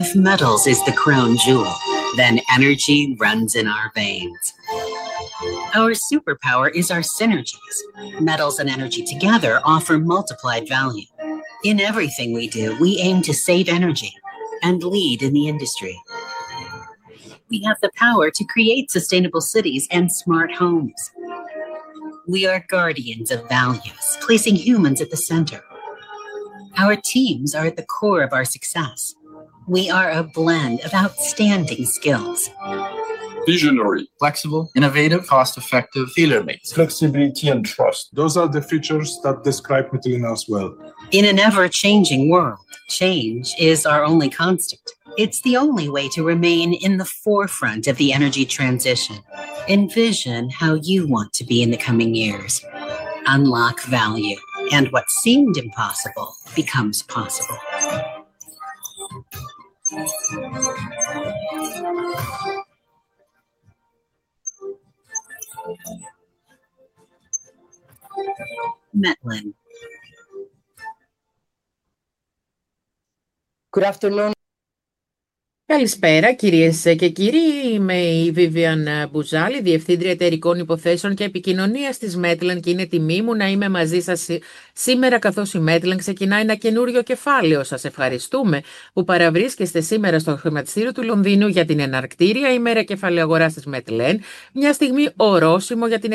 If metals is the crown jewel, then energy runs in our veins. Our superpower is our synergies. Metals and energy together offer multiplied value. In everything we do, we aim to save energy and lead in the industry. We have the power to create sustainable cities and smart homes. We are guardians of values, placing humans at the center. Our teams are at the core of our success. We are a blend of outstanding skills. Visionary. Flexible. Innovative. Cost-effective. Feeler-makes. Flexibility and trust. Those are the features that describe Metlen Energy well. In an ever-changing world, change is our only constant. It's the only way to remain in the forefront of the energy transition. Envision how you want to be in the coming years. Unlock value, and what seemed impossible becomes possible. Metlin. Good afternoon. Καλησπέρα, κυρίες και κύριοι. Είμαι η Vivian Buzzali, Διευθύντρια Εταιρικών Υποθέσεων και Επικοινωνίας της Metlin, και είναι τιμή μου να είμαι μαζί σας σήμερα, καθώς η Metlin ξεκινάει ένα καινούργιο κεφάλαιο. Σας ευχαριστούμε που παραβρίσκεστε σήμερα στο χρηματιστήριο του Λονδίνου για την εναρκτήρια ημέρα κεφαλαιαγοράς της Metlin, μια στιγμή ορόσημο για την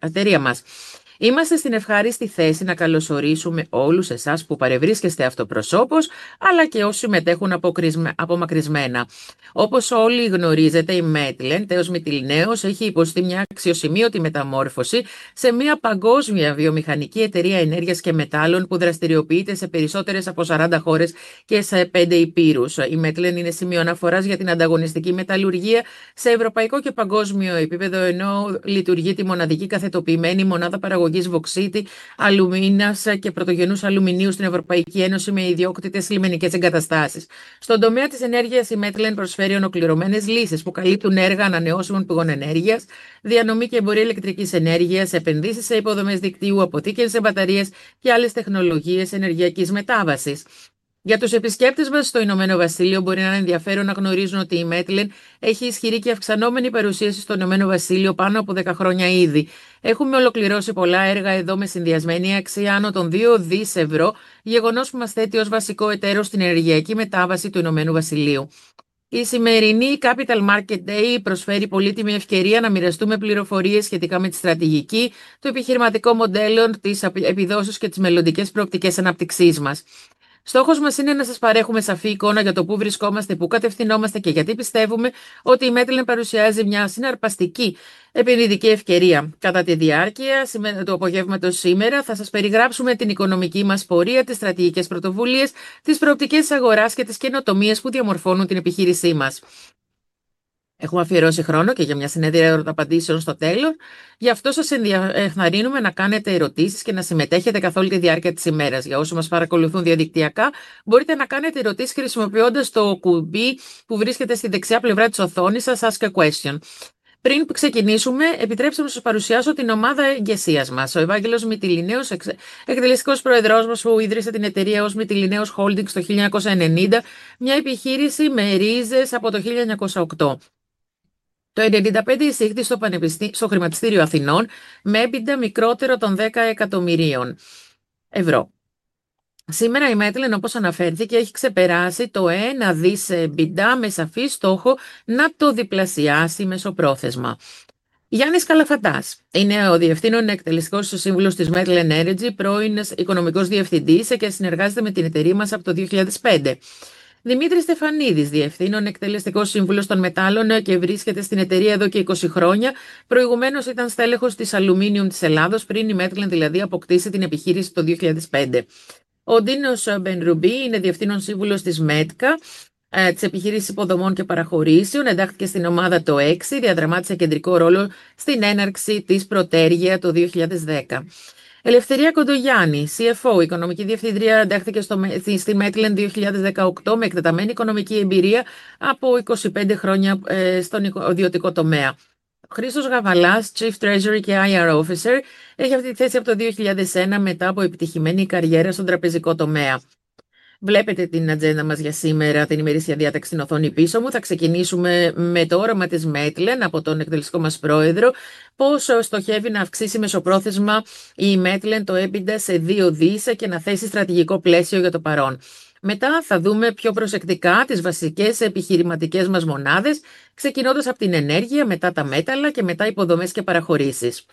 εταιρεία μας. Είμαστε στην ευχάριστη θέση να καλωσορίσουμε όλους εσάς που παρευρίσκεστε αυτοπροσώπως, αλλά και όσους συμμετέχουν απομακρυσμένα. Όπως όλοι γνωρίζετε, η Metlin, τέως Μυτιληναίος, έχει υποστεί μια αξιοσημείωτη μεταμόρφωση σε μια παγκόσμια βιομηχανική εταιρεία ενέργειας και μετάλλων που δραστηριοποιείται σε περισσότερες από 40 χώρες και σε 5 ηπείρους. Η Metlin είναι σημείο αναφοράς για την ανταγωνιστική μεταλλουργία σε ευρωπαϊκό και παγκόσμιο επίπεδο, ενώ λειτουργεί τη μοναδική καθετοποιημένη μονάδα παραγωγής βωξίτη, αλουμίνας και πρωτογενούς αλουμινίου στην Ευρωπαϊκή Ένωση με ιδιόκτητες λιμενικές εγκαταστάσεις. Στον τομέα της ενέργειας, η Metlin προσφέρει ολοκληρωμένες λύσεις που καλύπτουν έργα ανανεώσιμων πηγών ενέργειας, διανομή και εμπορία ηλεκτρικής ενέργειας, επενδύσεις σε υποδομές δικτύου, αποθήκευση σε μπαταρίες και άλλες τεχνολογίες ενεργειακής μετάβασης. Για τους επισκέπτες μας στο Ηνωμένο Βασίλειο, μπορεί να είναι ενδιαφέρον να γνωρίζουν ότι η Metlin έχει ισχυρή και αυξανόμενη παρουσία στο Ηνωμένο Βασίλειο πάνω από 10 χρόνια ήδη. Έχουμε ολοκληρώσει πολλά έργα εδώ με συνδυασμένη αξία άνω των €2 δισεκατομμυρίων, γεγονός που μας θέτει ως βασικό εταίρο στην ενεργειακή μετάβαση του Ηνωμένου Βασιλείου. Η σημερινή Capital Markets Day προσφέρει πολύτιμη ευκαιρία να μοιραστούμε πληροφορίες σχετικά με τη στρατηγική, το επιχειρηματικό μοντέλο, τις επιδόσεις και τις μελλοντικές προοπτικές ανάπτυξής μας. Στόχος μας είναι να σας παρέχουμε σαφή εικόνα για το πού βρισκόμαστε, πού κατευθυνόμαστε και γιατί πιστεύουμε ότι η Metlin παρουσιάζει μια συναρπαστική επενδυτική ευκαιρία. Κατά τη διάρκεια του απογεύματος σήμερα, θα σας περιγράψουμε την οικονομική μας πορεία, τις στρατηγικές πρωτοβουλίες, τις προοπτικές της αγοράς και τις καινοτομίες που διαμορφώνουν την επιχείρησή μας. Έχουμε αφιερώσει χρόνο και για μια συνεδρία ερωταπαντήσεων στο τέλος, γι' αυτό σας ενθαρρύνουμε να κάνετε ερωτήσεις και να συμμετέχετε καθ' όλη τη διάρκεια της ημέρας. Για όσους μας παρακολουθούν διαδικτυακά, μπορείτε να κάνετε ερωτήσεις χρησιμοποιώντας το κουμπί που βρίσκεται στη δεξιά πλευρά της οθόνης σας, Ask a Question. Πριν ξεκινήσουμε, επιτρέψτε μου να σας παρουσιάσω την ομάδα εγκεσίας μας. Ο Ευάγγελος Μυτιληναίος, Εκτελεστικός Πρόεδρός μας, που ίδρυσε την εταιρεία ως Mytilineos Holdings το 1990, μια επιχείρηση με ρίζες από το 1908. Το 1995 εισήχθη στο Χρηματιστήριο Αθηνών με EBITDA μικρότερο των €10 εκατομμυρίων. Σήμερα, η Mytilineos, όπως αναφέρθηκε, έχει ξεπεράσει το €1 δισεκατομμύριο EBITDA με σαφή στόχο να το διπλασιάσει μεσοπρόθεσμα. Γιάννης Καλαφατάς είναι ο Διευθύνων Εκτελεστικός Σύμβουλος της Metlin Energy, πρώην Οικονομικός Διευθυντής και συνεργάζεται με την εταιρεία μας από το 2005. Δημήτρης Στεφανίδης, Διευθύνων Εκτελεστικός Σύμβουλος των Μετάλλων και βρίσκεται στην εταιρεία εδώ και 20 χρόνια. Προηγουμένως ήταν στέλεχος της Αλουμίνιουμ της Ελλάδος, πριν η Metlin αποκτήσει την επιχείρηση το 2005. Ο Ντίνος Μπενρουμπή είναι Διευθύνων Σύμβουλος της ΜΕΤΚΑ, της Επιχείρησης Υποδομών και Παραχωρήσεων. Εντάχθηκε στην ομάδα το 2006, διαδραμάτισε κεντρικό ρόλο στην έναρξη της Protergia το 2010. Ελευθερία Κοντογιάννη, CFO, Οικονομική Διευθύντρια, εντάχθηκε στη Metlin το 2018 με εκτεταμένη οικονομική εμπειρία από 25 χρόνια στον ιδιωτικό τομέα. Χρήστος Γαβαλάς, Chief Treasury και IR Officer, έχει αυτή τη θέση από το 2001, μετά από επιτυχημένη καριέρα στον τραπεζικό τομέα. Βλέπετε την ατζέντα μας για σήμερα, την ημερήσια διάταξη στην οθόνη πίσω μου. Θα ξεκινήσουμε με το όραμα της Metlin από τον εκτελεστικό μας πρόεδρο, πόσο στοχεύει να αυξήσει μεσοπρόθεσμα η Metlin το EBITDA σε €2 δισ. και να θέσει στρατηγικό πλαίσιο για το παρόν. Μετά θα δούμε πιο προσεκτικά τις βασικές επιχειρηματικές μας μονάδες, ξεκινώντας από την ενέργεια, μετά τα μέταλλα και μετά υποδομές και παραχωρήσεις.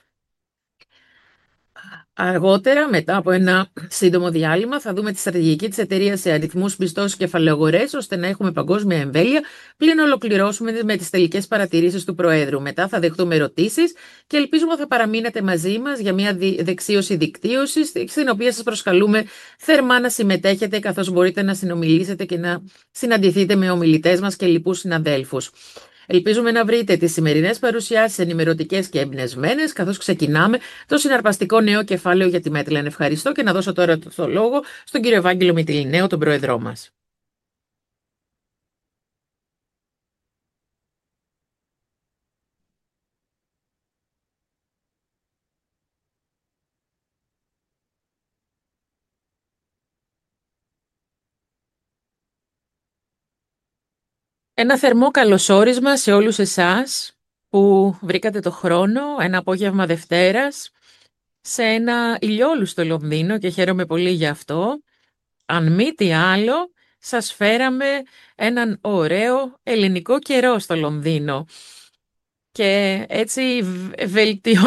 Αργότερα, μετά από ένα σύντομο διάλειμμα, θα δούμε τη στρατηγική της εταιρείας σε αριθμούς πιστώσεων και κεφαλαιαγορές, ώστε να έχουμε παγκόσμια εμβέλεια πριν ολοκληρώσουμε με τις τελικές παρατηρήσεις του προέδρου. Μετά θα δεχτούμε ερωτήσεις και ελπίζουμε ότι θα παραμείνετε μαζί μας για μια δεξίωση δικτύωσης, στην οποία σας προσκαλούμε θερμά να συμμετέχετε, καθώς μπορείτε να συνομιλήσετε και να συναντηθείτε με ομιλητές μας και λοιπούς συναδέλφους. Ελπίζουμε να βρείτε τις σημερινές παρουσιάσεις ενημερωτικές και εμπνευσμένες, καθώς ξεκινάμε το συναρπαστικό νέο κεφάλαιο για τη Metlin. Ευχαριστώ και να δώσω τώρα τον λόγο στον κύριο Ευάγγελο Μυτιληναίο, τον Πρόεδρό μας. Ένα θερμό καλωσόρισμα σε όλους εσάς που βρήκατε το χρόνο ένα απόγευμα Δευτέρας σε ένα ηλιόλουστο Λονδίνο και χαίρομαι πολύ για αυτό. Αν μη τι άλλο, σας φέραμε έναν ωραίο ελληνικό καιρό στο Λονδίνο. Έτσι,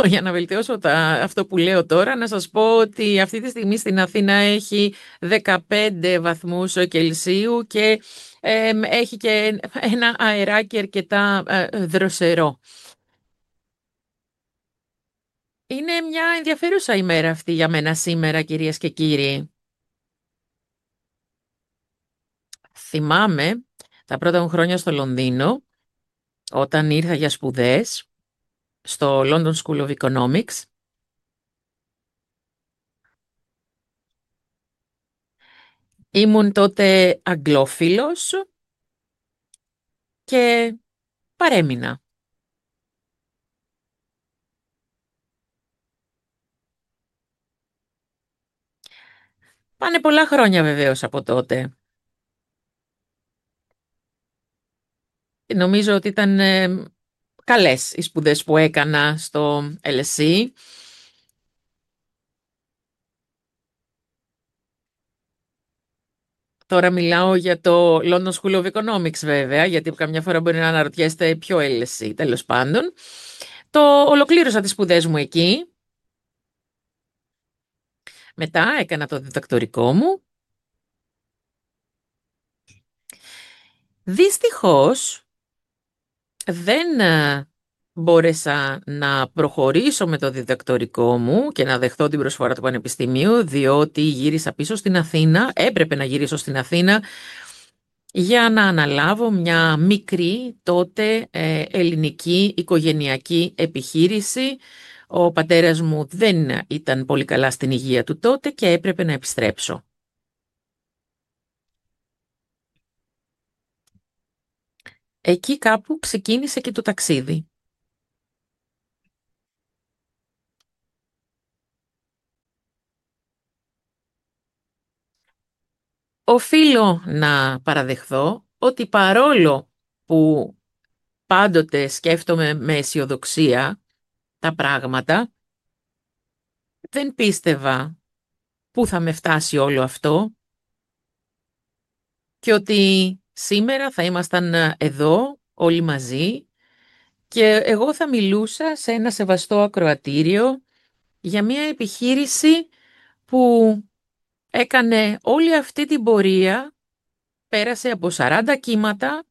για να βελτιώσω αυτό που λέω τώρα, να σας πω ότι αυτή τη στιγμή στην Αθήνα έχει 15 βαθμούς Κελσίου και έχει και ένα αεράκι αρκετά δροσερό. Είναι μια ενδιαφέρουσα ημέρα αυτή για μένα σήμερα, κυρίες και κύριοι. Θυμάμαι τα πρώτα μου χρόνια στο Λονδίνο, όταν ήρθα για σπουδές στο London School of Economics. Ήμουν τότε αγγλόφιλος και παρέμεινα. Πάνε πολλά χρόνια, βεβαίως, από τότε. Νομίζω ότι ήταν καλές οι σπουδές που έκανα στο LSE. Τώρα μιλάω για το London School of Economics, βέβαια, γιατί καμιά φορά μπορεί να αναρωτιέστε ποιο LSE. Τέλος πάντων, ολοκλήρωσα τις σπουδές μου εκεί. Μετά έκανα το διδακτορικό μου. Δυστυχώς, δεν μπόρεσα να προχωρήσω με το διδακτορικό μου και να δεχθώ την προσφορά του πανεπιστημίου, διότι γύρισα πίσω στην Αθήνα. Έπρεπε να γυρίσω στην Αθήνα για να αναλάβω μια μικρή τότε ελληνική οικογενειακή επιχείρηση. Ο πατέρας μου δεν ήταν πολύ καλά στην υγεία του τότε και έπρεπε να επιστρέψω. Εκεί κάπου ξεκίνησε και το ταξίδι. Οφείλω να παραδεχθώ ότι, παρόλο που πάντοτε σκέφτομαι με αισιοδοξία τα πράγματα, δεν πίστευα πού θα με φτάσει όλο αυτό και ότι σήμερα θα ήμασταν εδώ όλοι μαζί και εγώ θα μιλούσα σε ένα σεβαστό ακροατήριο για μια επιχείρηση που έκανε όλη αυτή την πορεία, πέρασε από 40 κύματα.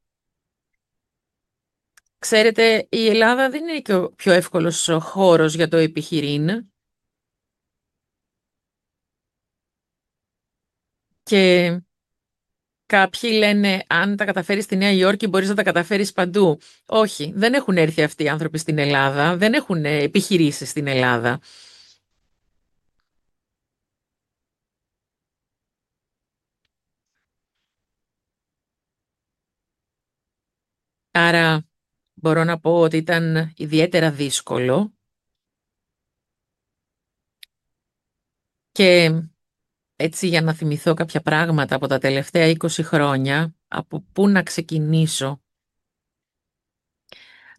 Ξέρετε, η Ελλάδα δεν είναι και ο πιο εύκολος χώρος για το επιχειρείν. Κάποιοι λένε, αν τα καταφέρεις στη Νέα Υόρκη, μπορείς να τα καταφέρεις παντού. Όχι, δεν έχουν έρθει αυτοί οι άνθρωποι στην Ελλάδα, δεν έχουν επιχειρήσεις στην Ελλάδα. Άρα, μπορώ να πω ότι ήταν ιδιαίτερα δύσκολο. Και έτσι, για να θυμηθώ κάποια πράγματα από τα τελευταία 20 χρόνια, από πού να ξεκινήσω;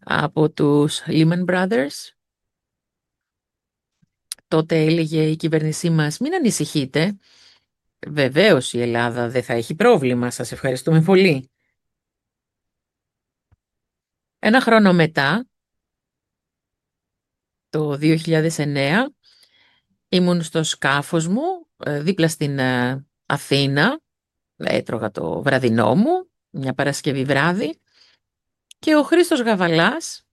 Από τους Lehman Brothers. Τότε έλεγε η κυβέρνησή μας, μην ανησυχείτε, βεβαίως η Ελλάδα δεν θα έχει πρόβλημα, σας ευχαριστούμε πολύ. Ένα χρόνο μετά, το 2009, ήμουν στο σκάφος μου δίπλα στην Αθήνα, έτρωγα το βραδινό μου, μια Παρασκευή βράδυ, και ο Χρήστος Γαβαλάς,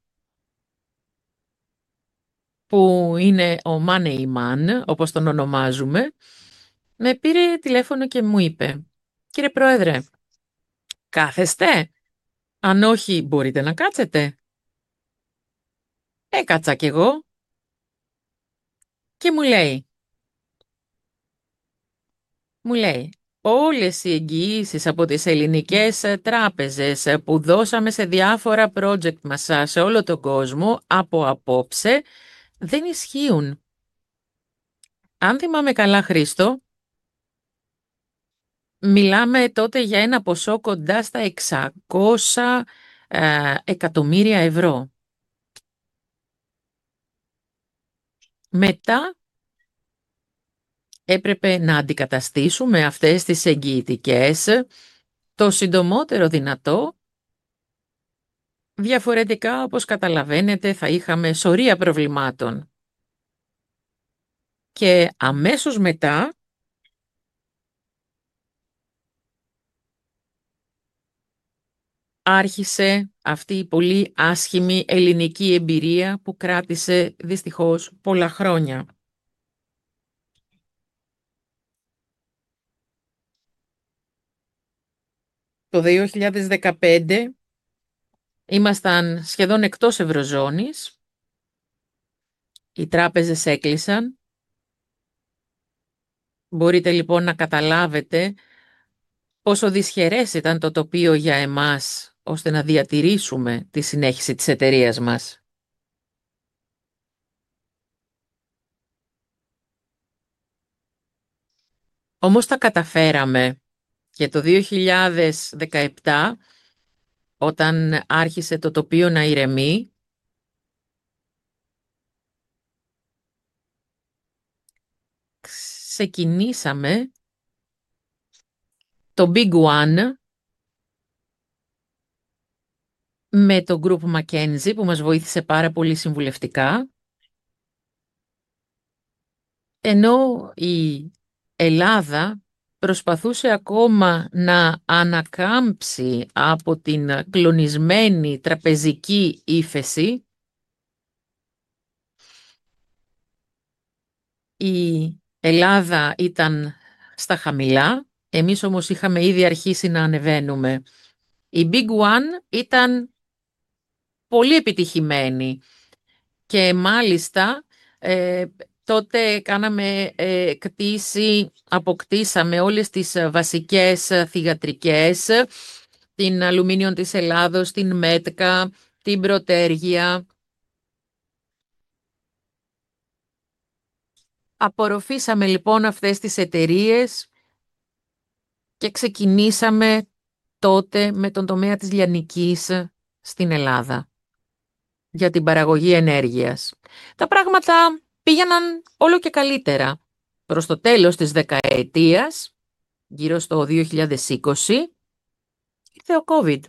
που είναι ο Μάνη Ιμάν, όπως τον ονομάζουμε, με πήρε τηλέφωνο και μου είπε, κύριε Πρόεδρε, κάθεστε; Αν όχι, μπορείτε να κάτσετε; Έκατσα κι εγώ. Και μου λέει, μου λέει, όλες οι εγγυήσεις από τις ελληνικές τράπεζες που δώσαμε σε διάφορα project μας σε όλο τον κόσμο από απόψε δεν ισχύουν. Αν θυμάμαι καλά, Χρήστο, μιλάμε τότε για ένα ποσό κοντά στα €600 εκατομμύρια. Μετά, έπρεπε να αντικαταστήσουμε αυτές τις εγγυητικές το συντομότερο δυνατό. Διαφορετικά, όπως καταλαβαίνετε, θα είχαμε σωρεία προβλημάτων. Αμέσως μετά, άρχισε αυτή η πολύ άσχημη ελληνική εμπειρία που κράτησε, δυστυχώς, πολλά χρόνια. Το 2015, ήμασταν σχεδόν εκτός ευρωζώνης. Οι τράπεζες έκλεισαν. Μπορείτε, λοιπόν, να καταλάβετε πόσο δυσχερές ήταν το τοπίο για εμάς ώστε να διατηρήσουμε τη συνέχιση της εταιρείας μας. Όμως τα καταφέραμε και το 2017, όταν άρχισε το τοπίο να ηρεμεί, ξεκινήσαμε το Big One με το Group McKinsey, που μας βοήθησε πάρα πολύ συμβουλευτικά, ενώ η Ελλάδα προσπαθούσε ακόμα να ανακάμψει από την κλονισμένη τραπεζική ύφεση. Η Ελλάδα ήταν στα χαμηλά, εμείς όμως είχαμε ήδη αρχίσει να ανεβαίνουμε. Η Big One ήταν πολύ επιτυχημένη και μάλιστα τότε κάναμε κτήσεις, αποκτήσαμε όλες τις βασικές θυγατρικές, την Αλουμίνιον της Ελλάδος, την ΜΕΤΚΑ, την Protergia. Απορροφήσαμε, λοιπόν, αυτές τις εταιρείες και ξεκινήσαμε τότε με τον τομέα της λιανικής στην Ελλάδα για την παραγωγή ενέργειας. Τα πράγματα πήγαιναν όλο και καλύτερα. Προς το τέλος της δεκαετίας, γύρω στο 2020, ήρθε ο COVID.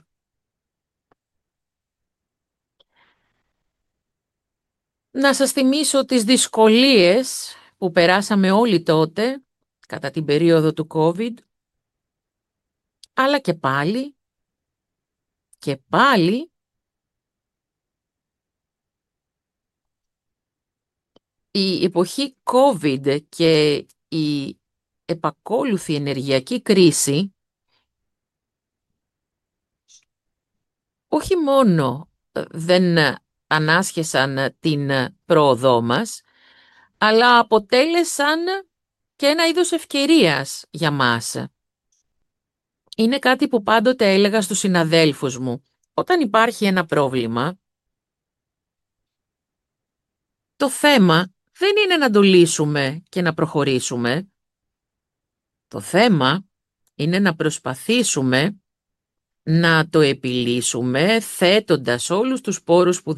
Να σας θυμίσω τις δυσκολίες που περάσαμε όλοι τότε, κατά την περίοδο του COVID, αλλά και πάλι, και πάλι, η εποχή COVID και η επακόλουθη ενεργειακή κρίση, όχι μόνο δεν ανάσχεσαν την πρόοδό μας, αλλά αποτέλεσαν και ένα είδος ευκαιρίας για μας. Είναι κάτι που πάντοτε έλεγα στους συναδέλφους μου. Όταν υπάρχει ένα πρόβλημα, το θέμα δεν είναι να το λύσουμε και να προχωρήσουμε. Το θέμα είναι να προσπαθήσουμε να το επιλύσουμε, θέτοντας όλους τους πόρους που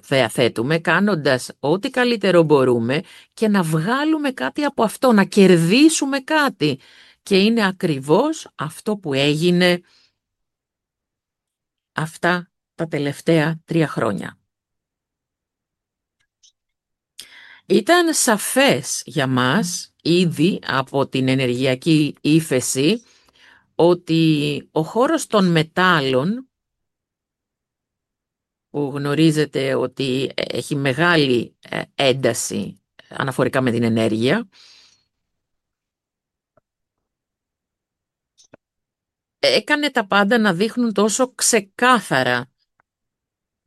διαθέτουμε, κάνοντας ό,τι καλύτερο μπορούμε και να βγάλουμε κάτι από αυτό, να κερδίσουμε κάτι. Είναι ακριβώς αυτό που έγινε αυτά τα τελευταία τρία χρόνια. Ήταν σαφές για μας ήδη από την ενεργειακή κρίση ότι ο χώρος των μετάλλων, που γνωρίζετε ότι έχει μεγάλη ένταση αναφορικά με την ενέργεια, έκανε τα πάντα να φαίνονται τόσο ξεκάθαρα.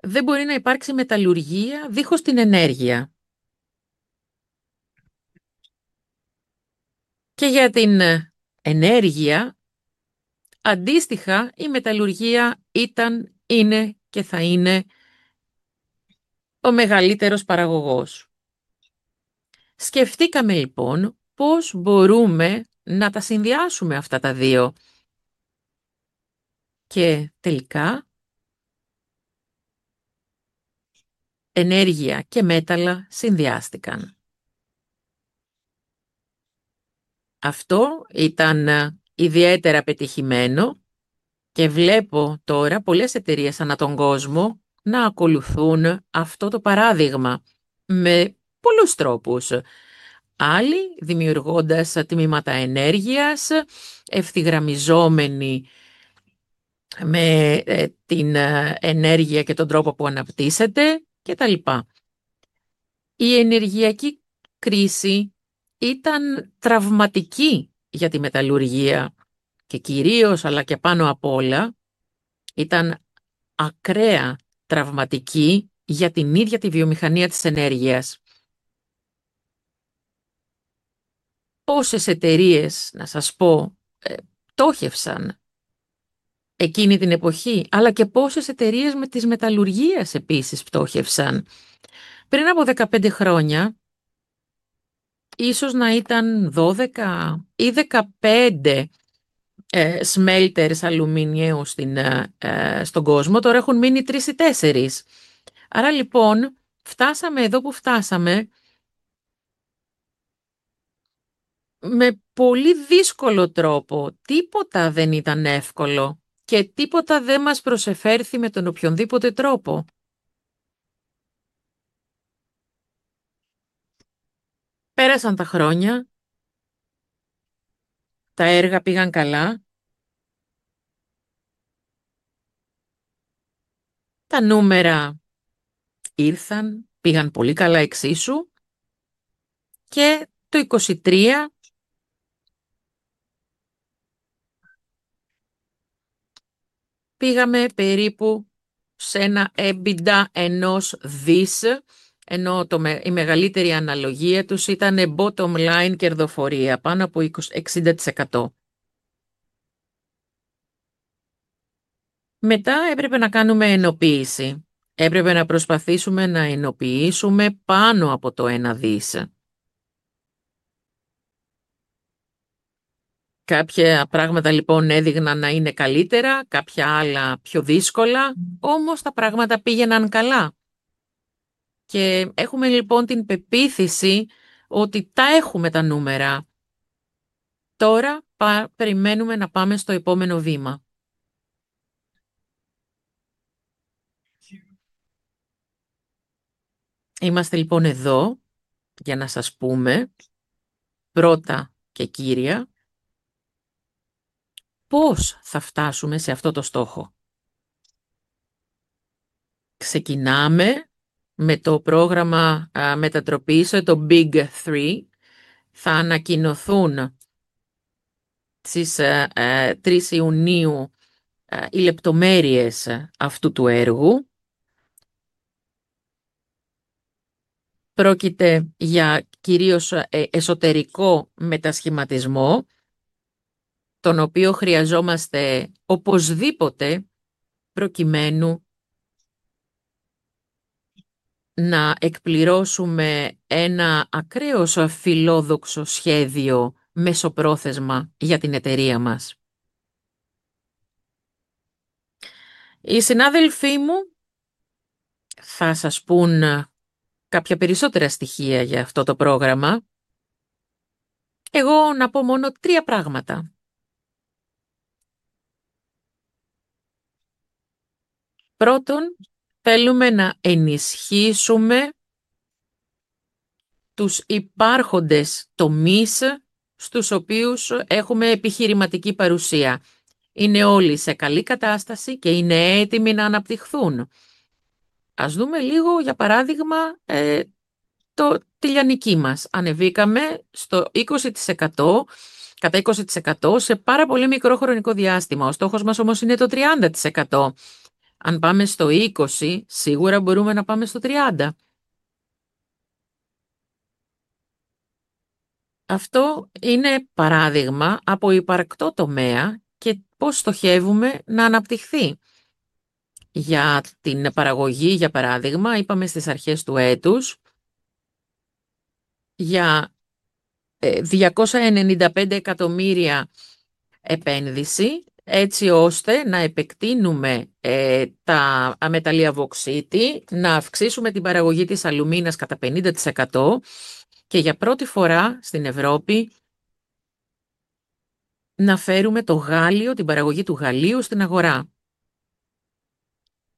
Δεν μπορεί να υπάρξει μεταλλουργία χωρίς την ενέργεια. Και για την ενέργεια, αντίστοιχα, η μεταλλουργία ήταν, είναι και θα είναι ο μεγαλύτερος καταναλωτής. Σκεφτήκαμε, λοιπόν, πώς μπορούμε να τα συνδυάσουμε αυτά τα δύο. Και τελικά, ενέργεια και μέταλλα συνδυάστηκαν. Αυτό ήταν ιδιαίτερα επιτυχημένο και βλέπω τώρα πολλές εταιρείες ανά τον κόσμο να ακολουθούν αυτό το παράδειγμα με πολλούς τρόπους. Άλλοι δημιουργώντας τμήματα ενέργειας, ευθυγραμμιζόμενοι με την ενέργεια και τον τρόπο που αναπτύσσεται κτλ. Η ενεργειακή κρίση ήταν τραυματική για τη μεταλλουργία κυρίως, αλλά και πάνω απ' όλα, ήταν εξαιρετικά τραυματική για την ίδια τη βιομηχανία της ενέργειας. Πόσες εταιρείες, να σας πω, πτώχευσαν εκείνη την εποχή, αλλά και πόσες εταιρείες της μεταλλουργίας επίσης πτώχευσαν. Πριν από 15 χρόνια, ίσως να ήταν 12 ή 15 smelters αλουμινίου στον κόσμο, τώρα έχουν μείνει 3 ή 4. Φτάσαμε εδώ που φτάσαμε με πολύ δύσκολο τρόπο. Τίποτα δεν ήταν εύκολο και τίποτα δεν μας προσφέρθηκε με οποιονδήποτε τρόπο. Πέρασαν τα χρόνια, τα έργα πήγαν καλά, τα νούμερα ήρθαν, πήγαν πολύ καλά εξίσου και το 2023 πήγαμε περίπου σε ένα EBITDA ενός δισεκατομμυρίου, ενώ η μεγαλύτερη αναλογία τους ήταν bottom line κερδοφορία, πάνω από 60%. Μετά έπρεπε να κάνουμε ενοποίηση. Έπρεπε να προσπαθήσουμε να ενοποιήσουμε πάνω από το ένα δισεκατομμύριο. Κάποια πράγματα έδειχναν να είναι καλύτερα, κάποια άλλα πιο δύσκολα, όμως τα πράγματα πήγαιναν καλά. Έχουμε την πεποίθηση ότι τα έχουμε τα νούμερα. Τώρα περιμένουμε να πάμε στο επόμενο βήμα. Είμαστε εδώ για να σας πούμε, πρώτα και κύρια, πώς θα φτάσουμε σε αυτό το στόχο. Ξεκινάμε με το πρόγραμμα μετατροπής, το Big Three. Θα ανακοινωθούν στις 3 Ιουνίου οι λεπτομέρειες αυτού του έργου. Πρόκειται για κυρίως εσωτερικό μετασχηματισμό, τον οποίο χρειαζόμαστε οπωσδήποτε προκειμένου να εκπληρώσουμε ένα ακραίο φιλόδοξο σχέδιο μεσοπρόθεσμα για την εταιρεία μας. Οι συνάδελφοί μου θα σας πουν κάποια περισσότερα στοιχεία για αυτό το πρόγραμμα. Εγώ να πω μόνο τρία πράγματα. Πρώτον, θέλουμε να ενισχύσουμε τους υπάρχοντες τομείς στους οποίους έχουμε επιχειρηματική παρουσία. Είναι όλοι σε καλή κατάσταση και είναι έτοιμοι να αναπτυχθούν. Ας δούμε λίγο, για παράδειγμα, τη λιανική μας. Ανεβήκαμε στο 20%, κατά 20% σε πάρα πολύ μικρό χρονικό διάστημα. Ο στόχος μας, όμως, είναι το 30%. Αν πάμε στο 20%, σίγουρα μπορούμε να πάμε στο 30%. Αυτό είναι παράδειγμα από υπάρχοντα τομέα και πώς στοχεύουμε να αναπτυχθεί. Για την παραγωγή, για παράδειγμα, είπαμε στις αρχές του έτους για €295 εκατομμύρια επένδυση, έτσι ώστε να επεκτείνουμε τα μεταλλεία βωξίτη, να αυξήσουμε την παραγωγή της αλουμίνας κατά 50% και για πρώτη φορά στην Ευρώπη να φέρουμε το γάλλιο, την παραγωγή του γαλλίου στην αγορά.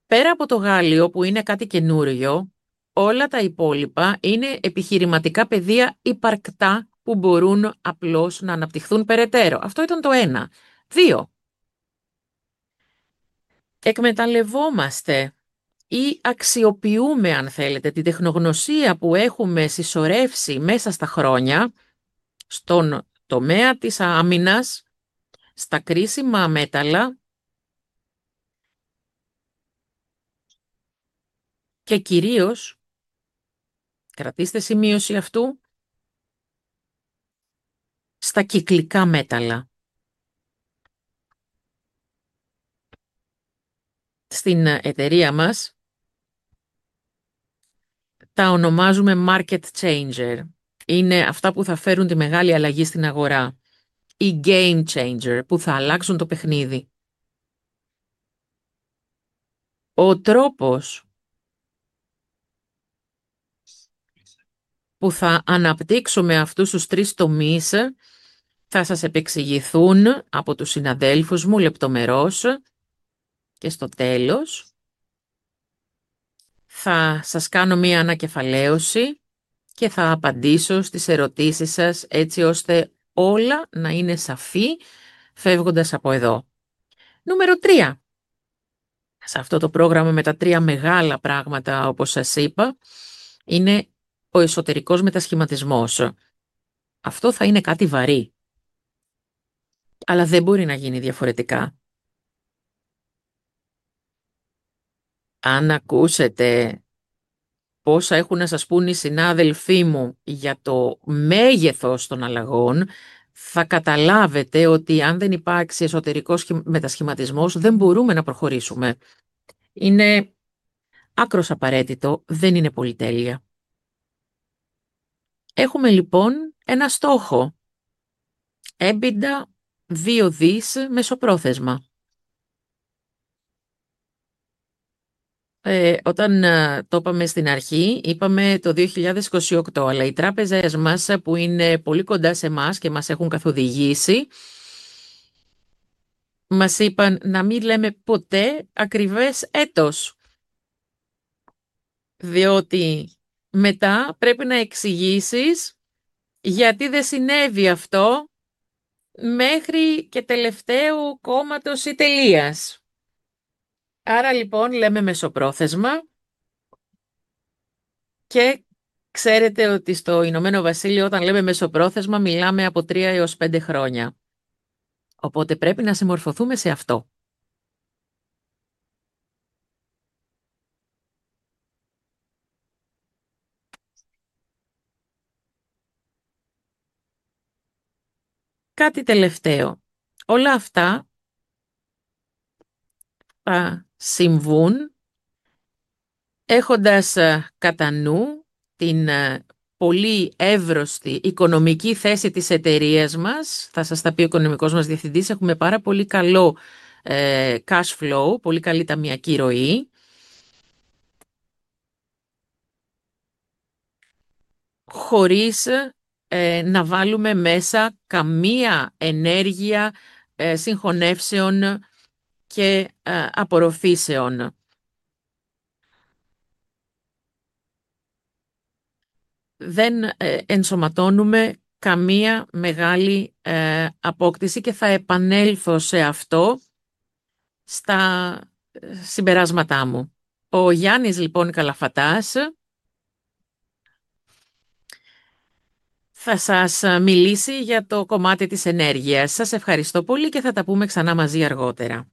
Πέρα από το γάλλιο, που είναι κάτι καινούργιο, όλα τα υπόλοιπα είναι επιχειρηματικά πεδία υπαρκτά που μπορούν απλώς να αναπτυχθούν περαιτέρω. Αυτό ήταν το ένα. Δύο. Εκμεταλλευόμαστε ή αξιοποιούμε, αν θέλετε, την τεχνογνωσία που έχουμε συσσωρεύσει μέσα στα χρόνια στον τομέα της άμυνας, στα κρίσιμα μέταλλα και κυρίως, κρατήστε σημείωση αυτού, στα κυκλικά μέταλλα. Στην εταιρεία μας τα ονομάζουμε market changer. Είναι αυτά που θα φέρουν τη μεγάλη αλλαγή στην αγορά. Οι game changer που θα αλλάξουν το παιχνίδι. Ο τρόπος που θα αναπτύξουμε αυτούς τους τρεις τομείς θα σας επεξηγηθεί από τους συναδέλφους μου λεπτομερώς και στο τέλος θα σας κάνω μία ανακεφαλαίωση και θα απαντήσω στις ερωτήσεις σας έτσι ώστε όλα να είναι σαφή φεύγοντας από εδώ. Νούμερο τρία. Σε αυτό το πρόγραμμα με τα τρία μεγάλα πράγματα, όπως σας είπα, είναι ο εσωτερικός μετασχηματισμός. Αυτό θα είναι κάτι βαρύ, αλλά δεν μπορεί να γίνει διαφορετικά. Αν ακούσετε πόσα έχουν να σας πουν οι συνάδελφοί μου για το μέγεθος των αλλαγών, θα καταλάβετε ότι αν δεν υπάρξει εσωτερικός μετασχηματισμός, δεν μπορούμε να προχωρήσουμε. Είναι άκρως απαραίτητο, δεν είναι πολυτέλεια. Έχουμε, λοιπόν, ένα στόχο. EBITDA €2 δισεκατομμύρια μεσοπρόθεσμα. Όταν το είπαμε στην αρχή, είπαμε το 2028, αλλά οι τράπεζές μας, που είναι πολύ κοντά σε εμάς και μας έχουν καθοδηγήσει, μας είπαν να μην λέμε ποτέ ακριβές έτος, διότι μετά πρέπει να εξηγήσεις γιατί δεν συνέβη αυτό μέχρι και τελευταίου κόμματος ή τελείας. Λοιπόν, λέμε μεσοπρόθεσμα και ξέρετε ότι στο Ηνωμένο Βασίλειο, όταν λέμε μεσοπρόθεσμα, μιλάμε από τρία έως πέντε χρόνια. Οπότε πρέπει να συμμορφωθούμε σε αυτό. Κάτι τελευταίο. Όλα αυτά θα συμβούν έχοντας κατά νου την πολύ εύρωστη οικονομική θέση της εταιρείας μας. Θα σας τα πει ο Οικονομικός μας Διευθυντής. Έχουμε πάρα πολύ καλό cash flow, πολύ καλή ταμειακή ροή, χωρίς να βάλουμε μέσα καμία ενέργεια συγχωνεύσεων και απορροφήσεων. Δεν ενσωματώνουμε καμία μεγάλη απόκτηση και θα επανέλθω σε αυτό στα συμπεράσματά μου. Ο Γιάννης Καλαφατάς θα σας μιλήσει για το κομμάτι της ενέργειας. Σας ευχαριστώ πολύ και θα τα πούμε ξανά μαζί αργότερα.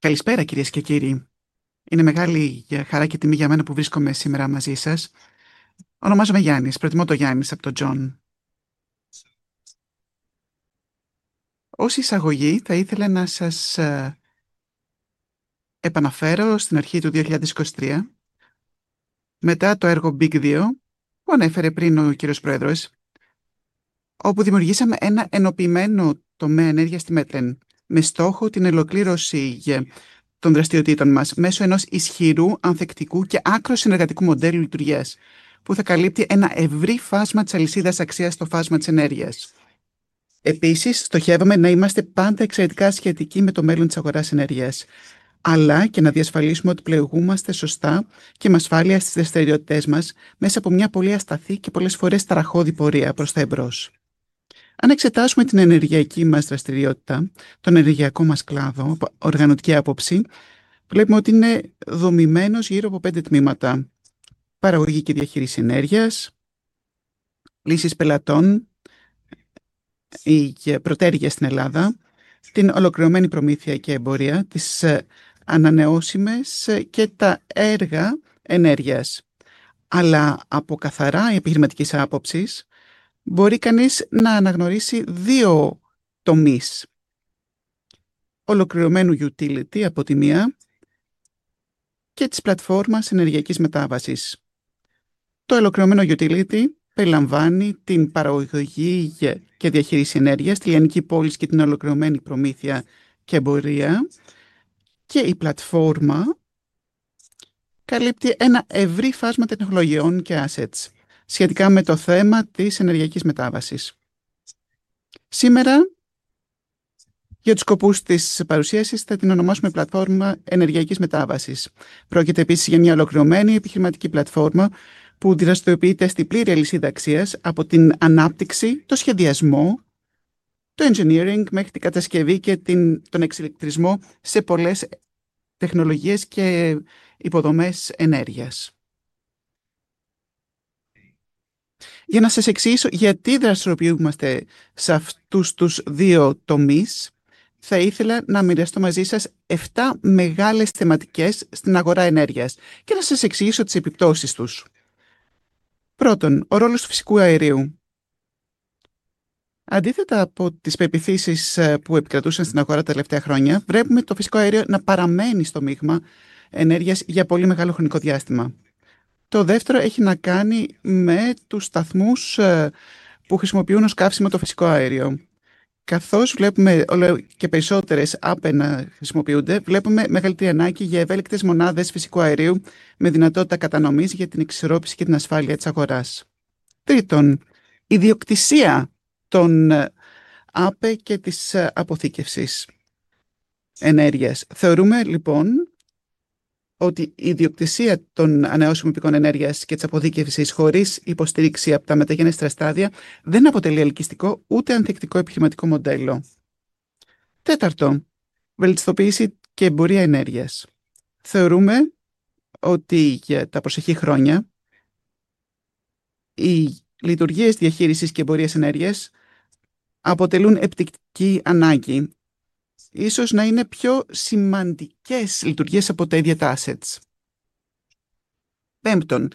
Καλησπέρα κυρίες και κύριοι. Είναι μεγάλη χαρά και τιμή για μένα που βρίσκομαι σήμερα μαζί σας. Ονομάζομαι Γιάννης, προτιμώ το Γιάννης από το John. Ως εισαγωγή, θα ήθελα να σας επαναφέρω στην αρχή του 2023, μετά το έργο Big 2 που ανέφερε πριν ο κύριος Πρόεδρος, όπου δημιουργήσαμε ένα ενοποιημένο τομέα ενέργειας στη Μέτεν, με στόχο την ολοκλήρωση των δραστηριοτήτων μας μέσω ενός ισχυρού, ανθεκτικού και άκρως συνεργατικού μοντέλου λειτουργίας, που θα καλύπτει ένα ευρύ φάσμα της αλυσίδας αξίας στο φάσμα της ενέργειας. Επίσης, στοχεύουμε να είμαστε πάντα εξαιρετικά σχετικοί με το μέλλον της αγοράς ενέργειας, αλλά και να διασφαλίσουμε ότι πλοηγούμαστε σωστά και με ασφάλεια στις δραστηριότητές μας μέσα από μια πολύ ασταθή και πολλές φορές ταραχώδη πορεία προς τα εμπρός. Αν εξετάσουμε την ενεργειακή μας δραστηριότητα, τον ενεργειακό μας κλάδο από οργανωτική άποψη, βλέπουμε ότι είναι δομημένος γύρω από πέντε τμήματα: παραγωγή και διαχείριση ενέργειας, λύσεις πελατών ή και προτέρηγε στην Ελλάδα, την ολοκληρωμένη προμήθεια και εμπορία, τις ανανεώσιμες και τα έργα ενέργειας. Από καθαρά επιχειρηματικής άποψης, μπορεί κανείς να αναγνωρίσει δύο τομείς: ολοκληρωμένου utility από τη μία και της πλατφόρμας ενεργειακής μετάβασης. Το ολοκληρωμένο utility περιλαμβάνει την παραγωγή και διαχείριση ενέργειας στη λιανική πώληση και την ολοκληρωμένη προμήθεια και εμπορία, και η πλατφόρμα καλύπτει ένα ευρύ φάσμα τεχνολογιών και assets σχετικά με το θέμα της ενεργειακής μετάβασης. Σήμερα, για τους σκοπούς της παρουσίασης, θα την ονομάσουμε πλατφόρμα ενεργειακής μετάβασης. Πρόκειται επίσης για μια ολοκληρωμένη επιχειρηματική πλατφόρμα που δραστηριοποιείται στην πλήρη αλυσίδα αξίας, από την ανάπτυξη, το σχεδιασμό, το engineering, μέχρι την κατασκευή και τον εξηλεκτρισμό σε πολλές τεχνολογίες και υποδομές ενέργειας. Για να σας εξηγήσω γιατί δραστηριοποιούμαστε σε αυτούς τους δύο τομείς, θα ήθελα να μοιραστώ μαζί σας επτά μεγάλες θεματικές στην αγορά ενέργειας και να σας εξηγήσω τις επιπτώσεις τους. Πρώτον, ο ρόλος του φυσικού αερίου. Αντίθετα από τις πεποιθήσεις που επικρατούσαν στην αγορά τα τελευταία χρόνια, βλέπουμε το φυσικό αέριο να παραμένει στο μείγμα ενέργειας για πολύ μεγάλο χρονικό διάστημα. Το δεύτερο έχει να κάνει με τους σταθμούς που χρησιμοποιούν ως καύσιμο το φυσικό αέριο. Καθώς βλέπουμε όλο και περισσότερες ΑΠΕ να χρησιμοποιούνται, βλέπουμε μεγαλύτερη ανάγκη για ευέλικτες μονάδες φυσικού αερίου με δυνατότητα κατανομής για την εξισορρόπηση και την ασφάλεια της αγοράς. Τρίτον, η ιδιοκτησία των ΑΠΕ και της αποθήκευσης ενέργειας. Θεωρούμε, λοιπόν, ότι η ιδιοκτησία των ανανεώσιμων πηγών ενέργειας και της αποθήκευσης χωρίς υποστήριξη από τα μεταγενέστερα στάδια δεν αποτελεί ελκυστικό ούτε ανθεκτικό επιχειρηματικό μοντέλο. Τέταρτο, βελτιστοποίηση και εμπορία ενέργειας. Θεωρούμε ότι για τα προσεχή χρόνια οι λειτουργίες διαχείρισης και εμπορίας ενέργειας αποτελούν επιτακτική ανάγκη. Ίσως να είναι πιο σημαντικές λειτουργίες από τα ίδια τα assets. Πέμπτον,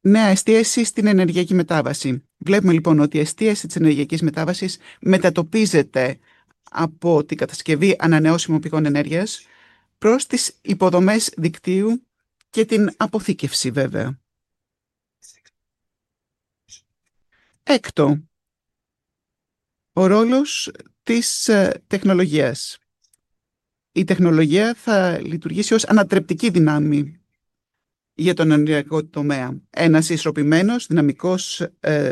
νέα εστίαση στην ενεργειακή μετάβαση. Βλέπουμε, λοιπόν, ότι η εστίαση της ενεργειακής μετάβασης μετατοπίζεται από την κατασκευή ανανεώσιμων πηγών ενέργειας προς τις υποδομές δικτύου και την αποθήκευση, βέβαια. Έκτο, ο ρόλος της τεχνολογίας. Η τεχνολογία θα λειτουργήσει ως ανατρεπτική δύναμη για τον ενεργειακό τομέα. Ένας ισορροπημένος, δυναμικός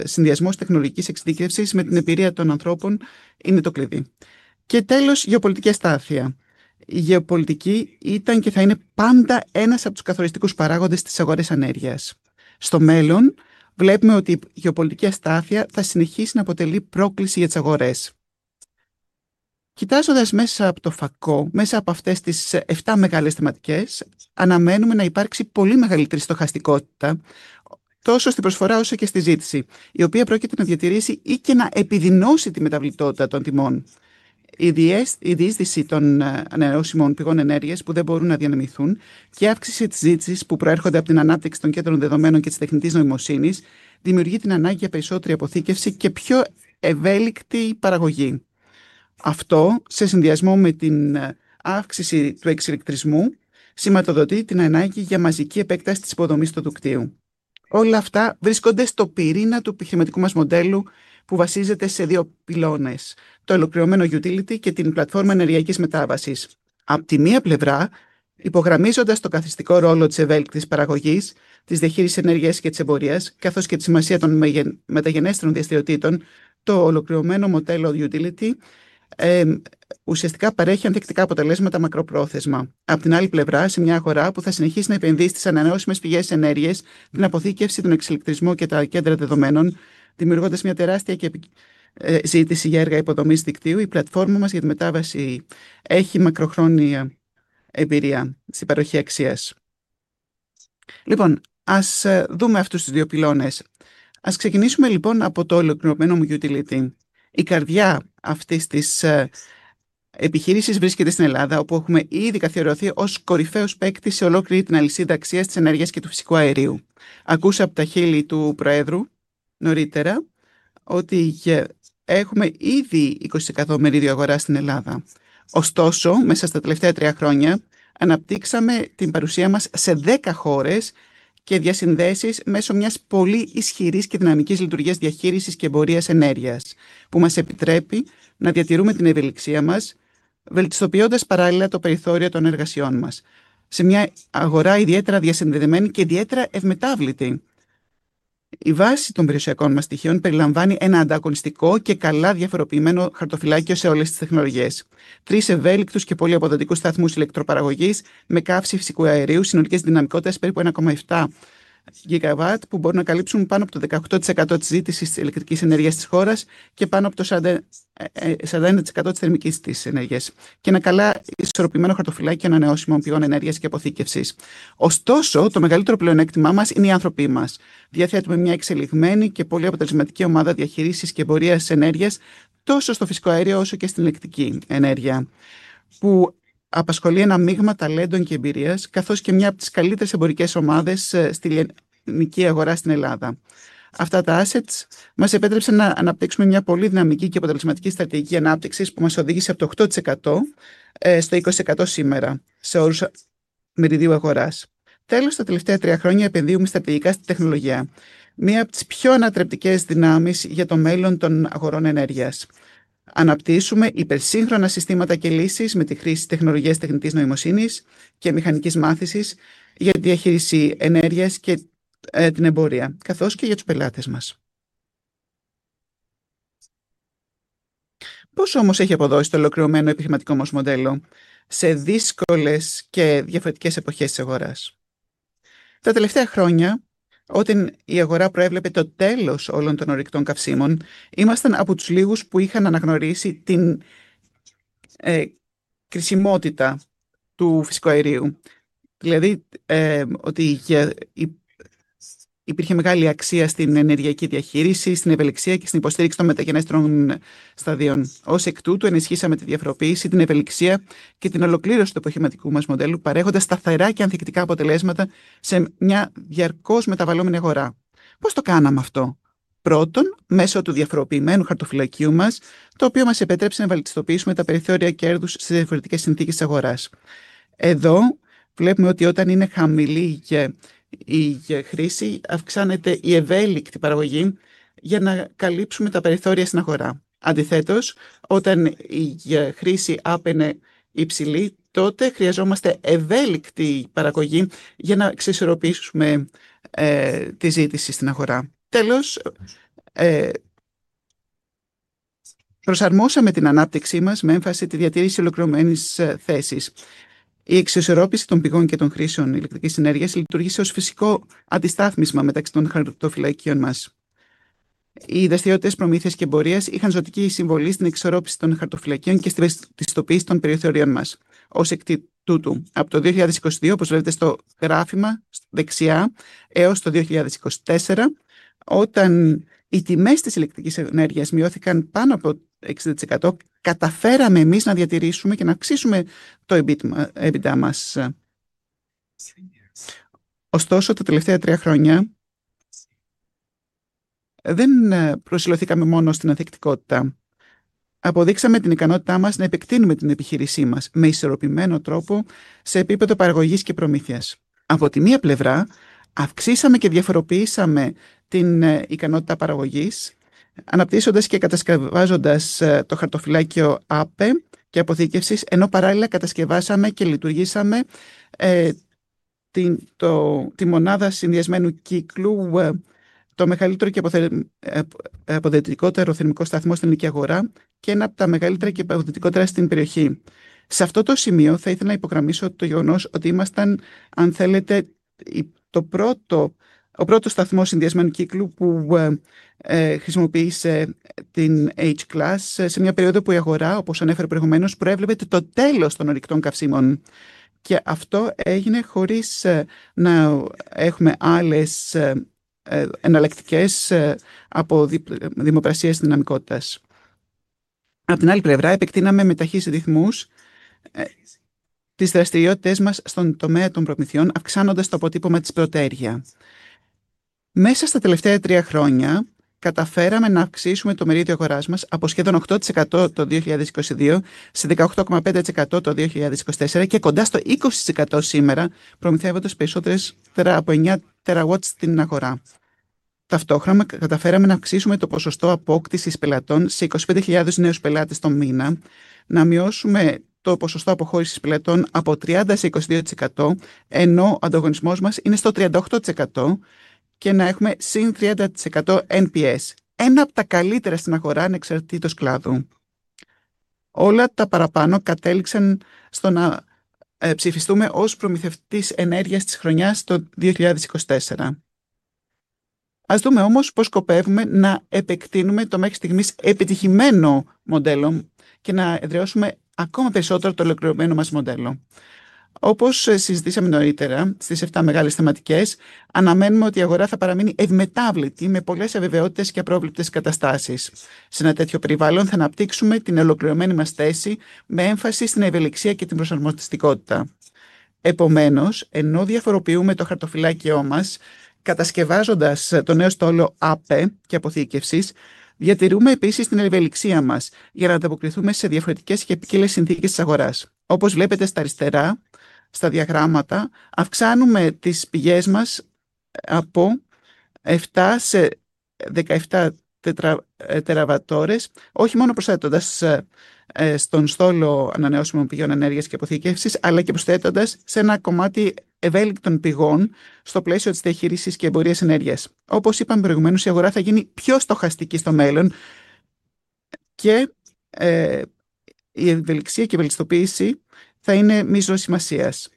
συνδυασμός τεχνολογικής εξειδίκευσης με την εμπειρία των ανθρώπων είναι το κλειδί. Και τέλος, γεωπολιτική αστάθεια. Η γεωπολιτική ήταν και θα είναι πάντα ένας από τους καθοριστικούς παράγοντες της αγοράς ενέργειας. Στο μέλλον, βλέπουμε ότι η γεωπολιτική αστάθεια θα συνεχίσει να αποτελεί πρόκληση για τις αγορές. Κοιτάζοντας μέσα από το φακό, μέσα από αυτές τις επτά μεγάλες θεματικές, αναμένουμε να υπάρξει πολύ μεγαλύτερη στοχαστικότητα τόσο στην προσφορά όσο και στη ζήτηση, η οποία πρόκειται να διατηρήσει ή και να επιδεινώσει τη μεταβλητότητα των τιμών. Η διείσδυση των ανανεώσιμων πηγών ενέργειας που δεν μπορούν να διανομηθούν και η αύξηση της ζήτησης που προέρχονται από την ανάπτυξη των κέντρων δεδομένων και της τεχνητής νοημοσύνης δημιουργεί την ανάγκη για περισσότερη αποθήκευση και πιο ευέλικτη παραγωγή. Αυτό, σε συνδυασμό με την αύξηση του εξηλεκτρισμού, σηματοδοτεί την ανάγκη για μαζική επέκταση της υποδομής του δικτύου. Όλα αυτά βρίσκονται στο πυρήνα του επιχειρηματικού μας μοντέλου που βασίζεται σε δύο πυλώνες: το ολοκληρωμένο utility και την πλατφόρμα ενεργειακής μετάβασης. Από τη μία πλευρά, υπογραμμίζοντας τον καθιστικό ρόλο της ευέλικτης παραγωγής, της διαχείρισης ενέργειας και της εμπορίας, καθώς και τη σημασία των μεταγενέστερων δραστηριοτήτων, το ολοκληρωμένο μοντέλο utility ουσιαστικά παρέχει ανθεκτικά αποτελέσματα μακροπρόθεσμα. Από την άλλη πλευρά, σε μια αγορά που θα συνεχίσει να επενδύει στις ανανεώσιμες πηγές ενέργειας, την αποθήκευση, τον εξηλεκτρισμό και τα κέντρα δεδομένων, δημιουργώντας μια τεράστια ζήτηση για έργα υποδομής δικτύου, η πλατφόρμα μας για τη μετάβαση έχει μακροχρόνια εμπειρία στην παροχή αξίας. Ας δούμε αυτούς τους δύο πυλώνες. Ας ξεκινήσουμε από το ολοκληρωμένο utility. Η καρδιά αυτής της επιχείρησης βρίσκεται στην Ελλάδα, όπου έχουμε ήδη καθιερωθεί ως κορυφαίος παίκτης σε ολόκληρη την αλυσίδα αξίας της ενέργειας και του φυσικού αερίου. Άκουσα από τα χείλη του Προέδρου νωρίτερα ότι έχουμε ήδη 20% μερίδιο αγοράς στην Ελλάδα. Ωστόσο, μέσα στα τελευταία τρία χρόνια, αναπτύξαμε την παρουσία μας σε 10 χώρες και διασυνδέσεις μέσω μιας πολύ ισχυρής και δυναμικής λειτουργίας διαχείρισης και εμπορίας ενέργειας, που μας επιτρέπει να διατηρούμε την ευελιξία μας, βελτιστοποιώντας παράλληλα το περιθώριο των εργασιών μας σε μια αγορά ιδιαίτερα διασυνδεδεμένη και ιδιαίτερα ευμετάβλητη. Η βάση των περιουσιακών μας στοιχείων περιλαμβάνει ένα ανταγωνιστικό και καλά διαφοροποιημένο χαρτοφυλάκιο σε όλες τις τεχνολογίες. Τρεις ευέλικτους και πολυαποδοτικούς σταθμούς ηλεκτροπαραγωγής με καύση φυσικού αερίου, συνολικής δυναμικότητας περίπου 1,7 GW, που μπορούν να καλύψουν πάνω από το 18% της ζήτησης της ηλεκτρικής ενέργειας της χώρας και πάνω από το 41% της θερμικής της ενέργειας. Και ένα καλά ισορροπημένο χαρτοφυλάκιο ανανεώσιμων πηγών ενέργειας και αποθήκευσης. Ωστόσο, το μεγαλύτερο πλεονέκτημά μας είναι οι άνθρωποί μας. Διαθέτουμε μια εξελιγμένη και πολύ αποτελεσματική ομάδα διαχείρισης και εμπορίας ενέργειας, τόσο στο φυσικό αέριο όσο και στην ηλεκτρική ενέργεια, που απασχολεί ένα μείγμα ταλέντων και εμπειρίας, καθώς και μια από τις καλύτερες εμπορικές ομάδες στη λιανική αγορά στην Ελλάδα. Αυτά τα assets μας επέτρεψαν να αναπτύξουμε μια πολύ δυναμική και αποτελεσματική στρατηγική ανάπτυξης, που μας οδήγησε από το 8% στο 20% σήμερα, σε όρους μεριδίου αγοράς. Τέλος, τα τελευταία τρία χρόνια επενδύουμε στρατηγικά στην τεχνολογία. Μία από τις πιο ανατρεπτικές δυνάμεις για το μέλλον των αγορών ενέργειας. Αναπτύσσουμε υπερσύγχρονα συστήματα και λύσεις με τη χρήση τεχνολογίας τεχνητής νοημοσύνης και μηχανικής μάθησης για τη διαχείριση ενέργειας και την εμπορία, καθώς και για τους πελάτες μας. Πώς όμως έχει αποδώσει το ολοκληρωμένο επιχειρηματικό μας μοντέλο σε δύσκολες και διαφορετικές εποχές της αγοράς; Τα τελευταία χρόνια, όταν η αγορά προέβλεπε το τέλος όλων των ορυκτών καυσίμων, ήμασταν από τους λίγους που είχαν αναγνωρίσει την κρισιμότητα του φυσικού αερίου. Δηλαδή, ότι υπήρχε μεγάλη αξία στην ενεργειακή διαχείριση, στην ευελιξία και στην υποστήριξη των μεταγενέστερων σταδίων. Ως εκ τούτου, ενισχύσαμε τη διαφοροποίηση, την ευελιξία και την ολοκλήρωση του επιχειρηματικού μας μοντέλου, παρέχοντας σταθερά και ανθεκτικά αποτελέσματα σε μια διαρκώς μεταβαλλόμενη αγορά. Πώς το κάναμε αυτό; Πρώτον, μέσω του διαφοροποιημένου χαρτοφυλακίου μας, το οποίο μας επέτρεψε να βελτιστοποιήσουμε τα περιθώρια κέρδους σε διαφορετικές συνθήκες της αγοράς. Εδώ βλέπουμε ότι όταν είναι χαμηλή η χρήση, αυξάνεται η ευέλικτη παραγωγή για να καλύψουμε τα περιθώρια στην αγορά. Αντιθέτως, όταν η χρήση είναι υψηλή, τότε χρειαζόμαστε ευέλικτη παραγωγή για να εξισορροπήσουμε τη ζήτηση στην αγορά. Τέλος, προσαρμόσαμε την ανάπτυξή μας με έμφαση στη διατήρηση ολοκληρωμένης θέσης. Η εξισορρόπηση των πηγών και των χρήσεων ηλεκτρικής ενέργειας λειτούργησε ως φυσικό αντιστάθμισμα μεταξύ των χαρτοφυλακίων μας. Οι δραστηριότητες προμήθειας και εμπορίας είχαν ζωτική συμβολή στην εξισορρόπηση των χαρτοφυλακίων και στη βελτιστοποίηση των περιθωρίων μας. Ως εκ τούτου, από το 2022, όπως βλέπετε στο γράφημα δεξιά, έως το 2024, όταν οι τιμές της ηλεκτρικής ενέργειας μειώθηκαν πάνω από 60%, καταφέραμε εμείς να διατηρήσουμε και να αυξήσουμε το EBITDA μας. Ωστόσο, τα τελευταία τρία χρόνια δεν προσηλωθήκαμε μόνο στην ανθεκτικότητα. Αποδείξαμε την ικανότητά μας να επεκτείνουμε την επιχείρησή μας με ισορροπημένο τρόπο σε επίπεδο παραγωγής και προμήθειας. Από τη μία πλευρά, αυξήσαμε και διαφοροποιήσαμε την ικανότητα παραγωγής, αναπτύσσοντας και κατασκευάζοντας το χαρτοφυλάκιο ΑΠΕ και αποθήκευσης, ενώ παράλληλα κατασκευάσαμε και λειτουργήσαμε τη μονάδα συνδυασμένου κύκλου, το μεγαλύτερο και αποδοτικότερο θερμικό σταθμό στην ελληνική αγορά και ένα από τα μεγαλύτερα και αποδοτικότερα στην περιοχή. Σε αυτό το σημείο, θα ήθελα να υπογραμμίσω το γεγονός ότι ήμασταν, αν θέλετε, ο πρώτος σταθμός συνδυασμένου κύκλου που χρησιμοποίησε την H-Class σε μια περίοδο που η αγορά, όπως ανέφερα προηγουμένως, προέβλεπε το τέλος των ορυκτών καυσίμων και αυτό έγινε χωρίς να έχουμε άλλες εναλλακτικές από δημοπρασίες δυναμικότητας. Από την άλλη πλευρά, επεκτείναμε με ταχείς ρυθμούς τις δραστηριότητές μας στον τομέα των προμηθειών, αυξάνοντας το αποτύπωμα της εταιρείας. Μέσα στα τελευταία τρία χρόνια, καταφέραμε να αυξήσουμε το μερίδιο αγοράς μας από σχεδόν 8% το 2022 σε 18,5% το 2024 και κοντά στο 20% σήμερα, προμηθεύοντας περισσότερες από 9 TW στην αγορά. Ταυτόχρονα, καταφέραμε να αυξήσουμε το ποσοστό απόκτησης πελατών σε 25.000 νέους πελάτες τον μήνα, να μειώσουμε το ποσοστό αποχώρησης πελατών από 30% σε 22%, ενώ ο ανταγωνισμός μας είναι στο 38% και να έχουμε +30% NPS. Ένα από τα καλύτερα στην αγορά ανεξαρτήτως κλάδου. Όλα τα παραπάνω κατέληξαν στο να ψηφιστούμε ως προμηθευτής ενέργειας της χρονιάς το 2024. Ας δούμε όμως πώς σκοπεύουμε να επεκτείνουμε το μέχρι στιγμής επιτυχημένο μοντέλο και να εδραιώσουμε ακόμα περισσότερο το ολοκληρωμένο μας μοντέλο. Όπως συζητήσαμε νωρίτερα, στις επτά μεγάλες θεματικές, αναμένουμε ότι η αγορά θα παραμείνει ευμετάβλητη με πολλές αβεβαιότητες και απρόβλεπτες καταστάσεις. Σε ένα τέτοιο περιβάλλον, θα αναπτύξουμε την ολοκληρωμένη μας θέση με έμφαση στην ευελιξία και την προσαρμοστικότητα. Επομένως, ενώ διαφοροποιούμε το χαρτοφυλάκιό μας, κατασκευάζοντας το νέο στόλο ΑΠΕ και αποθήκευσης, διατηρούμε επίσης την ευελιξία μας για να ανταποκριθούμε σε διαφορετικές και ποικίλες συνθήκες της αγοράς. Όπως βλέπετε στα αριστερά, στα διαγράμματα, αυξάνουμε τις πηγές μας από 7 σε 17 TWh, όχι μόνο προσθέτοντας στον στόλο ανανεώσιμων πηγών ενέργειας και αποθήκευσης, αλλά και προσθέτοντας σε ένα κομμάτι ευέλικτων πηγών στο πλαίσιο της διαχείρισης και εμπορίας ενέργειας. Όπως είπαμε προηγουμένως, η αγορά θα γίνει πιο στοχαστική στο μέλλον και η ευελιξία και η βελτιστοποίηση θα είναι μεγάλης σημασίας.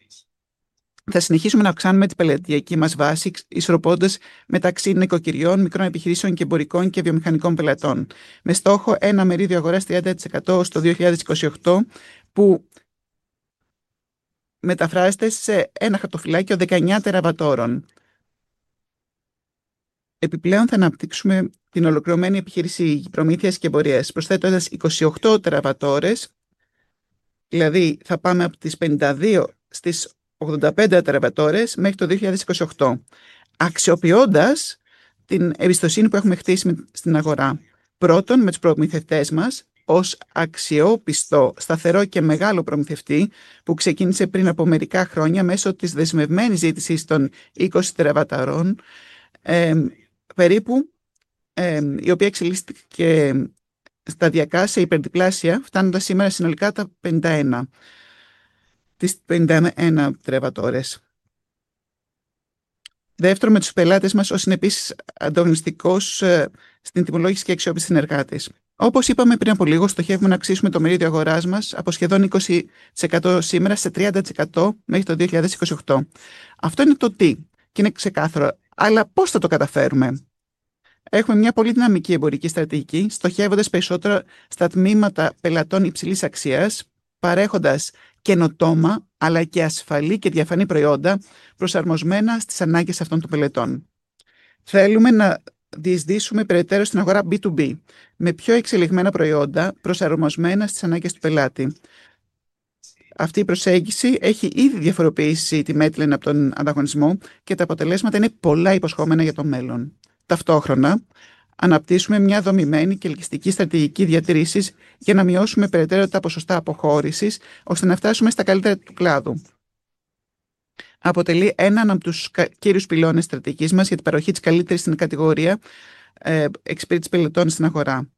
Θα συνεχίσουμε να αυξάνουμε την πελατειακή μας βάση, ισορροπώντας μεταξύ νοικοκυριών, μικρών επιχειρήσεων και εμπορικών και βιομηχανικών πελατών, με στόχο ένα μερίδιο αγοράς 30% στο 2028, που μεταφράζεται σε ένα χαρτοφυλάκιο 19 TWh. Επιπλέον, θα αναπτύξουμε την ολοκληρωμένη επιχείρηση προμήθειας και εμπορίας, προσθέτοντας 28 TWh, δηλαδή θα πάμε από τις 52 στις 85 TWh μέχρι το 2028, αξιοποιώντας την εμπιστοσύνη που έχουμε χτίσει στην αγορά. Πρώτον, με τους προμηθευτές μας ως αξιόπιστος, σταθερός και μεγάλος προμηθευτής που ξεκίνησε πριν από μερικά χρόνια μέσω της δεσμευμένης ζήτησης των 20 TWh περίπου, η οποία εξελίχθηκε σταδιακά σε υπερδιπλάσια, φτάνοντας σήμερα συνολικά τα 51 TWh. Δεύτερον, με τους πελάτες μας ως συνεπής, ανταγωνιστικός στην τιμολόγηση και αξιόπιστος συνεργάτης. Όπως είπαμε πριν από λίγο, στοχεύουμε να αυξήσουμε το μερίδιο αγοράς μας από σχεδόν 20% σήμερα σε 30% μέχρι το 2028. Αυτό είναι το τι και είναι ξεκάθαρο. Πώς όμως θα το καταφέρουμε; Έχουμε μια πολύ δυναμική εμπορική στρατηγική, στοχεύοντας περισσότερο στα τμήματα πελατών υψηλής αξίας, παρέχοντας καινοτόμα αλλά και ασφαλή και διαφανή προϊόντα προσαρμοσμένα στις ανάγκες αυτών των πελατών. Θέλουμε να διεισδύσουμε περαιτέρω στην αγορά B2B, με πιο εξελιγμένα προϊόντα προσαρμοσμένα στις ανάγκες του πελάτη. Αυτή η προσέγγιση έχει ήδη διαφοροποιήσει τη Metlen από τον ανταγωνισμό και τα αποτελέσματα είναι πολύ υποσχόμενα για το μέλλον. Ταυτόχρονα, αναπτύσσουμε μια δομημένη και ελκυστική στρατηγική διατήρησης για να μειώσουμε περαιτέρω τα ποσοστά αποχώρησης, ώστε να φτάσουμε στα καλύτερα του κλάδου. Αποτελεί έναν από τους κύριους πυλώνες στρατηγικής μας για την παροχή της καλύτερης στην κατηγορία εξυπηρέτησης πελατών στην αγορά.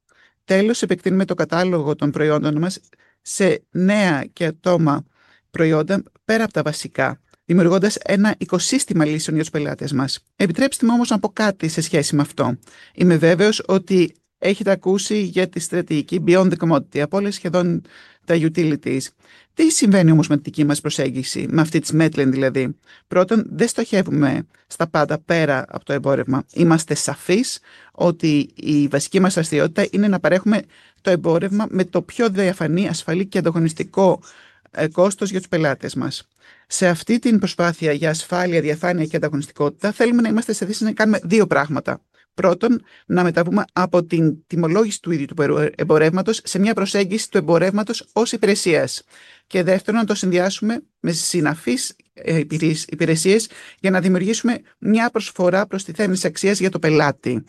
Τέλος, επεκτείνουμε τον κατάλογο των προϊόντων μας σε νέα και άτομα προϊόντα πέρα από τα βασικά, δημιουργώντας ένα οικοσύστημα λύσεων για τους πελάτες μας. Επιτρέψτε μου όμως να πω κάτι σε σχέση με αυτό. Είμαι βέβαιος ότι έχετε ακούσει για τη στρατηγική Beyond the Commodity, από όλες σχεδόν τις utilities. Τι συμβαίνει όμως με τη δική μας προσέγγιση, με αυτή της Metlen, δηλαδή; Πρώτον, δεν στοχεύουμε στα πάντα πέρα από το εμπόρευμα. Είμαστε σαφείς ότι η βασική μας δραστηριότητα είναι να παρέχουμε το εμπόρευμα με το πιο διαφανή, ασφαλή και ανταγωνιστικό κόστος για τους πελάτες μας. Σε αυτή την προσπάθεια για ασφάλεια, διαφάνεια και ανταγωνιστικότητα, θέλουμε να είμαστε σε θέση να κάνουμε δύο πράγματα. Πρώτον, να μεταβούμε από την τιμολόγηση του ίδιου του εμπορεύματος σε μια προσέγγιση του εμπορεύματος ως υπηρεσίας. Και δεύτερον, να το συνδυάσουμε με συναφείς υπηρεσίες για να δημιουργήσουμε μια προσφορά προστιθέμενης αξίας για τον πελάτη,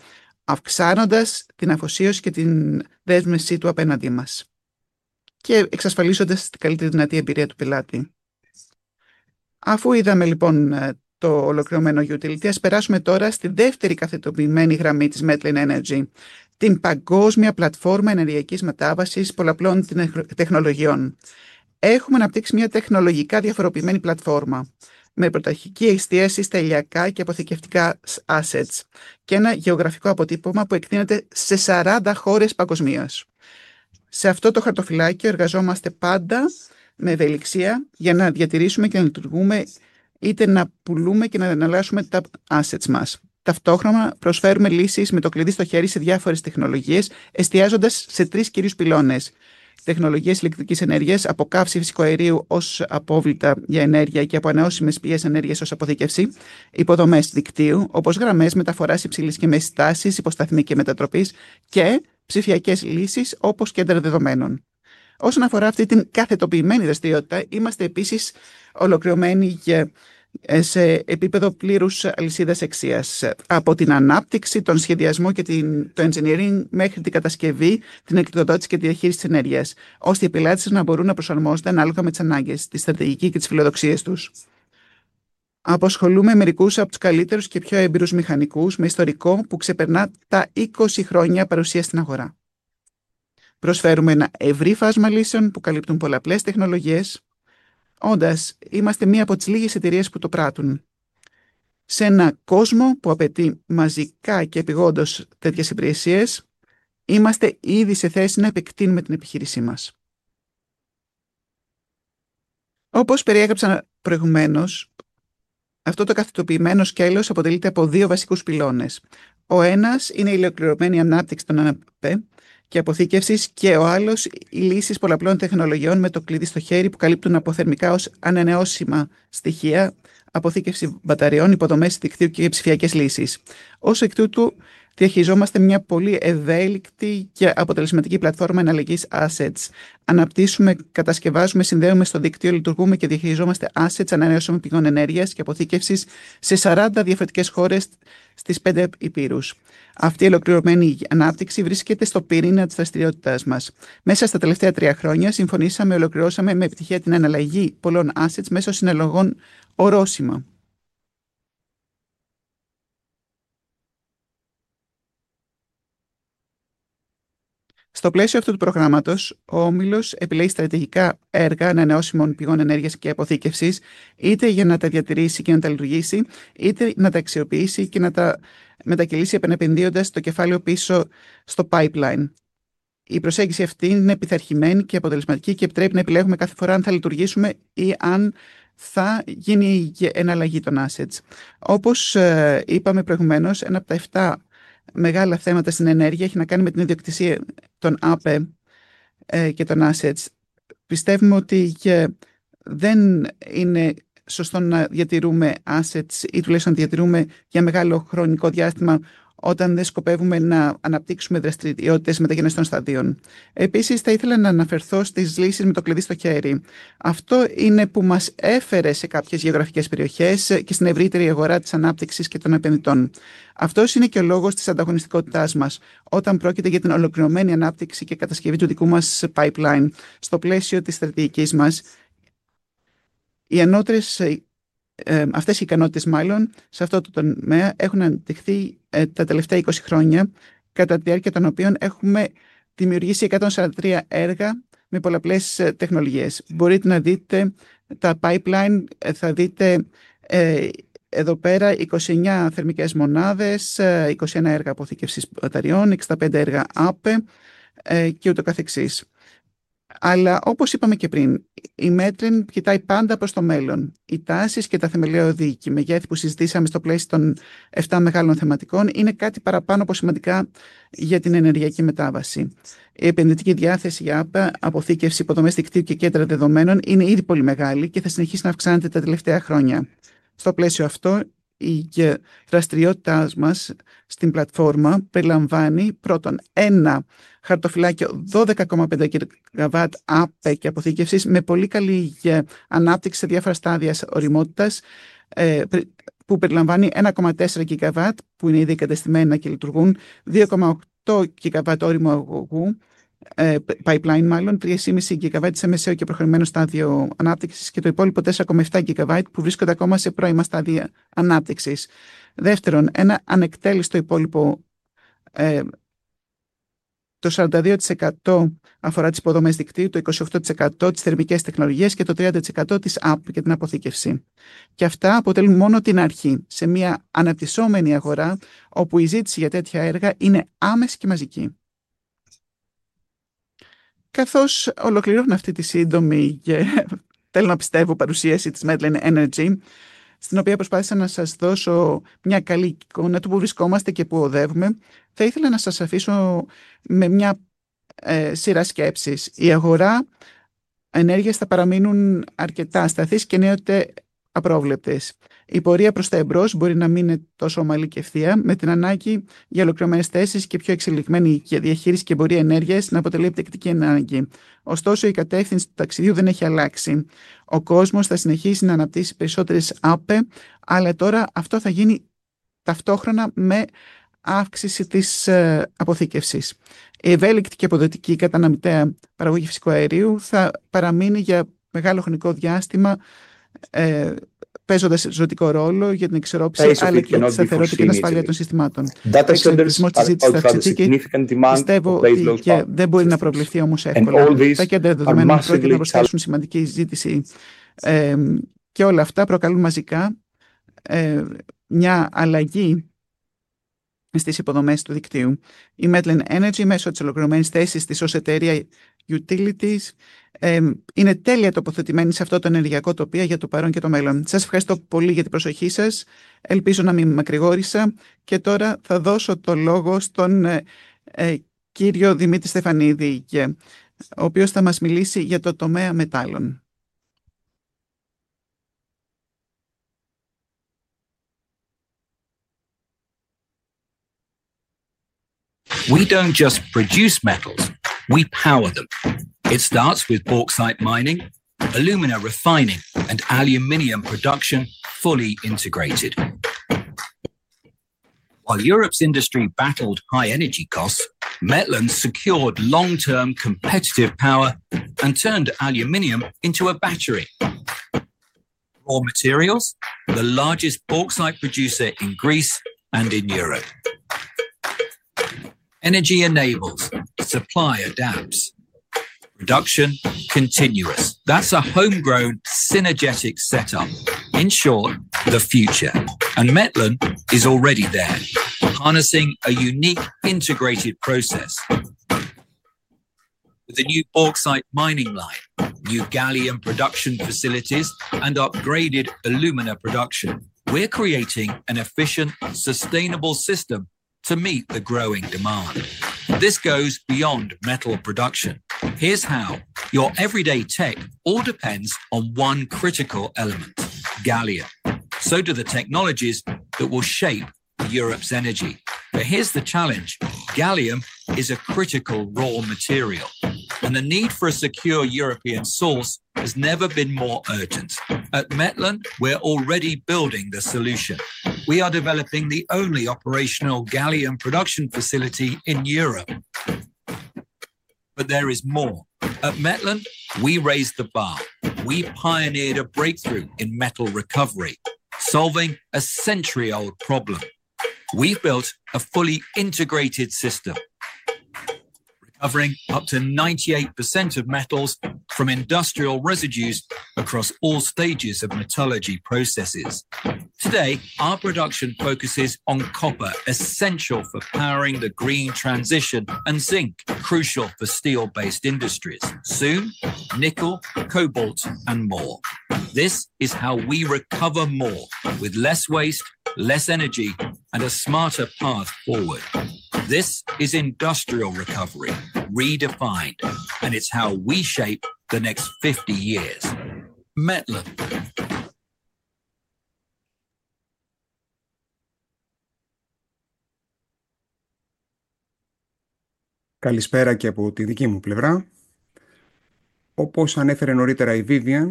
αυξάνοντας την αφοσίωση και την δέσμευσή του απέναντί μας και εξασφαλίζοντας την καλύτερη δυνατή εμπειρία του πελάτη. Αφού είδαμε λοιπόν το ολοκληρωμένο utility, ας περάσουμε τώρα στη δεύτερη κάθετη γραμμή της Metlen Energy, την παγκόσμια πλατφόρμα ενεργειακής μετάβασης πολλαπλών τεχνολογιών. Έχουμε αναπτύξει μια τεχνολογικά διαφοροποιημένη πλατφόρμα με πρωταρχική εστίαση στα ηλιακά και αποθηκευτικά assets και ένα γεωγραφικό αποτύπωμα που εκτείνεται σε 40 χώρες παγκοσμίως. Σε αυτό το χαρτοφυλάκιο εργαζόμαστε πάντα με ευελιξία για να διατηρήσουμε και να λειτουργούμε, είτε να πουλούμε και να εναλλάσσουμε τα assets μας. Ταυτόχρονα, προσφέρουμε λύσεις με το κλειδί στο χέρι σε διάφορες τεχνολογίες, εστιάζοντας σε τρεις κύριους πυλώνες: τεχνολογίες ηλεκτρικής ενέργειας από καύση φυσικού αερίου ως απόβλητα για ενέργεια και από ανανεώσιμες πηγές ενέργειας ως αποθήκευση, υποδομές δικτύου, όπως γραμμές μεταφοράς υψηλής και μέσης τάσης, υποσταθμοί και μετατροπής, και ψηφιακές λύσεις, όπως κέντρα δεδομένων. Όσον αφορά αυτή την καθετοποιημένη δραστηριότητα, είμαστε επίσης ολοκληρωμένοι και σε επίπεδο πλήρους αλυσίδας αξίας, από την ανάπτυξη, τον σχεδιασμό και το engineering, μέχρι την κατασκευή, την εκμετάλλευση και τη διαχείριση της ενέργειας, ώστε οι πελάτες να μπορούν να προσαρμόζονται ανάλογα με τις ανάγκες, τη στρατηγική και τις φιλοδοξίες τους. Απασχολούμε μερικούς από τους καλύτερους και πιο έμπειρους μηχανικούς με ιστορικό που ξεπερνά τα 20 χρόνια παρουσίας στην αγορά. Προσφέρουμε ένα ευρύ φάσμα λύσεων που καλύπτουν πολλαπλές τεχνολογίες, όντας μία από τις λίγες εταιρείες που το πράττουν. Σε ένα κόσμο που απαιτεί μαζικά και επειγόντως τέτοιες υπηρεσίες, είμαστε ήδη σε θέση να επεκτείνουμε την επιχείρησή μας. Όπως περιέγραψα προηγουμένως, αυτό το κάθετο σκέλος αποτελείται από δύο βασικούς πυλώνες. Ο ένας είναι η ολοκληρωμένη ανάπτυξη των ΑΠΕ και αποθήκευσης και ο άλλος οι λύσεις πολλαπλών τεχνολογιών με το κλειδί στο χέρι που καλύπτουν από θερμικά έως ανανεώσιμα στοιχεία, αποθήκευση μπαταριών, υποδομές δικτύου και ψηφιακές λύσεις. Ως εκ τούτου, διαχειριζόμαστε μια πολύ ευέλικτη και αποτελεσματική πλατφόρμα εναλλαγής assets. Αναπτύσσουμε, κατασκευάζουμε, συνδέουμε στο δίκτυο, λειτουργούμε και διαχειριζόμαστε assets ανανεώσιμων πηγών ενέργειας και αποθήκευσης σε 40 διαφορετικές χώρες στις πέντε ηπείρους. Αυτή η ολοκληρωμένη ανάπτυξη βρίσκεται στον πυρήνα της δραστηριότητάς μας. Μέσα στα τελευταία τρία χρόνια, συμφωνήσαμε και ολοκληρώσαμε με επιτυχία την εναλλαγή πολλών assets μέσω συναλλαγών ορόσημα. Στο πλαίσιο αυτού του προγράμματος, ο όμιλος επιλέγει στρατηγικά έργα ανανεώσιμων πηγών ενέργειας και αποθήκευσης, είτε για να τα διατηρήσει και να τα λειτουργήσει, είτε να τα αξιοποιήσει και να τα μετακυλήσει, επανεπενδύοντας το κεφάλαιο πίσω στο pipeline. Η προσέγγιση αυτή είναι πειθαρχημένη και αποτελεσματική και επιτρέπει να επιλέγουμε κάθε φορά αν θα λειτουργήσουμε ή αν θα γίνει η εναλλαγή των assets. Όπως είπαμε προηγουμένως, ένα από τα επτά μεγάλα θέματα στην ενέργεια έχει να κάνει με την ιδιοκτησία των ΑΠΕ και των assets. Πιστεύουμε ότι δεν είναι σωστό να διατηρούμε assets ή τουλάχιστον να διατηρούμε για μεγάλο χρονικό διάστημα όταν δεν σκοπεύουμε να αναπτύξουμε δραστηριότητες μεταγενέστερων σταδίων. Επίσης, θα ήθελα να αναφερθώ στις λύσεις με το κλειδί στο χέρι. Αυτό είναι που μας έφερε σε κάποιες γεωγραφικές περιοχές και στην ευρύτερη αγορά της ανάπτυξης και των επενδυτών. Αυτός είναι και ο λόγος της ανταγωνιστικότητάς μας όταν πρόκειται για την ολοκληρωμένη ανάπτυξη και κατασκευή του δικού μας pipeline στο πλαίσιο της στρατηγικής μας. Οι ανώτερες αυτές ικανότητες σε αυτό το τομέα έχουν αναπτυχθεί τα τελευταία 20 χρόνια, κατά τη διάρκεια των οποίων έχουμε δημιουργήσει 143 έργα με πολλαπλές τεχνολογίες. Μπορείτε να δείτε τα pipeline, θα δείτε εδώ 29 θερμικές μονάδες, 21 έργα αποθήκευσης μπαταριών, 65 έργα ΑΠΕ και ούτω καθεξής. Όπως είπαμε και πριν, η Metlen κοιτάει πάντα προς το μέλλον. Οι τάσεις και τα θεμελιώδη οδηγά μεγέθη που συζητήσαμε στο πλαίσιο των επτά μεγάλων θεματικών είναι κάτι παραπάνω από σημαντικά για την ενεργειακή μετάβαση. Η επενδυτική διάθεση για ΑΠΕ, αποθήκευση, υποδομές δικτύου και κέντρα δεδομένων είναι ήδη πολύ μεγάλη και θα συνεχίσει να αυξάνεται τα επόμενα χρόνια. Στο πλαίσιο αυτό, η δραστηριότητάς μας στην πλατφόρμα περιλαμβάνει πρώτον ένα χαρτοφυλάκιο 12,5 GW ΑΠΕ και αποθήκευσης με πολύ καλή ανάπτυξη σε διάφορα στάδια ωριμότητας, που περιλαμβάνει 1,4 GW που είναι ήδη εγκατεστημένα και λειτουργούν, 2,8 GW ώριμου αγωγού, 3,5 GW σε μεσαίο και προχωρημένο στάδιο ανάπτυξης και το υπόλοιπο 4,7 GW που βρίσκονται ακόμα σε πρώιμα στάδια ανάπτυξης. Δεύτερον, ένα ανεκτέλεστο υπόλοιπο, το 42% αφορά τις υποδομές δικτύου, το 28% τις θερμικές τεχνολογίες και το 30% τις ΑΠΕ και την αποθήκευση. Αυτά αποτελούν μόνο την αρχή σε μία αναπτυσσόμενη αγορά όπου η ζήτηση για τέτοια έργα είναι άμεση και μαζική. Καθώς ολοκληρώνω αυτή τη σύντομη και θέλω να πιστεύω παρουσίαση της Metlen Energy, στην οποία προσπάθησα να σας δώσω μια καλή εικόνα του πού βρισκόμαστε και πού οδεύουμε, θα ήθελα να σας αφήσω με μια σειρά σκέψης. Η αγορά ενέργειας θα παραμείνει αρκετά σταθής και ενίοτε απρόβλεπτη. Η πορεία προς τα εμπρός μπορεί να μην είναι τόσο ομαλή και ευθεία, με την ανάγκη για ολοκληρωμένες θέσεις και πιο εξελιγμένη διαχείριση και εμπορία ενέργειας να αποτελεί επιτακτική ανάγκη. Ωστόσο, η κατεύθυνση του ταξιδιού δεν έχει αλλάξει. Ο κόσμος θα συνεχίσει να αναπτύσσει περισσότερες ΑΠΕ, αλλά τώρα αυτό θα γίνει ταυτόχρονα με αύξηση της αποθήκευσης. Η ευέλικτη και αποδοτική καταναλωτική παραγωγή φυσικού αερίου θα παραμείνει για μεγάλο χρονικό διάστημα, παίζοντας ζωτικό ρόλο για την εξισορρόπηση της σταθερότητας και την ασφάλεια των συστημάτων. Ο διαχειρισμός της ζήτησης θα αυξηθεί και δεν μπορεί να προβλεφθεί εύκολα. Τα κέντρα δεδομένων πρόκειται να προσθέσουν σημαντική ζήτηση και όλα αυτά προκαλούν μαζικά μια αλλαγή στις υποδομές του δικτύου. Η Metlen Energy, μέσω της ολοκληρωμένης θέσης της ως εταιρεία utilities, είναι τέλεια τοποθετημένη σε αυτό το ενεργειακό τοπίο για το παρόν και το μέλλον. Σας ευχαριστώ πολύ για την προσοχή σας. Ελπίζω να μην μακρηγόρησα και τώρα θα δώσω το λόγο στον κύριο Δημήτρη Στεφανίδη, ο οποίος θα μας μιλήσει για το τομέα μετάλλων. We don't just produce metals, we power them. It starts with bauxite mining, alumina refining, and aluminium production fully integrated. While Europe's industry battled high energy costs, Metlen secured long-term competitive power and turned aluminium into a battery. Raw materials, the largest bauxite producer in Greece and in Europe. Energy enables, supply adapts. Production continuous. That's a homegrown synergetic setup. In short, the future. Metlen is already there, harnessing a unique integrated process. With the new bauxite mining line, new gallium production facilities, and upgraded alumina production, we're creating an efficient, sustainable system to meet the growing demand. This goes beyond metal production. Here's how. Your everyday tech all depends on one critical element: gallium. The technologies that will shape Europe's energy do too. But here's the challenge. Gallium is a critical raw material, and the need for a secure European source has never been more urgent. At Metlen, we're already building the solution. We are developing the only operational gallium production facility in Europe. But there is more. At Metlen, we raised the bar. We pioneered a breakthrough in metal recovery, solving a century-old problem. We built a fully integrated system, recovering up to 98% of metals from industrial residues across all stages of metallurgy processes. Today, our production focuses on copper, essential for powering the green transition, and zinc, crucial for steel-based industries. Soon, nickel, cobalt, and more. This is how we recover more, with less waste, less energy, and a smarter path forward. This is industrial recovery, redefined, and it's how we shape the next 50 years. Metlen. Καλησπέρα και από τη δική μου πλευρά. Όπως ανέφερε νωρίτερα η Vivian,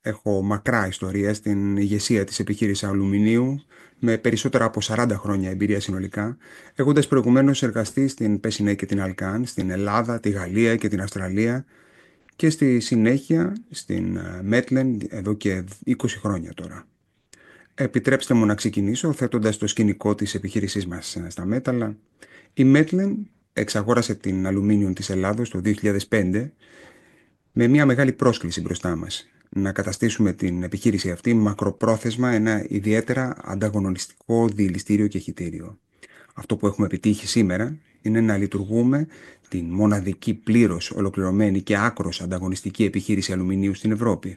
έχω μακρά ιστορία στην ηγεσία της επιχείρησης αλουμινίου, με περισσότερα από 40 χρόνια εμπειρίας συνολικά, έχοντας προηγουμένως εργαστεί στην Pechiney και την Alcan, στην Ελλάδα, τη Γαλλία και την Αυστραλία, και στη συνέχεια στην Mytilineos εδώ και 20 χρόνια τώρα. Επιτρέψτε μου να ξεκινήσω θέτοντας το σκηνικό της επιχείρησής μας στα μέταλλα. Η Mytilineos εξαγόρασε την Aluminium της Ελλάδος το 2005, με μία μεγάλη πρόκληση μπροστά μας: να καταστήσουμε την επιχείρηση αυτή μακροπρόθεσμα ένα ιδιαίτερα ανταγωνιστικό διυλιστήριο και χυτήριο. Αυτό που έχουμε επιτύχει σήμερα είναι να λειτουργούμε την μοναδική, πλήρως ολοκληρωμένη και άκρως ανταγωνιστική επιχείρηση αλουμινίου στην Ευρώπη,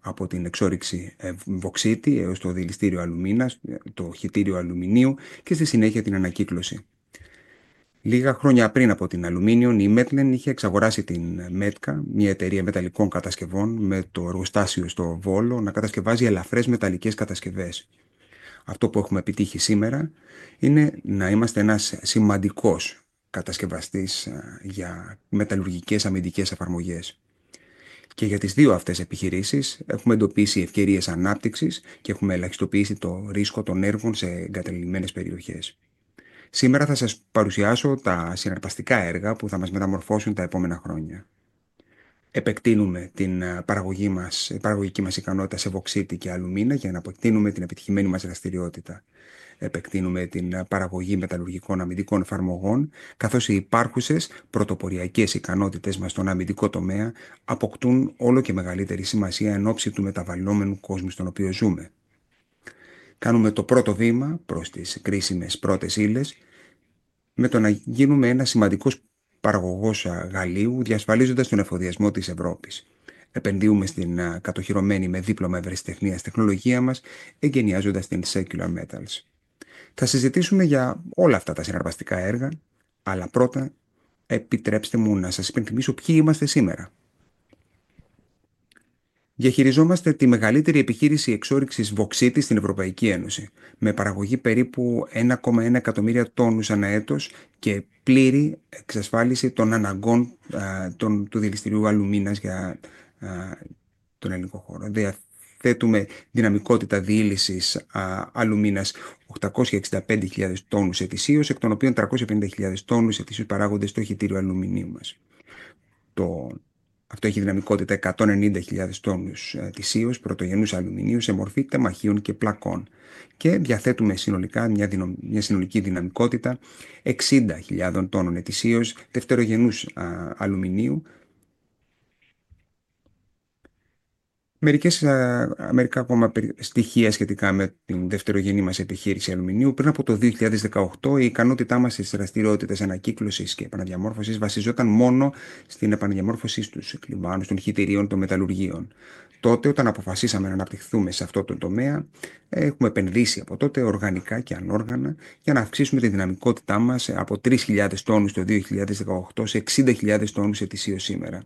από την εξόρυξη βωξίτη έως το διυλιστήριο αλουμίνας, το χυτήριο αλουμινίου και στη συνέχεια την ανακύκλωση. Λίγα χρόνια πριν από την Aluminium, η Metlen είχε εξαγοράσει την Metka, μία εταιρεία μεταλλικών κατασκευών, με το εργοστάσιο στο Βόλο να κατασκευάζει ελαφρές μεταλλικές κατασκευές. Αυτό που έχουμε επιτύχει σήμερα είναι να είμαστε ένας σημαντικός κατασκευαστής για μεταλλουργικές αμυντικές εφαρμογές. Για τις δύο αυτές επιχειρήσεις έχουμε εντοπίσει ευκαιρίες ανάπτυξης και έχουμε ελαχιστοποιήσει το ρίσκο των έργων σε εγκαταλειμμένες περιοχές. Σήμερα θα σας παρουσιάσω τα συναρπαστικά έργα που θα μας μεταμορφώσουν τα επόμενα χρόνια. Επεκτείνουμε την παραγωγική μας ικανότητα σε βωξίτη και αλουμίνα για να επεκτείνουμε την επιτυχημένη μας δραστηριότητα. Επεκτείνουμε την παραγωγή μεταλλουργικών αμυντικών εφαρμογών, καθώς οι υπάρχουσες πρωτοποριακές ικανότητές μας στον αμυντικό τομέα αποκτούν όλο και μεγαλύτερη σημασία ενόψει του μεταβαλλόμενου κόσμου στον οποίο ζούμε. Κάνουμε το πρώτο βήμα προς τις κρίσιμες πρώτες ύλες, γινόμενοι ένας σημαντικός παραγωγός γαλίου, διασφαλίζοντας τον εφοδιασμό της Ευρώπης. Επενδύουμε στην κατοχυρωμένη με δίπλωμα ευρεσιτεχνίας τεχνολογία μας, εγκαινιάζοντας την Circular Metals. Θα συζητήσουμε για όλα αυτά τα συναρπαστικά έργα, αλλά πρώτα επιτρέψτε μου να σας υπενθυμίσω ποιοι είμαστε σήμερα. Διαχειριζόμαστε τη μεγαλύτερη επιχείρηση εξόρυξης βωξίτη στην Ευρωπαϊκή Ένωση, με παραγωγή περίπου 1,1 εκατομμύρια τόνους ανά έτος και πλήρη εξασφάλιση των αναγκών του διυλιστηρίου αλουμίνας για τον ελληνικό χώρο. Διαθέτουμε δυναμικότητα διύλισης αλουμίνας 865.000 τόνους ετησίως, εκ των οποίων 350.000 τόνους ετησίως παράγονται στο χυτήριο αλουμινίου μας. Αυτό έχει δυναμικότητα 190.000 τόνους ετησίως πρωτογενούς αλουμινίου σε μορφή τεμαχίων και πλακών. Διαθέτουμε συνολικά μια συνολική δυναμικότητα 60.000 τόνων ετησίως δευτερογενούς αλουμινίου. Μερικά ακόμα στοιχεία σχετικά με την δευτερογενή μας επιχείρηση αλουμινίου. Πριν από το 2018, η ικανότητά μας στις δραστηριότητες ανακύκλωσης και επαναδιαμόρφωσης βασιζόταν μόνο στην επαναδιαμόρφωση στους κλιβάνους των χυτηρίων των μεταλλουργείων. Τότε, όταν αποφασίσαμε να αναπτυχθούμε σε αυτόν τον τομέα, έχουμε επενδύσει από τότε οργανικά και ανόργανα για να αυξήσουμε τη δυναμικότητά μας από 3.000 τόνους το 2018 σε 60.000 τόνους ετησίως σήμερα.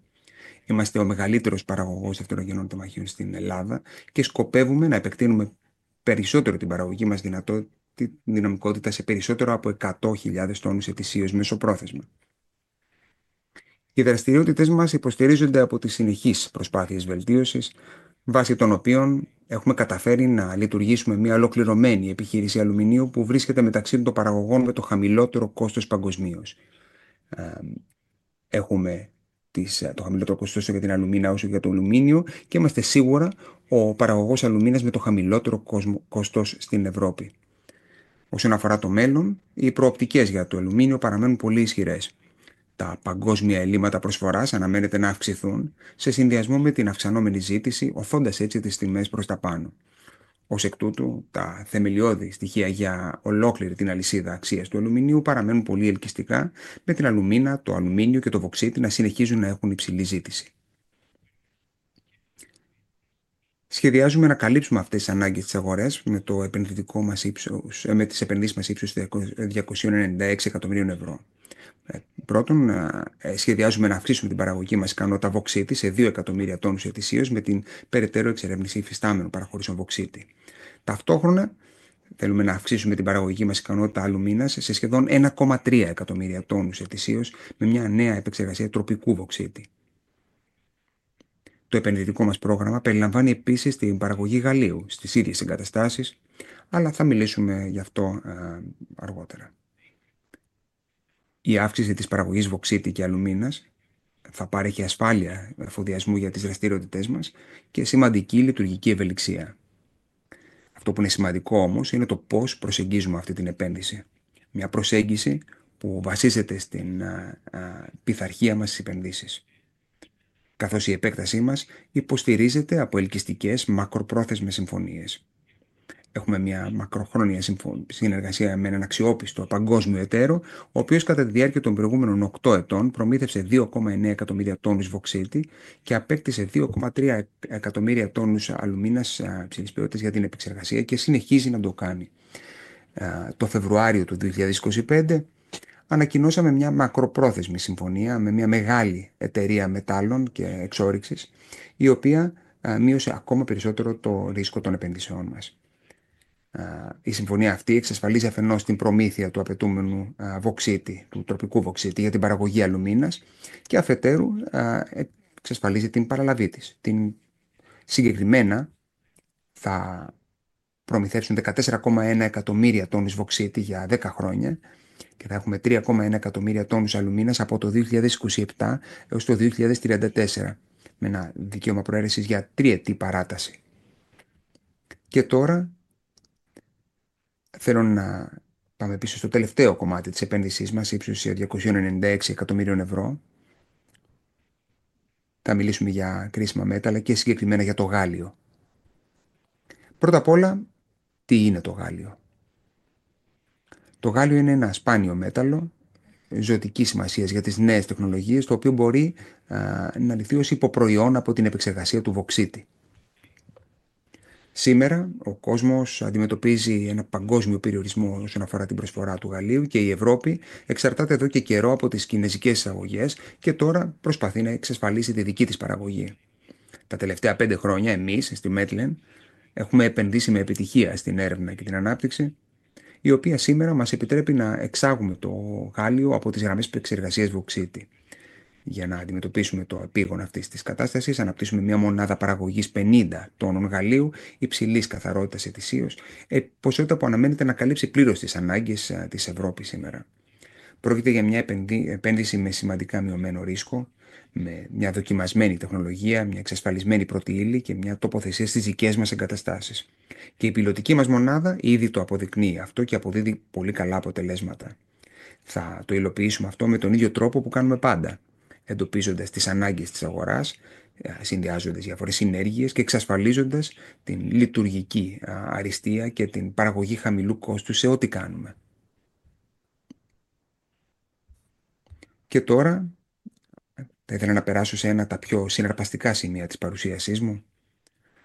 Είμαστε ο μεγαλύτερος παραγωγός δευτερογενών τεμαχίων στην Ελλάδα και σκοπεύουμε να επεκτείνουμε περισσότερο την παραγωγική μας δυνατότητα σε περισσότερους από 100.000 τόνους ετησίως μεσοπρόθεσμα. Οι δραστηριότητές μας υποστηρίζονται από τις συνεχείς προσπάθειες βελτίωσης, βάσει των οποίων έχουμε καταφέρει να λειτουργήσουμε μία ολοκληρωμένη επιχείρηση αλουμινίου που βρίσκεται μεταξύ των παραγωγών με το χαμηλότερο κόστος παγκοσμίως. Έχουμε το χαμηλότερο κόστος τόσο για την αλουμίνα όσο και για το αλουμίνιο και είμαστε σίγουρα ο παραγωγός αλουμίνας με το χαμηλότερο κόστος στην Ευρώπη. Όσον αφορά το μέλλον, οι προοπτικές για το αλουμίνιο παραμένουν πολύ ισχυρές. Τα παγκόσμια ελλείμματα προσφοράς αναμένεται να αυξηθούν σε συνδυασμό με την αυξανόμενη ζήτηση, ωθώντας έτσι τις τιμές προς τα πάνω. Ως εκ τούτου, τα θεμελιώδη στοιχεία για ολόκληρη την αλυσίδα αξίας του αλουμινίου παραμένουν πολύ ελκυστικά, με την αλουμίνα, το αλουμίνιο και το βωξίτη να συνεχίζουν να έχουν υψηλή ζήτηση. Σχεδιάζουμε να καλύψουμε αυτές τις ανάγκες στις αγορές με τις επενδύσεις μας ύψους €296 εκατομμυρίων. Πρώτον, σχεδιάζουμε να αυξήσουμε την παραγωγική μας ικανότητα βωξίτη σε 2 εκατομμύρια τόνους ετησίως, με την περαιτέρω εξερεύνηση υφιστάμενων παραχωρήσεων βωξίτη. Ταυτόχρονα, θέλουμε να αυξήσουμε την παραγωγική μας ικανότητα αλουμίνας σε σχεδόν 1,3 εκατομμύρια τόνους ετησίως, με μια νέα επεξεργασία τροπικού βωξίτη. Το επενδυτικό μας πρόγραμμα περιλαμβάνει επίσης την παραγωγή γαλλίου στις ίδιες εγκαταστάσεις, αλλά θα μιλήσουμε για αυτό αργότερα. Η αύξηση της παραγωγής βωξίτη και αλουμίνας θα παρέχει ασφάλεια εφοδιασμού για τις δραστηριότητές μας και σημαντική λειτουργική ευελιξία. Αυτό που είναι σημαντικό όμως είναι το πώς προσεγγίζουμε αυτή την επένδυση. Μια προσέγγιση που βασίζεται στην πειθαρχία μας στις επενδύσεις, καθώς η επέκτασή μας υποστηρίζεται από ελκυστικές μακροπρόθεσμες συμφωνίες. Έχουμε μια μακροχρόνια συνεργασία με έναν αξιόπιστο παγκόσμιο εταίρο, ο οποίος κατά τη διάρκεια των προηγούμενων 8 ετών προμήθευσε 2,9 εκατομμύρια τόνους βωξίτη και απέκτησε 2,3 εκατομμύρια τόνους αλουμίνας υψηλής ποιότητας για την επεξεργασία και συνεχίζει να το κάνει. Το Φεβρουάριο του 2025 ανακοινώσαμε μια μακροπρόθεσμη συμφωνία με μια μεγάλη εταιρεία μετάλλων και εξόρυξης, η οποία μείωσε ακόμα περισσότερο το ρίσκο των επενδύσεών μας. Η συμφωνία αυτή εξασφαλίζει αφενός την προμήθεια του απαιτούμενου βωξίτη, του τροπικού βωξίτη για την παραγωγή αλουμίνας και αφετέρου εξασφαλίζει την παραλαβή της. Συγκεκριμένα, θα προμηθεύσουν 14,1 εκατομμύρια τόνους βωξίτη για 10 χρόνια και θα έχουμε 3,1 εκατομμύρια τόνους αλουμίνας από το 2027 έως το 2034, με ένα δικαίωμα προαίρεσης για τριετή παράταση. Και τώρα θέλω να πάμε πίσω στο τελευταίο κομμάτι της επένδυσής μας ύψους €296 εκατομμυρίων. Θα μιλήσουμε για κρίσιμα μέταλλα και συγκεκριμένα για το γάλιο. Πρώτα απ' όλα, τι είναι το γάλιο; Το γάλιο είναι ένα σπάνιο μέταλλο ζωτικής σημασίας για τις νέες τεχνολογίες, το οποίο μπορεί να ληφθεί ως υποπροϊόν από την επεξεργασία του βωξίτη. Σήμερα, ο κόσμος αντιμετωπίζει ένα παγκόσμιο περιορισμό όσον αφορά την προσφορά του γαλίου και η Ευρώπη εξαρτάται εδώ και καιρό από τις κινεζικές εισαγωγές και τώρα προσπαθεί να εξασφαλίσει τη δική της παραγωγή. Τα τελευταία 5 χρόνια, εμείς στη Metlen έχουμε επενδύσει με επιτυχία στην έρευνα και την ανάπτυξη, η οποία σήμερα μας επιτρέπει να εξάγουμε το γάλιο από τις γραμμές επεξεργασίας βωξίτη. Για να αντιμετωπίσουμε το επείγον αυτής της κατάστασης, αναπτύσσουμε μια μονάδα παραγωγής 50 τόνων γαλίου υψηλής καθαρότητας ετησίως, ποσότητα που αναμένεται να καλύψει πλήρως τις ανάγκες της Ευρώπης σήμερα. Πρόκειται για μια επένδυση με σημαντικά μειωμένο ρίσκο, με μια δοκιμασμένη τεχνολογία, μια εξασφαλισμένη πρώτη ύλη και μια τοποθεσία στις δικές μας εγκαταστάσεις. Η πιλοτική μας μονάδα ήδη το αποδεικνύει αυτό και αποδίδει πολύ καλά αποτελέσματα. Θα το υλοποιήσουμε αυτό με τον ίδιο τρόπο που κάνουμε πάντα, εντοπίζοντας τις ανάγκες της αγοράς, συνδυάζοντας διάφορες ενέργειες και εξασφαλίζοντας την λειτουργική αριστεία και την παραγωγή χαμηλού κόστους σε ό,τι κάνουμε. Τώρα θα ήθελα να περάσω σε ένα από τα πιο συναρπαστικά σημεία της παρουσίασής μου.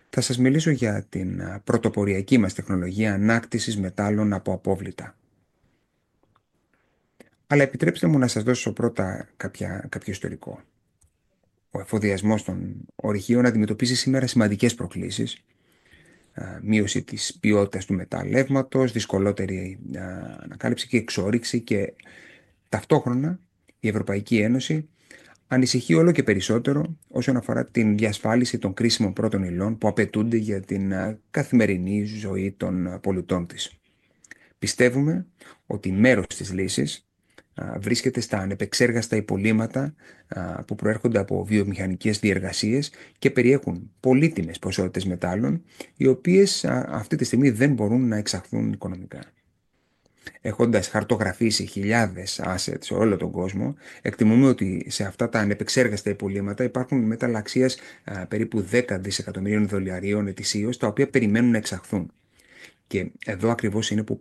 Θα σας μιλήσω για την πρωτοποριακή μας τεχνολογία ανάκτησης μετάλλων από απόβλητα. Επιτρέψτε μου να σας δώσω πρώτα κάποιο ιστορικό. Ο εφοδιασμός των ορυχείων αντιμετωπίζει σήμερα σημαντικές προκλήσεις: μείωση της ποιότητας του μεταλλεύματος, δυσκολότερη ανακάλυψη και εξόρυξη, και ταυτόχρονα η Ευρωπαϊκή Ένωση ανησυχεί όλο και περισσότερο όσον αφορά την διασφάλιση των κρίσιμων πρώτων υλών που απαιτούνται για την καθημερινή ζωή των πολιτών της. Πιστεύουμε ότι μέρος της λύσης βρίσκεται στα ανεπεξέργαστα υπολείμματα που προέρχονται από βιομηχανικές διεργασίες και περιέχουν πολύτιμες ποσότητες μετάλλων, οι οποίες αυτή τη στιγμή δεν μπορούν να εξαχθούν οικονομικά. Έχοντας χαρτογραφήσει χιλιάδες assets σε όλο τον κόσμο, εκτιμούμε ότι σε αυτά τα ανεπεξέργαστα υπολείμματα υπάρχουν μεταλλαξίες περίπου $10 δισεκατομμυρίων ετησίως, τα οποία περιμένουν να εξαχθούν. Εδώ ακριβώς είναι που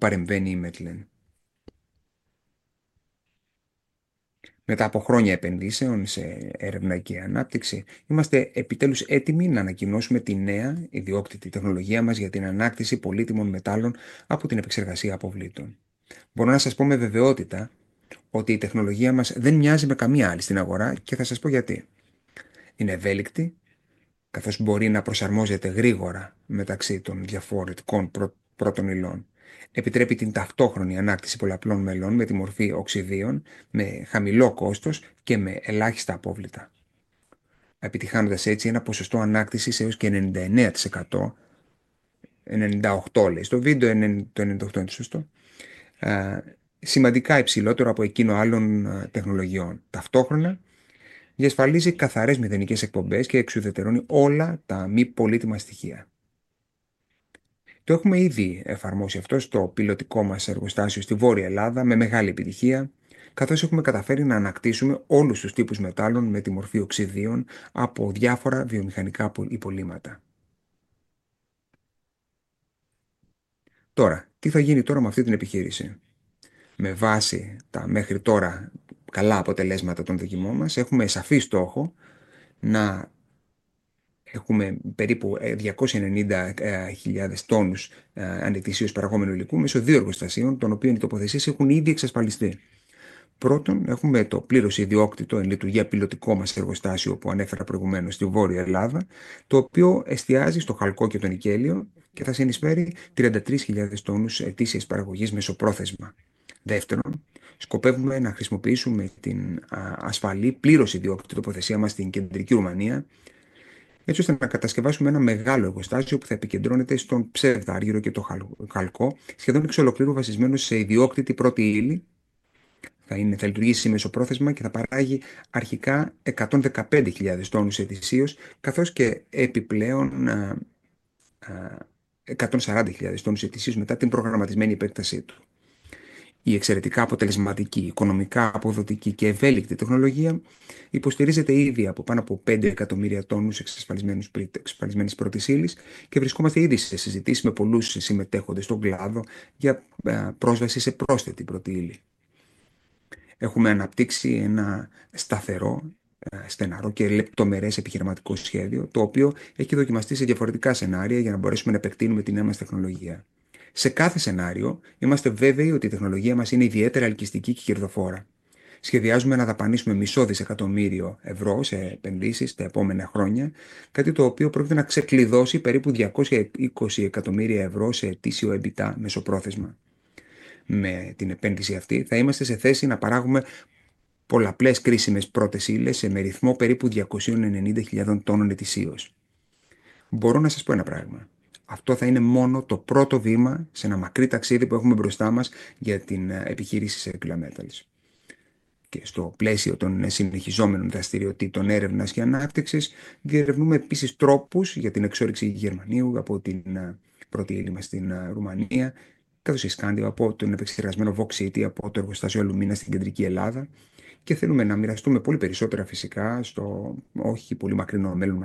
παρεμβαίνει η Metlen. Μετά από χρόνια επενδύσεων σε έρευνα και ανάπτυξη, είμαστε επιτέλους έτοιμοι να ανακοινώσουμε τη νέα ιδιόκτητη τεχνολογία μας για την ανάκτηση πολύτιμων μετάλλων από την επεξεργασία αποβλήτων. Μπορώ να σας πω με βεβαιότητα ότι η τεχνολογία μας δεν μοιάζει με καμία άλλη στην αγορά και θα σας πω γιατί. Είναι ευέλικτη, καθώς μπορεί να προσαρμόζεται γρήγορα μεταξύ των διαφορετικών πρώτων υλών. Επιτρέπει την ταυτόχρονη ανάκτηση πολλαπλών μετάλλων με τη μορφή οξειδίων, με χαμηλό κόστος και με ελάχιστα απόβλητα, επιτυγχάνοντας έτσι ένα ποσοστό ανάκτησης έως και 99%. 98% λέει στο βίντεο, το 98% είναι το σωστό, σημαντικά υψηλότερο από εκείνο άλλων τεχνολογιών. Ταυτόχρονα, διασφαλίζει καθαρές μηδενικές εκπομπές και εξουδετερώνει όλα τα μη πολύτιμα στοιχεία. Το έχουμε ήδη εφαρμόσει αυτό στο πιλοτικό μας εργοστάσιο στη Βόρεια Ελλάδα με μεγάλη επιτυχία, καθώς έχουμε καταφέρει να ανακτήσουμε όλους τους τύπους μετάλλων με τη μορφή οξειδίων από διάφορα βιομηχανικά υπολείμματα. Τώρα, τι θα γίνει με αυτή την επιχείρηση; Με βάση τα μέχρι τώρα καλά αποτελέσματα των δοκιμών μας, έχουμε σαφή στόχο να έχουμε περίπου 290.000 τόνους ετησίως παραγόμενου υλικού μέσω δύο εργοστασίων, των οποίων οι τοποθεσίες έχουν ήδη εξασφαλιστεί. Πρώτον, έχουμε το πλήρως ιδιόκτητο εν λειτουργία πιλοτικό μας εργοστάσιο που ανέφερα προηγουμένως στη Βόρεια Ελλάδα, το οποίο εστιάζει στο χαλκό και το νικέλιο και θα συνεισφέρει 33.000 τόνους ετήσιας παραγωγής μεσοπρόθεσμα. Δεύτερον, σκοπεύουμε να χρησιμοποιήσουμε την ασφαλή πλήρως ιδιόκτητη τοποθεσία μας στην κεντρική Ρουμανία, έτσι ώστε να κατασκευάσουμε ένα μεγάλο εργοστάσιο που θα επικεντρώνεται στον ψευδάργυρο και το χαλκό, σχεδόν εξολοκλήρου βασισμένο σε ιδιόκτητη πρώτη ύλη. Θα λειτουργήσει μεσοπρόθεσμα και θα παράγει αρχικά 115.000 τόνους ετησίως, καθώς και επιπλέον 140.000 τόνους ετησίως μετά την προγραμματισμένη επέκτασή του. Η εξαιρετικά αποτελεσματική, οικονομικά αποδοτική και ευέλικτη τεχνολογία υποστηρίζεται ήδη από πάνω από 5 εκατομμύρια τόνους εξασφαλισμένης πρώτης ύλης και βρισκόμαστε ήδη σε συζητήσεις με πολλούς συμμετέχοντες στον κλάδο για πρόσβαση σε πρόσθετη πρώτη ύλη. Έχουμε αναπτύξει ένα σταθερό, σθεναρό και λεπτομερές επιχειρηματικό σχέδιο, το οποίο έχει δοκιμαστεί σε διαφορετικά σενάρια για να μπορέσουμε να επεκτείνουμε τη νέα μας τεχνολογία. Σε κάθε σενάριο, είμαστε βέβαιοι ότι η τεχνολογία μας είναι ιδιαίτερα ελκυστική και κερδοφόρα. Σχεδιάζουμε να δαπανήσουμε μισό δισεκατομμύριο ευρώ σε επενδύσεις τα επόμενα χρόνια, κάτι το οποίο πρόκειται να ξεκλειδώσει περίπου €220 εκατομμύρια σε ετήσιο EBITDA μεσοπρόθεσμα. Με την επένδυση αυτή, θα είμαστε σε θέση να παράγουμε πολλαπλές κρίσιμες πρώτες ύλες σε ρυθμό περίπου 290.000 τόνων ετησίως. Μπορώ να σας πω ένα πράγμα: αυτό θα είναι μόνο το πρώτο βήμα σε ένα μακρύ ταξίδι που έχουμε μπροστά μας για την επιχείρηση Circle Metals. Και στο πλαίσιο των συνεχιζόμενων δραστηριοτήτων έρευνας και ανάπτυξης, διερευνούμε επίσης τρόπους για την εξόρυξη γερμανίου από την πρώτη ύλη μας στη Ρουμανία, καθώς και σκανδίου από τον επεξεργασμένο βωξίτη από το εργοστάσιο αλουμίνας στην κεντρική Ελλάδα. Και θέλουμε να μοιραστούμε πολύ περισσότερα, φυσικά, στο όχι πολύ μακρινό μέλλον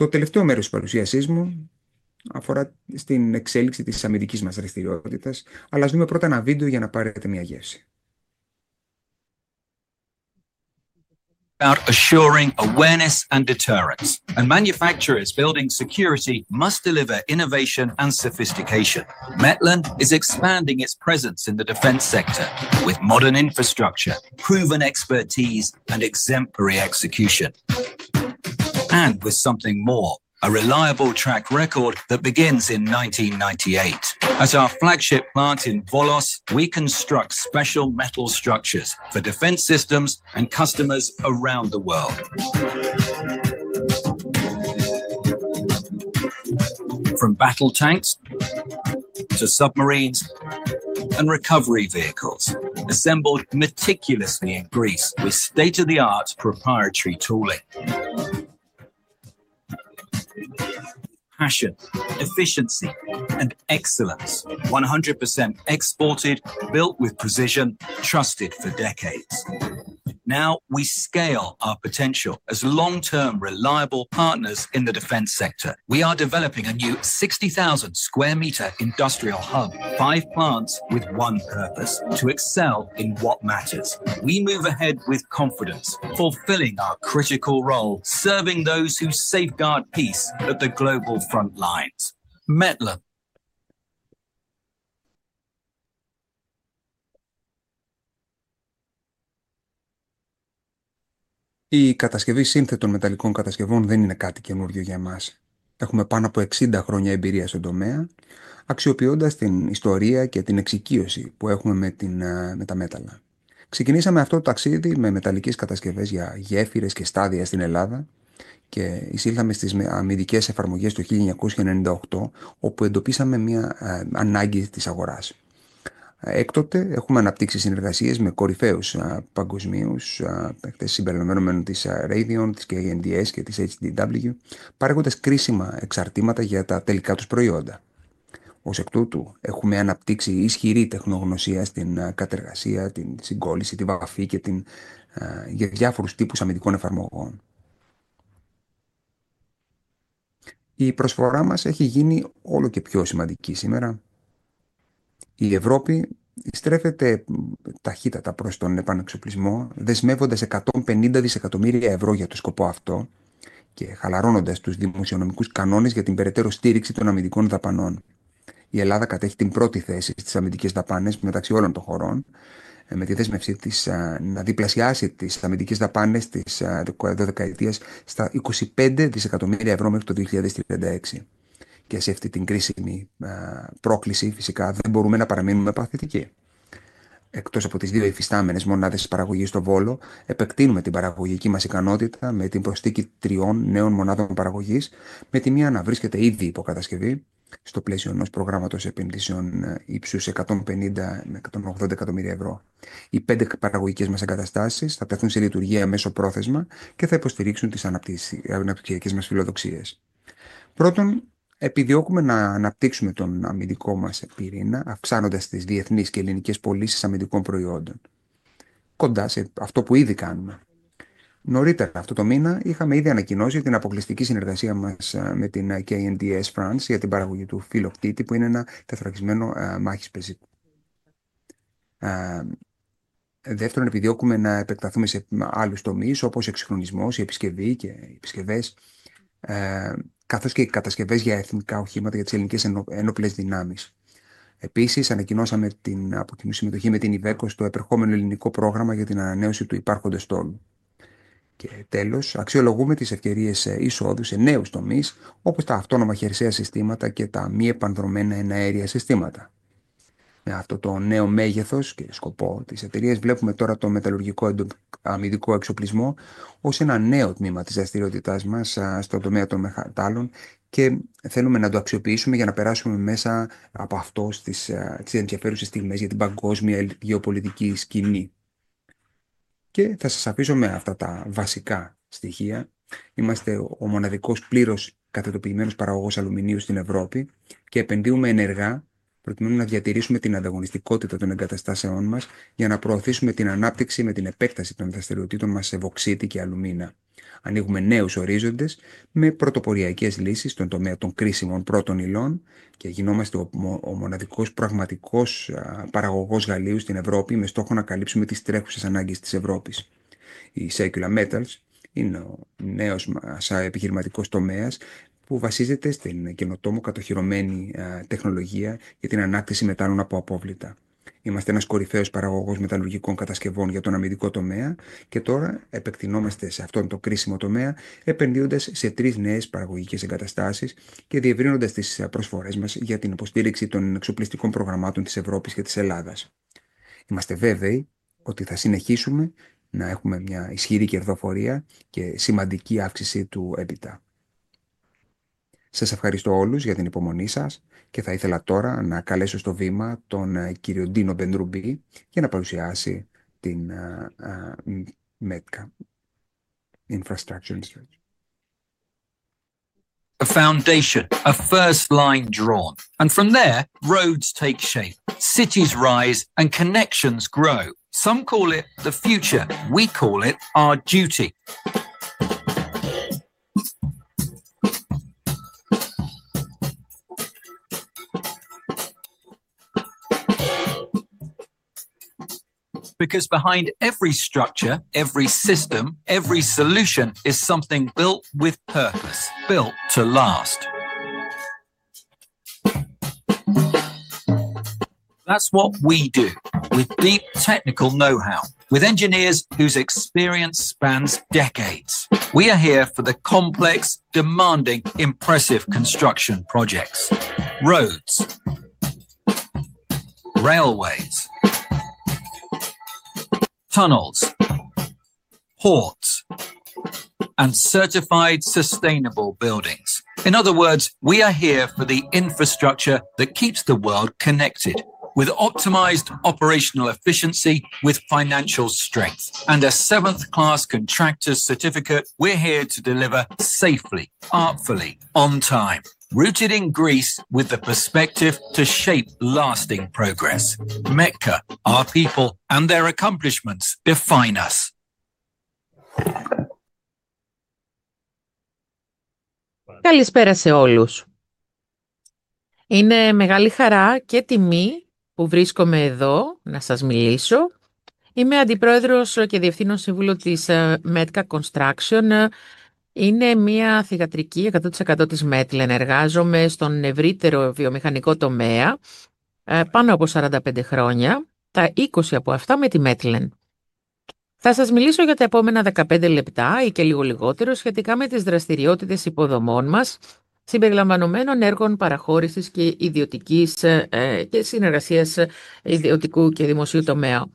μαζί σας. Το τελευταίο μέρος της παρουσίασής μου αφορά στην εξέλιξη της αμυντικής μας δραστηριότητας, αλλά ας δούμε πρώτα ένα βίντεο για να πάρετε μία γεύση. Assuring awareness and deterrence, and manufacturers building security must deliver innovation and sophistication. Metlen is expanding its presence in the defense sector with modern infrastructure, proven expertise, and exemplary execution. And with something more: a reliable track record that begins in 1998. At our flagship plant in Volos, we construct special metal structures for defense systems and customers around the world. From battle tanks to submarines and recovery vehicles, assembled meticulously in Greece with state-of-the-art proprietary tooling. Passion, efficiency, and excellence—100% exported, built with precision, trusted for decades. Now we scale our potential as long-term reliable partners in the defense sector. We are developing a new 60,000 square meter industrial hub, five plants with one purpose: to excel in what matters. We move ahead with confidence, fulfilling our critical role, serving those who safeguard peace at the global front lines. Metlen. Η κατασκευή σύνθετων μεταλλικών κατασκευών δεν είναι κάτι καινούργιο για εμάς. Έχουμε πάνω από 60 χρόνια εμπειρίας στον τομέα, αξιοποιώντας την ιστορία και την εξοικείωση που έχουμε με τα μέταλλα. Ξεκινήσαμε αυτό το ταξίδι με μεταλλικές κατασκευές για γέφυρες και στάδια στην Ελλάδα και εισήλθαμε στις αμυντικές εφαρμογές το 1998, όπου εντοπίσαμε μία ανάγκη της αγοράς. Έκτοτε, έχουμε αναπτύξει συνεργασίες με κορυφαίους παγκοσμίους παίκτες, συμπεριλαμβανομένων της Radion, της KNDS και της HDW, παρέχοντας κρίσιμα εξαρτήματα για τα τελικά τους προϊόντα. Ως εκ τούτου, έχουμε αναπτύξει ισχυρή τεχνογνωσία στην κατεργασία, την συγκόλληση, τη βαφή και την συναρμολόγηση για διάφορους τύπους αμυντικών εφαρμογών. Η προσφορά μας έχει γίνει όλο και πιο σημαντική σήμερα. Η Ευρώπη στρέφεται ταχύτατα προς τον επανεξοπλισμό, δεσμεύοντας €150 δισεκατομμύρια για το σκοπό αυτό και χαλαρώνοντας τους δημοσιονομικούς κανόνες για την περαιτέρω στήριξη των αμυντικών δαπανών. Η Ελλάδα κατέχει την πρώτη θέση στις αμυντικές δαπάνες μεταξύ όλων των χωρών, με τη δέσμευσή της να διπλασιάσει τις αμυντικές δαπάνες της 12ετίας στα €25 δισεκατομμύρια μέχρι το 2036. Σε αυτή την κρίσιμη πρόκληση, φυσικά, δεν μπορούμε να παραμείνουμε παθητικοί. Εκτός από τις δύο υφιστάμενες μονάδες παραγωγής στο Βόλο, επεκτείνουμε την παραγωγική μας ικανότητα με την προσθήκη τριών νέων μονάδων παραγωγής, με τη μία να βρίσκεται ήδη υπό κατασκευή στο πλαίσιο ενός προγράμματος επενδύσεων ύψους €150 με €180 εκατομμύρια. Οι πέντε παραγωγικές μας εγκαταστάσεις θα τεθούν σε λειτουργία μεσοπρόθεσμα και θα υποστηρίξουν τις αναπτυξιακές μας φιλοδοξίες. Πρώτον, επιδιώκουμε να αναπτύξουμε τον αμυντικό μας πυρήνα, αυξάνοντας τις διεθνείς και ελληνικές πωλήσεις αμυντικών προϊόντων, κοντά σε αυτό που ήδη κάνουμε. Νωρίτερα αυτό το μήνα, είχαμε ήδη ανακοινώσει την αποκλειστική συνεργασία μας με την KNDS France για την παραγωγή του φυλλοκτήτη, που είναι ένα τεθωρακισμένο μάχης πεζικού. Δεύτερον, επιδιώκουμε να επεκταθούμε σε άλλους τομείς, όπως ο εκσυγχρονισμός, η επισκευή και οι επισκευές, καθώς και οι κατασκευές εθνικών οχημάτων για τις ελληνικές ένοπλες δυνάμεις. Επίσης, ανακοινώσαμε την κοινή συμμετοχή με την Iveco στο επερχόμενο ελληνικό πρόγραμμα για την ανανέωση του υπάρχοντος στόλου. Τέλος, αξιολογούμε τις ευκαιρίες εισόδου σε νέους τομείς, όπως τα αυτόνομα χερσαία συστήματα και τα μη επανδρωμένα εναέρια συστήματα. Με αυτό το νέο μέγεθος και σκοπό της εταιρείας, βλέπουμε τώρα τον μεταλλουργικό αμυντικό εξοπλισμό ως ένα νέο τμήμα της δραστηριότητάς μας στον τομέα των μετάλλων και θέλουμε να το αξιοποιήσουμε για να περάσουμε μέσα από αυτό στις ενδιαφέρουσες στιγμές για την παγκόσμια γεωπολιτική σκηνή. Είμαστε ο μοναδικός πλήρως κατατοπισμένος παραγωγός αλουμινίου στην Ευρώπη και επενδύουμε ενεργά προκειμένου να διατηρήσουμε την ανταγωνιστικότητα των εγκαταστάσεών μας, για να προωθήσουμε την ανάπτυξη με την επέκταση των δραστηριοτήτων μας σε βωξίτη και αλουμίνα. Ανοίγουμε νέους ορίζοντες με πρωτοποριακές λύσεις στον τομέα των κρίσιμων πρώτων υλών και γινόμαστε ο μοναδικός πραγματικός παραγωγός γαλίου στην Ευρώπη, με στόχο να καλύψουμε τις τρέχουσες ανάγκες της Ευρώπης. Η Circular Metals είναι ο νέος επιχειρηματικός τομέας που βασίζεται στην καινοτόμο κατοχυρωμένη τεχνολογία για την ανάκτηση μετάλλων από απόβλητα. Είμαστε ένας κορυφαίος παραγωγός μεταλλουργικών κατασκευών για τον αμυντικό τομέα και τώρα επεκτεινόμαστε σε αυτόν τον κρίσιμο τομέα, επενδύοντας σε τρεις νέες παραγωγικές εγκαταστάσεις και διευρύνοντας τις προσφορές μας για την υποστήριξη των εξοπλιστικών προγραμμάτων της Ευρώπης και της Ελλάδας. Είμαστε βέβαιοι ότι θα συνεχίσουμε να έχουμε μια ισχυρή κερδοφορία και σημαντική αύξηση του EBITDA. Σας ευχαριστώ όλους για την υπομονή σας και θα ήθελα τώρα να καλέσω στο βήμα τον κύριο Ντίνο Μπενρουμπή για να παρουσιάσει την Metka Infrastructure Research. A foundation, a first line drawn. From there, roads take shape, cities rise, and connections grow. Some call it the future. We call it our duty. Because behind every structure, every system, every solution is something built with purpose, built to last. That's what we do with deep technical know-how, with engineers whose experience spans decades. We are here for the complex, demanding, impressive construction projects: roads, railways, tunnels, ports, and certified sustainable buildings. In other words, we are here for the infrastructure that keeps the world connected, with optimized operational efficiency, with financial strength, and a seventh-class contractor's certificate. We're here to deliver safely, artfully, on time, rooted in Greece, with the perspective to shape lasting progress. Metka, our people, and their accomplishments define us. Καλησπέρα σε όλους. Είναι μεγάλη χαρά και τιμή που βρίσκομαι εδώ να σας μιλήσω. Είμαι Αντιπρόεδρος και Διευθύνων Σύμβουλος της Metka Construction. Είναι μία θυγατρική 100% της Metlen. Εργάζομαι στον ευρύτερο βιομηχανικό τομέα πάνω από 45 χρόνια, τα 20 από αυτά με τη Metlen. Θα σας μιλήσω για τα επόμενα 15 λεπτά ή και λίγο λιγότερο σχετικά με τις δραστηριότητες υποδομών μας, συμπεριλαμβανομένων έργων παραχώρησης και ιδιωτικής και συνεργασίας ιδιωτικού και δημοσίου τομέα.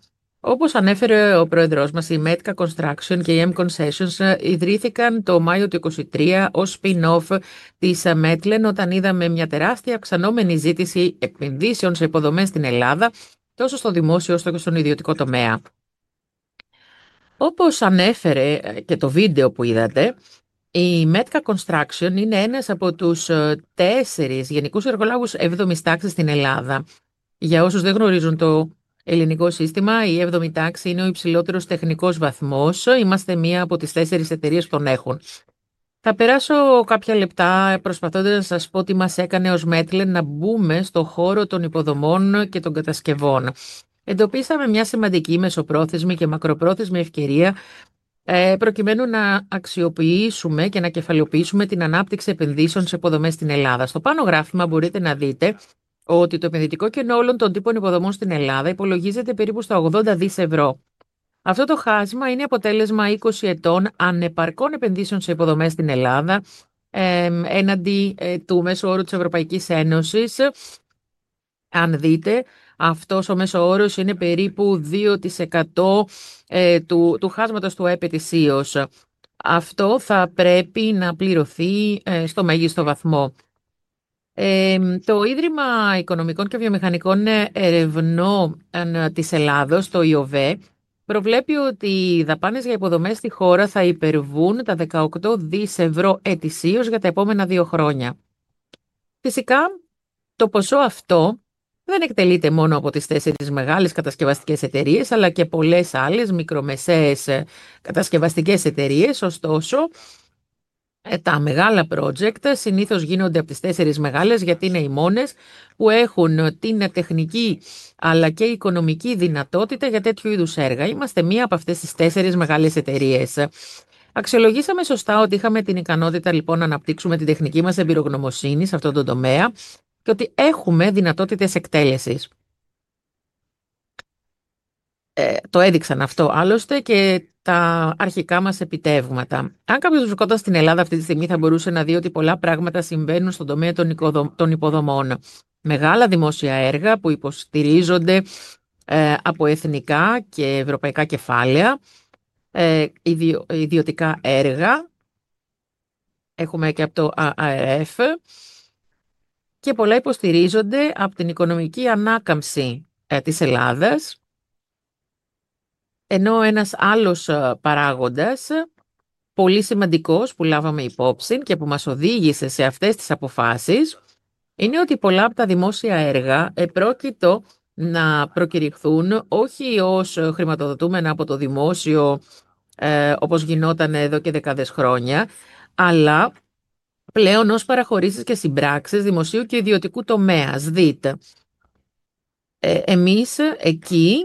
Όπως ανέφερε ο Πρόεδρός μας, η Metka Construction και η M Concessions ιδρύθηκαν το Μάιο του 2023 ως spin-off της Metlen, όταν είδαμε μια τεράστια αυξανόμενη ζήτηση επενδύσεων σε υποδομές στην Ελλάδα, τόσο στο δημόσιο όσο και στον ιδιωτικό τομέα. Όπως ανέφερε και το βίντεο που είδατε, η Metka Construction είναι ένας από τους τέσσερις γενικούς εργολάβους 7ης τάξης στην Ελλάδα. Για όσους δεν γνωρίζουν το ελληνικό σύστημα, η 7η τάξη είναι ο υψηλότερος τεχνικός βαθμός. Είμαστε μία από τις τέσσερις εταιρείες που τον έχουν. Θα περάσω κάποια λεπτά προσπαθώντας να σας πω τι μας έκανε ως Metlen να μπούμε στο χώρο των υποδομών και των κατασκευών. Εντοπίσαμε μια σημαντική μεσοπρόθεσμη και μακροπρόθεσμη ευκαιρία προκειμένου να αξιοποιήσουμε και να κεφαλαιοποιήσουμε την ανάπτυξη επενδύσεων σε υποδομές στην Ελλάδα. Στο πάνω γράφημα μπορείτε να δείτε ότι το επενδυτικό κενό όλων των τύπων υποδομών στην Ελλάδα υπολογίζεται περίπου στα €80 δισεκατομμύρια. Αυτό το χάσμα είναι αποτέλεσμα 20 ετών ανεπαρκών επενδύσεων σε υποδομές στην Ελλάδα, έναντι του μέσου όρου της Ευρωπαϊκής Ένωσης. Αν δείτε, αυτός ο μέσος όρος είναι περίπου 2% του χάσματος του ΑΕΠ ετησίως. Αυτό θα πρέπει να πληρωθεί στο μέγιστο βαθμό. Το Ίδρυμα Οικονομικών και Βιομηχανικών Ερευνών της Ελλάδος, το ΙΟΒΕ, προβλέπει ότι οι δαπάνες για υποδομές στη χώρα θα υπερβούν τα €18 δισεκατομμύρια ετησίως για τα επόμενα δύο χρόνια. Φυσικά, το ποσό αυτό δεν εκτελείται μόνο από τις τέσσερις μεγάλες κατασκευαστικές εταιρείες, αλλά και πολλές άλλες μικρομεσαίες κατασκευαστικές εταιρείες. Ωστόσο, τα μεγάλα projects συνήθως γίνονται από τις τέσσερις μεγάλες, γιατί είναι οι μόνες που έχουν την τεχνική αλλά και οικονομική δυνατότητα για τέτοιου είδους έργα. Είμαστε μία από αυτές τις τέσσερις μεγάλες εταιρείες. Αξιολογήσαμε σωστά ότι είχαμε την ικανότητα, λοιπόν, να αναπτύξουμε την τεχνική μας εμπειρογνωμοσύνη σε αυτόν τον τομέα και ότι έχουμε δυνατότητες εκτέλεσης. Το έδειξαν αυτό, άλλωστε, και τα αρχικά μας επιτεύγματα. Αν κάποιος βρισκόταν στην Ελλάδα αυτή τη στιγμή, θα μπορούσε να δει ότι πολλά πράγματα συμβαίνουν στον τομέα των υποδομών. Μεγάλα δημόσια έργα που υποστηρίζονται από εθνικά και ευρωπαϊκά κεφάλαια, ιδιωτικά έργα έχουμε και από το ΑΕΡΕΦ και πολλά υποστηρίζονται από την οικονομική ανάκαμψη της Ελλάδας. Ένας άλλος παράγοντας, πολύ σημαντικός, που λάβαμε υπόψη και που μας οδήγησε σε αυτές τις αποφάσεις, είναι ότι πολλά από τα δημόσια έργα επρόκειτο να προκηρυχθούν όχι ως χρηματοδοτούμενα από το δημόσιο, όπως γινότανε εδώ και δεκάδες χρόνια, αλλά πλέον ως παραχωρήσεις και συμπράξεις δημοσίου και ιδιωτικού τομέα. Εμείς εκεί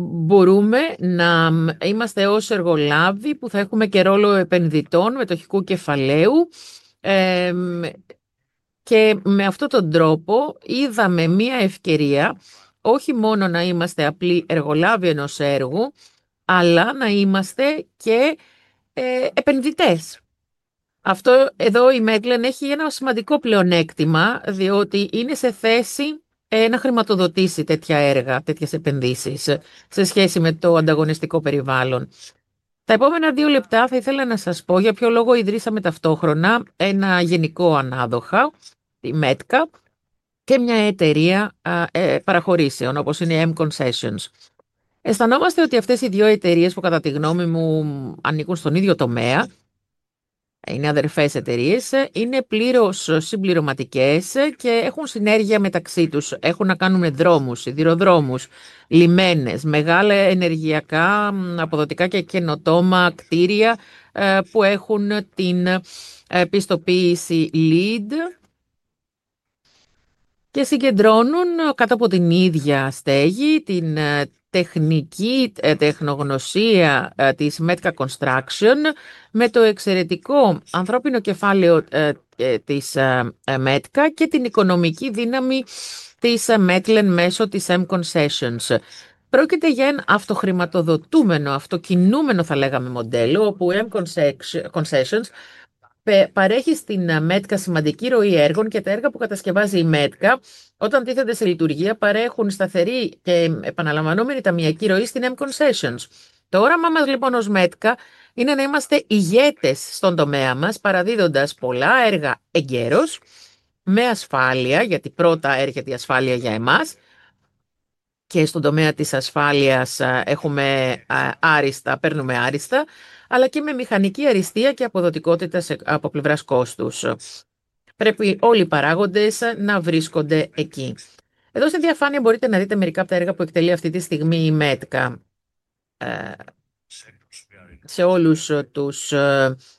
μπορούμε να είμαστε ως εργολάβοι που θα έχουμε και ρόλο επενδυτών μετοχικού κεφαλαίου, και με αυτό τον τρόπο είδαμε μία ευκαιρία όχι μόνο να είμαστε απλοί εργολάβοι ενός έργου, αλλά να είμαστε και επενδυτές. Η Metlen έχει ένα σημαντικό πλεονέκτημα, διότι είναι σε θέση να χρηματοδοτήσει τέτοια έργα, τέτοιες επενδύσεις, σε σχέση με το ανταγωνιστικό περιβάλλον. Τα επόμενα δύο λεπτά θα ήθελα να σας πω για ποιο λόγο ιδρύσαμε ταυτόχρονα ένα γενικό ανάδοχο, τη Metka, και μια εταιρεία παραχωρήσεων, όπως είναι η M Concessions. Αισθανόμαστε ότι αυτές οι δύο εταιρείες, που κατά τη γνώμη μου ανήκουν στον ίδιο τομέα, είναι αδερφές εταιρείες, είναι πλήρως συμπληρωματικές και έχουν συνέργεια μεταξύ τους. Έχουν να κάνουν με δρόμους, σιδηροδρόμους, λιμένες, μεγάλα ενεργειακά αποδοτικά και καινοτόμα κτίρια που έχουν την πιστοποίηση LEED και συγκεντρώνουν κάτω από την ίδια στέγη την τεχνική τεχνογνωσία της Metka Construction με το εξαιρετικό ανθρώπινο κεφάλαιο της Metka και την οικονομική δύναμη της Metlen μέσω της M Concessions. Πρόκειται για ένα αυτοχρηματοδοτούμενο, αυτοκινούμενο θα λέγαμε μοντέλο, όπου η M Concessions παρέχει στην Metka σημαντική ροή έργων και τα έργα που κατασκευάζει η Metka, όταν τίθενται σε λειτουργία, παρέχουν σταθερή και επαναλαμβανόμενη ταμειακή ροή στην M Concessions. Το όραμά μας, λοιπόν, ως Metka είναι να είμαστε ηγέτες στον τομέα μας, παραδίδοντας πολλά έργα εγκαίρως, με ασφάλεια, γιατί πρώτα έρχεται η ασφάλεια για εμάς και στον τομέα της ασφάλειας έχουμε άριστα, παίρνουμε άριστα, αλλά και με μηχανική αριστεία και αποδοτικότητα από πλευράς κόστους. Πρέπει όλοι οι παράγοντες να βρίσκονται εκεί. Εδώ στη διαφάνεια μπορείτε να δείτε μερικά από τα έργα που εκτελεί αυτή τη στιγμή η Metka. Σε όλους τους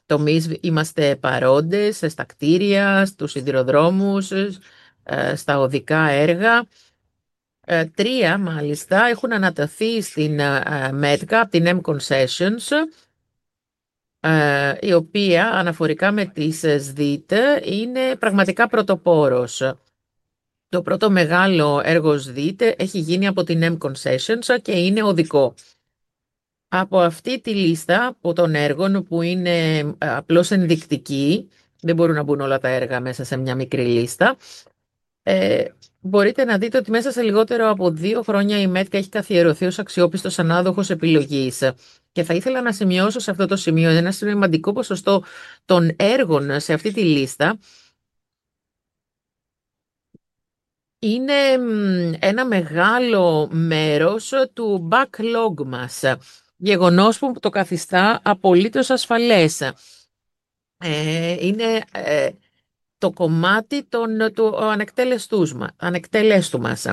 τομείς είμαστε παρόντες, στα κτίρια, στους σιδηροδρόμους, στα οδικά έργα. Τρία μάλιστα έχουν αναταθεί στην Metka από την M Concessions, η οποία αναφορικά με τις ΣΔΙΤ είναι πραγματικά πρωτοπόρος. Το πρώτο μεγάλο έργο ΣΔΙΤ έχει γίνει από την M Concessions και είναι οδικό. Από αυτή τη λίστα των έργων που είναι απλώς ενδεικτική, δεν μπορούν να μπουν όλα τα έργα μέσα σε μια μικρή λίστα, μπορείτε να δείτε ότι μέσα σε λιγότερο από δύο χρόνια η Metka έχει καθιερωθεί ως αξιόπιστος ανάδοχος επιλογής. Και θα ήθελα να σημειώσω σε αυτό το σημείο, ένα σημαντικό ποσοστό των έργων σε αυτή τη λίστα είναι ένα μεγάλο μέρος του backlog μας, γεγονός που το καθιστά απολύτως ασφαλές. Είναι το κομμάτι του ανεκτέλεστου μας.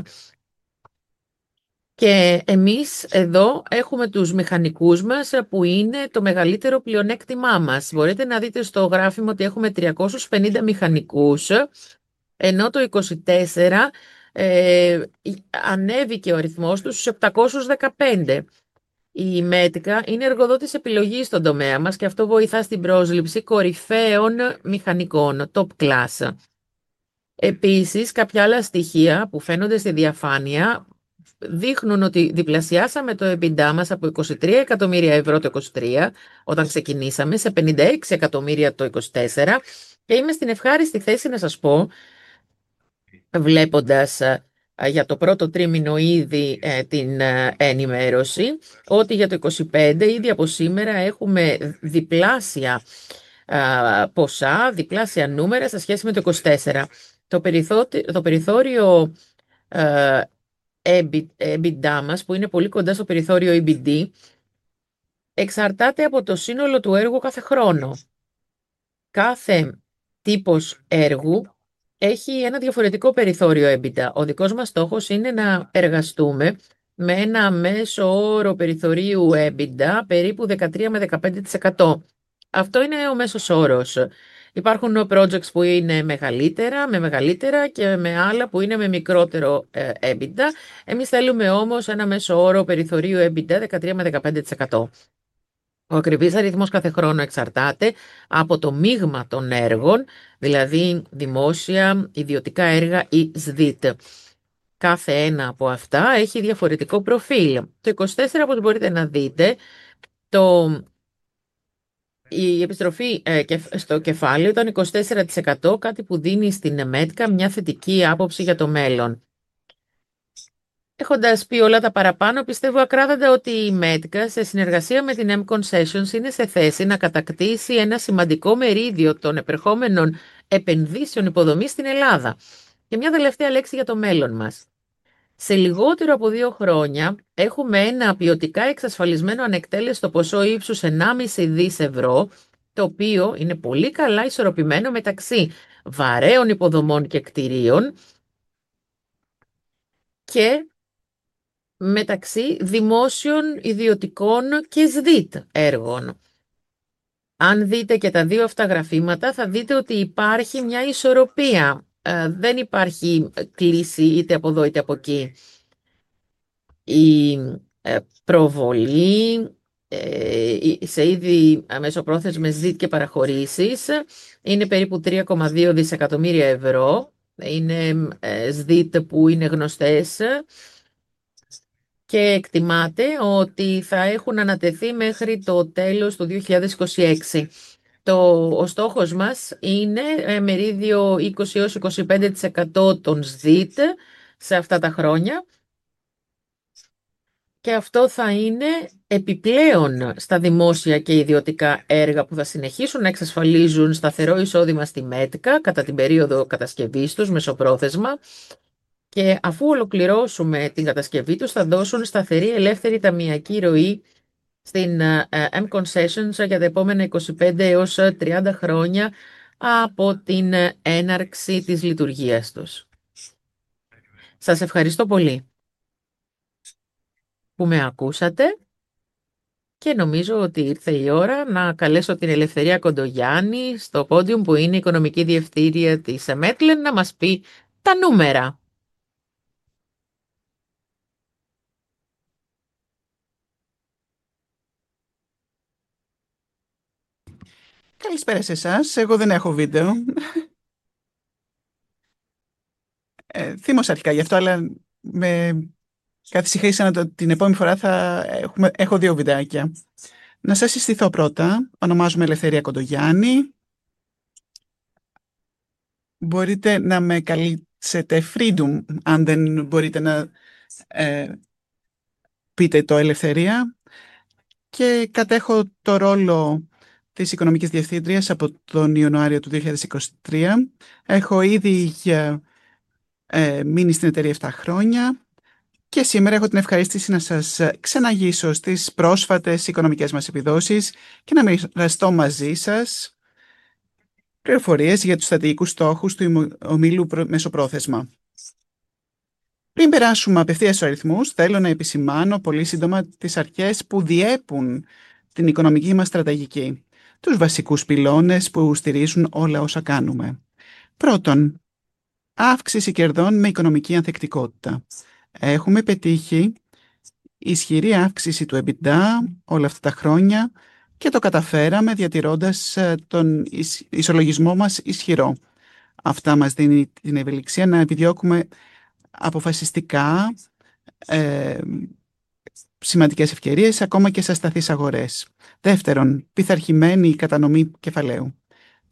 Και εμείς εδώ έχουμε τους μηχανικούς μας, που είναι το μεγαλύτερο πλεονέκτημά μας. Μπορείτε να δείτε στο γράφημα ότι έχουμε 350 μηχανικούς, ενώ το 2024 ανέβηκε ο αριθμός τους στους 715. Η Metka είναι εργοδότης επιλογής στον τομέα μας και αυτό βοηθά στην πρόσληψη κορυφαίων μηχανικών, top class. Επίσης, κάποια άλλα στοιχεία που φαίνονται στη διαφάνεια δείχνουν ότι διπλασιάσαμε το EBITDA μας από €23 εκατομμύρια το 2023, όταν ξεκινήσαμε, σε €56 εκατομμύρια το 2024. Είμαι στην ευχάριστη θέση να σας πω, βλέποντας για το πρώτο τρίμηνο ήδη την ενημέρωση, ότι για το 2025 ήδη από σήμερα έχουμε διπλάσια ποσά, διπλάσια νούμερα σε σχέση με το 2024. Το περιθώριο EBITDA μας, που είναι πολύ κοντά στο περιθώριο EBITDA, εξαρτάται από το σύνολο του έργου κάθε χρόνο. Κάθε τύπος έργου έχει ένα διαφορετικό περιθώριο EBITDA. Ο δικός μας στόχος είναι να εργαστούμε με ένα μέσο όρο περιθωρίου EBITDA περίπου 13% με 15%. Αυτό είναι ο μέσος όρος. Υπάρχουν projects που είναι μεγαλύτερα, με μεγαλύτερα και με άλλα που είναι με μικρότερο EBITDA. Εμείς θέλουμε όμως ένα μέσο όρο περιθωρίου EBITDA 13% με 15%. Ο ακριβής αριθμός κάθε χρόνο εξαρτάται από το μείγμα των έργων, δηλαδή δημόσια, ιδιωτικά έργα ή ΔΕΗΤ. Κάθε ένα από αυτά έχει διαφορετικό προφίλ. Το 2024, όπως μπορείτε να δείτε, η επιστροφή στο κεφάλαιο ήταν 24%, κάτι που δίνει στην Metka μια θετική άποψη για το μέλλον. Έχοντας πει όλα τα παραπάνω, πιστεύω ακράδαντα ότι η Metka, σε συνεργασία με την M Concessions, είναι σε θέση να κατακτήσει ένα σημαντικό μερίδιο των επερχόμενων επενδύσεων υποδομής στην Ελλάδα. Και μια τελευταία λέξη για το μέλλον μας. Σε λιγότερο από δύο χρόνια έχουμε ένα ποιοτικά εξασφαλισμένο ανεκτέλεστο ποσό ύψους €1,5 δισεκατομμύρια, το οποίο είναι πολύ καλά ισορροπημένο μεταξύ βαρέων υποδομών και κτιρίων και μεταξύ δημόσιων, ιδιωτικών και ΔΕΗΤ έργων. Αν δείτε και τα δύο αυτά γραφήματα, θα δείτε ότι υπάρχει μια ισορροπία. Δεν υπάρχει κλίση είτε από εδώ είτε από εκεί. Η προβολή σε ήδη μεσοπρόθεσμες ΔΕΗΤ και παραχωρήσεις είναι περίπου €3,2 δισεκατομμύρια. Είναι ΔΕΗΤ που είναι γνωστές και εκτιμάται ότι θα έχουν ανατεθεί μέχρι το τέλος του 2026. Ο στόχος μας είναι μερίδιο 20% έως 25% των ΔΕΗΤ σε αυτά τα χρόνια και αυτό θα είναι επιπλέον στα δημόσια και ιδιωτικά έργα που θα συνεχίσουν να εξασφαλίζουν σταθερό εισόδημα στη Metka κατά την περίοδο κατασκευής τους μεσοπρόθεσμα. Αφού ολοκληρώσουμε την κατασκευή τους, θα δώσουν σταθερή ελεύθερη ταμειακή ροή στην M Concessions για τα επόμενα 25 έως 30 χρόνια από την έναρξη της λειτουργίας τους. Σας ευχαριστώ πολύ που με ακούσατε και νομίζω ότι ήρθε η ώρα να καλέσω την Ελευθερία Κοντογιάννη στο πόντιουμ, που είναι η Οικονομική Διευθύντρια της Metlen, να μας πει τα νούμερα. Καλησπέρα σε εσάς. Εγώ δεν έχω βίντεο. Ε, θύμωσα αρχικά γι' αυτό, αλλά με καθησυχάσατε ότι την επόμενη φορά θα έχουμε, έχω δύο βιντεάκια. Να σας συστηθώ πρώτα. Ονομάζομαι Ελευθερία Κοντογιάννη. Μπορείτε να με καλείτε Freedom αν δεν μπορείτε να πείτε το Ελευθερία. Κατέχω το ρόλο της Οικονομικής Διευθύντριας από τον Ιανουάριο του 2023. Έχω ήδη μείνει στην εταιρεία 7 χρόνια και σήμερα έχω την ευχαρίστηση να σας ξεναγήσω στις πρόσφατες οικονομικές μας επιδόσεις και να μοιραστώ μαζί σας πληροφορίες για τους στρατηγικούς στόχους του ομίλου μεσοπρόθεσμα. Πριν περάσουμε απευθείας στους αριθμούς, θέλω να επισημάνω πολύ σύντομα τις αρχές που διέπουν την οικονομική μας στρατηγική, τους βασικούς πυλώνες που στηρίζουν όλα όσα κάνουμε. Πρώτον, αύξηση κερδών με οικονομική ανθεκτικότητα. Έχουμε πετύχει ισχυρή αύξηση του EBITDA όλα αυτά τα χρόνια και το καταφέραμε διατηρώντας τον ισολογισμό μας ισχυρό. Αυτά μας δίνουν την ευελιξία να επιδιώκουμε αποφασιστικά σημαντικές ευκαιρίες, ακόμα και σε ασταθείς αγορές. Δεύτερον, πειθαρχημένη κατανομή κεφαλαίου.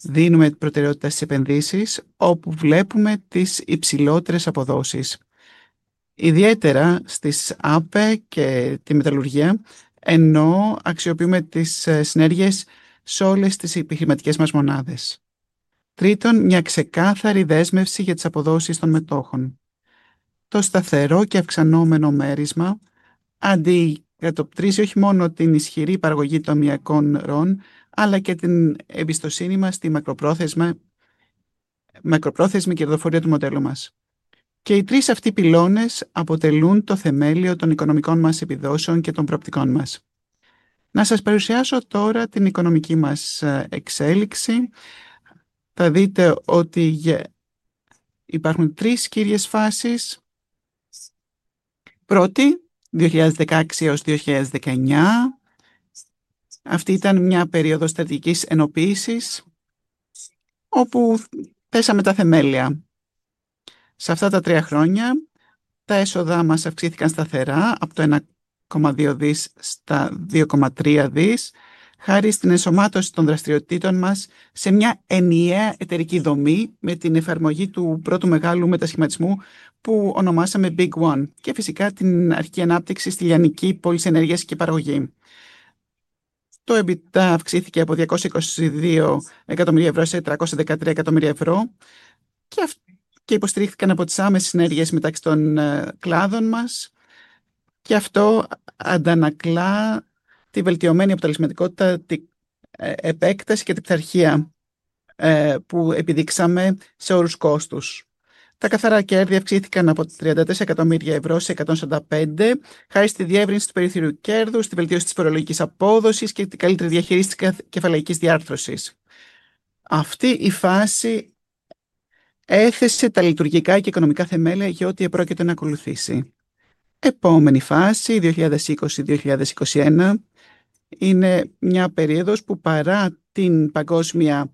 Δίνουμε προτεραιότητα στις επενδύσεις όπου βλέπουμε τις υψηλότερες αποδόσεις, ιδιαίτερα στις ΑΠΕ και τη μεταλλουργία, ενώ αξιοποιούμε τις συνέργειες σε όλες τις επιχειρηματικές μας μονάδες. Τρίτον, μια ξεκάθαρη δέσμευση για τις αποδόσεις των μετόχων. Το σταθερό και αυξανόμενο μέρισμα αντικατοπτρίζει όχι μόνο την ισχυρή παραγωγή ταμειακών ροών, αλλά και την εμπιστοσύνη μας στη μακροπρόθεσμη κερδοφορία του μοντέλου μας. Και οι τρεις αυτοί πυλώνες αποτελούν το θεμέλιο των οικονομικών μας επιδόσεων και των προοπτικών μας. Να σας παρουσιάσω τώρα την οικονομική μας εξέλιξη. Θα δείτε ότι υπάρχουν τρεις κύριες φάσεις. Πρώτη, 2016 έως 2019. Αυτή ήταν μια περίοδος στρατηγικής ενοποίησης, όπου θέσαμε τα θεμέλια. Σε αυτά τα τρία χρόνια, τα έσοδά μας αυξήθηκαν σταθερά από τα €1,2 δισεκατομμύρια στα €2,3 δισεκατομμύρια, χάρη στην ενσωμάτωση των δραστηριοτήτων μας σε μια ενιαία εταιρική δομή με την εφαρμογή του πρώτου μεγάλου μετασχηματισμού που ονομάσαμε Big One. Και φυσικά, την αρχική ανάπτυξη στη λιανική πώληση ενέργειας και παραγωγή. Το EBITDA αυξήθηκε από €222 εκατομμύρια σε €313 εκατομμύρια και υποστηρίχθηκε από τις άμεσες ενέργειες μεταξύ των κλάδων μας. Αυτό αντανακλά τη βελτιωμένη αποτελεσματικότητα, την επέκταση και την πειθαρχία που επιδείξαμε σε όρους κόστους. Τα καθαρά κέρδη αυξήθηκαν από τα €34 εκατομμύρια σε €145 εκατομμύρια, χάρη στη διεύρυνση του περιθωρίου κέρδους, στη βελτίωση της φορολογικής απόδοσης και την καλύτερη διαχείριση της κεφαλαιακής διάρθρωσης. Αυτή η φάση έθεσε τα λειτουργικά και οικονομικά θεμέλια για ό,τι επρόκειτο να ακολουθήσει. Επόμενη φάση, 2020-2021, είναι μια περίοδος που, παρά την παγκόσμια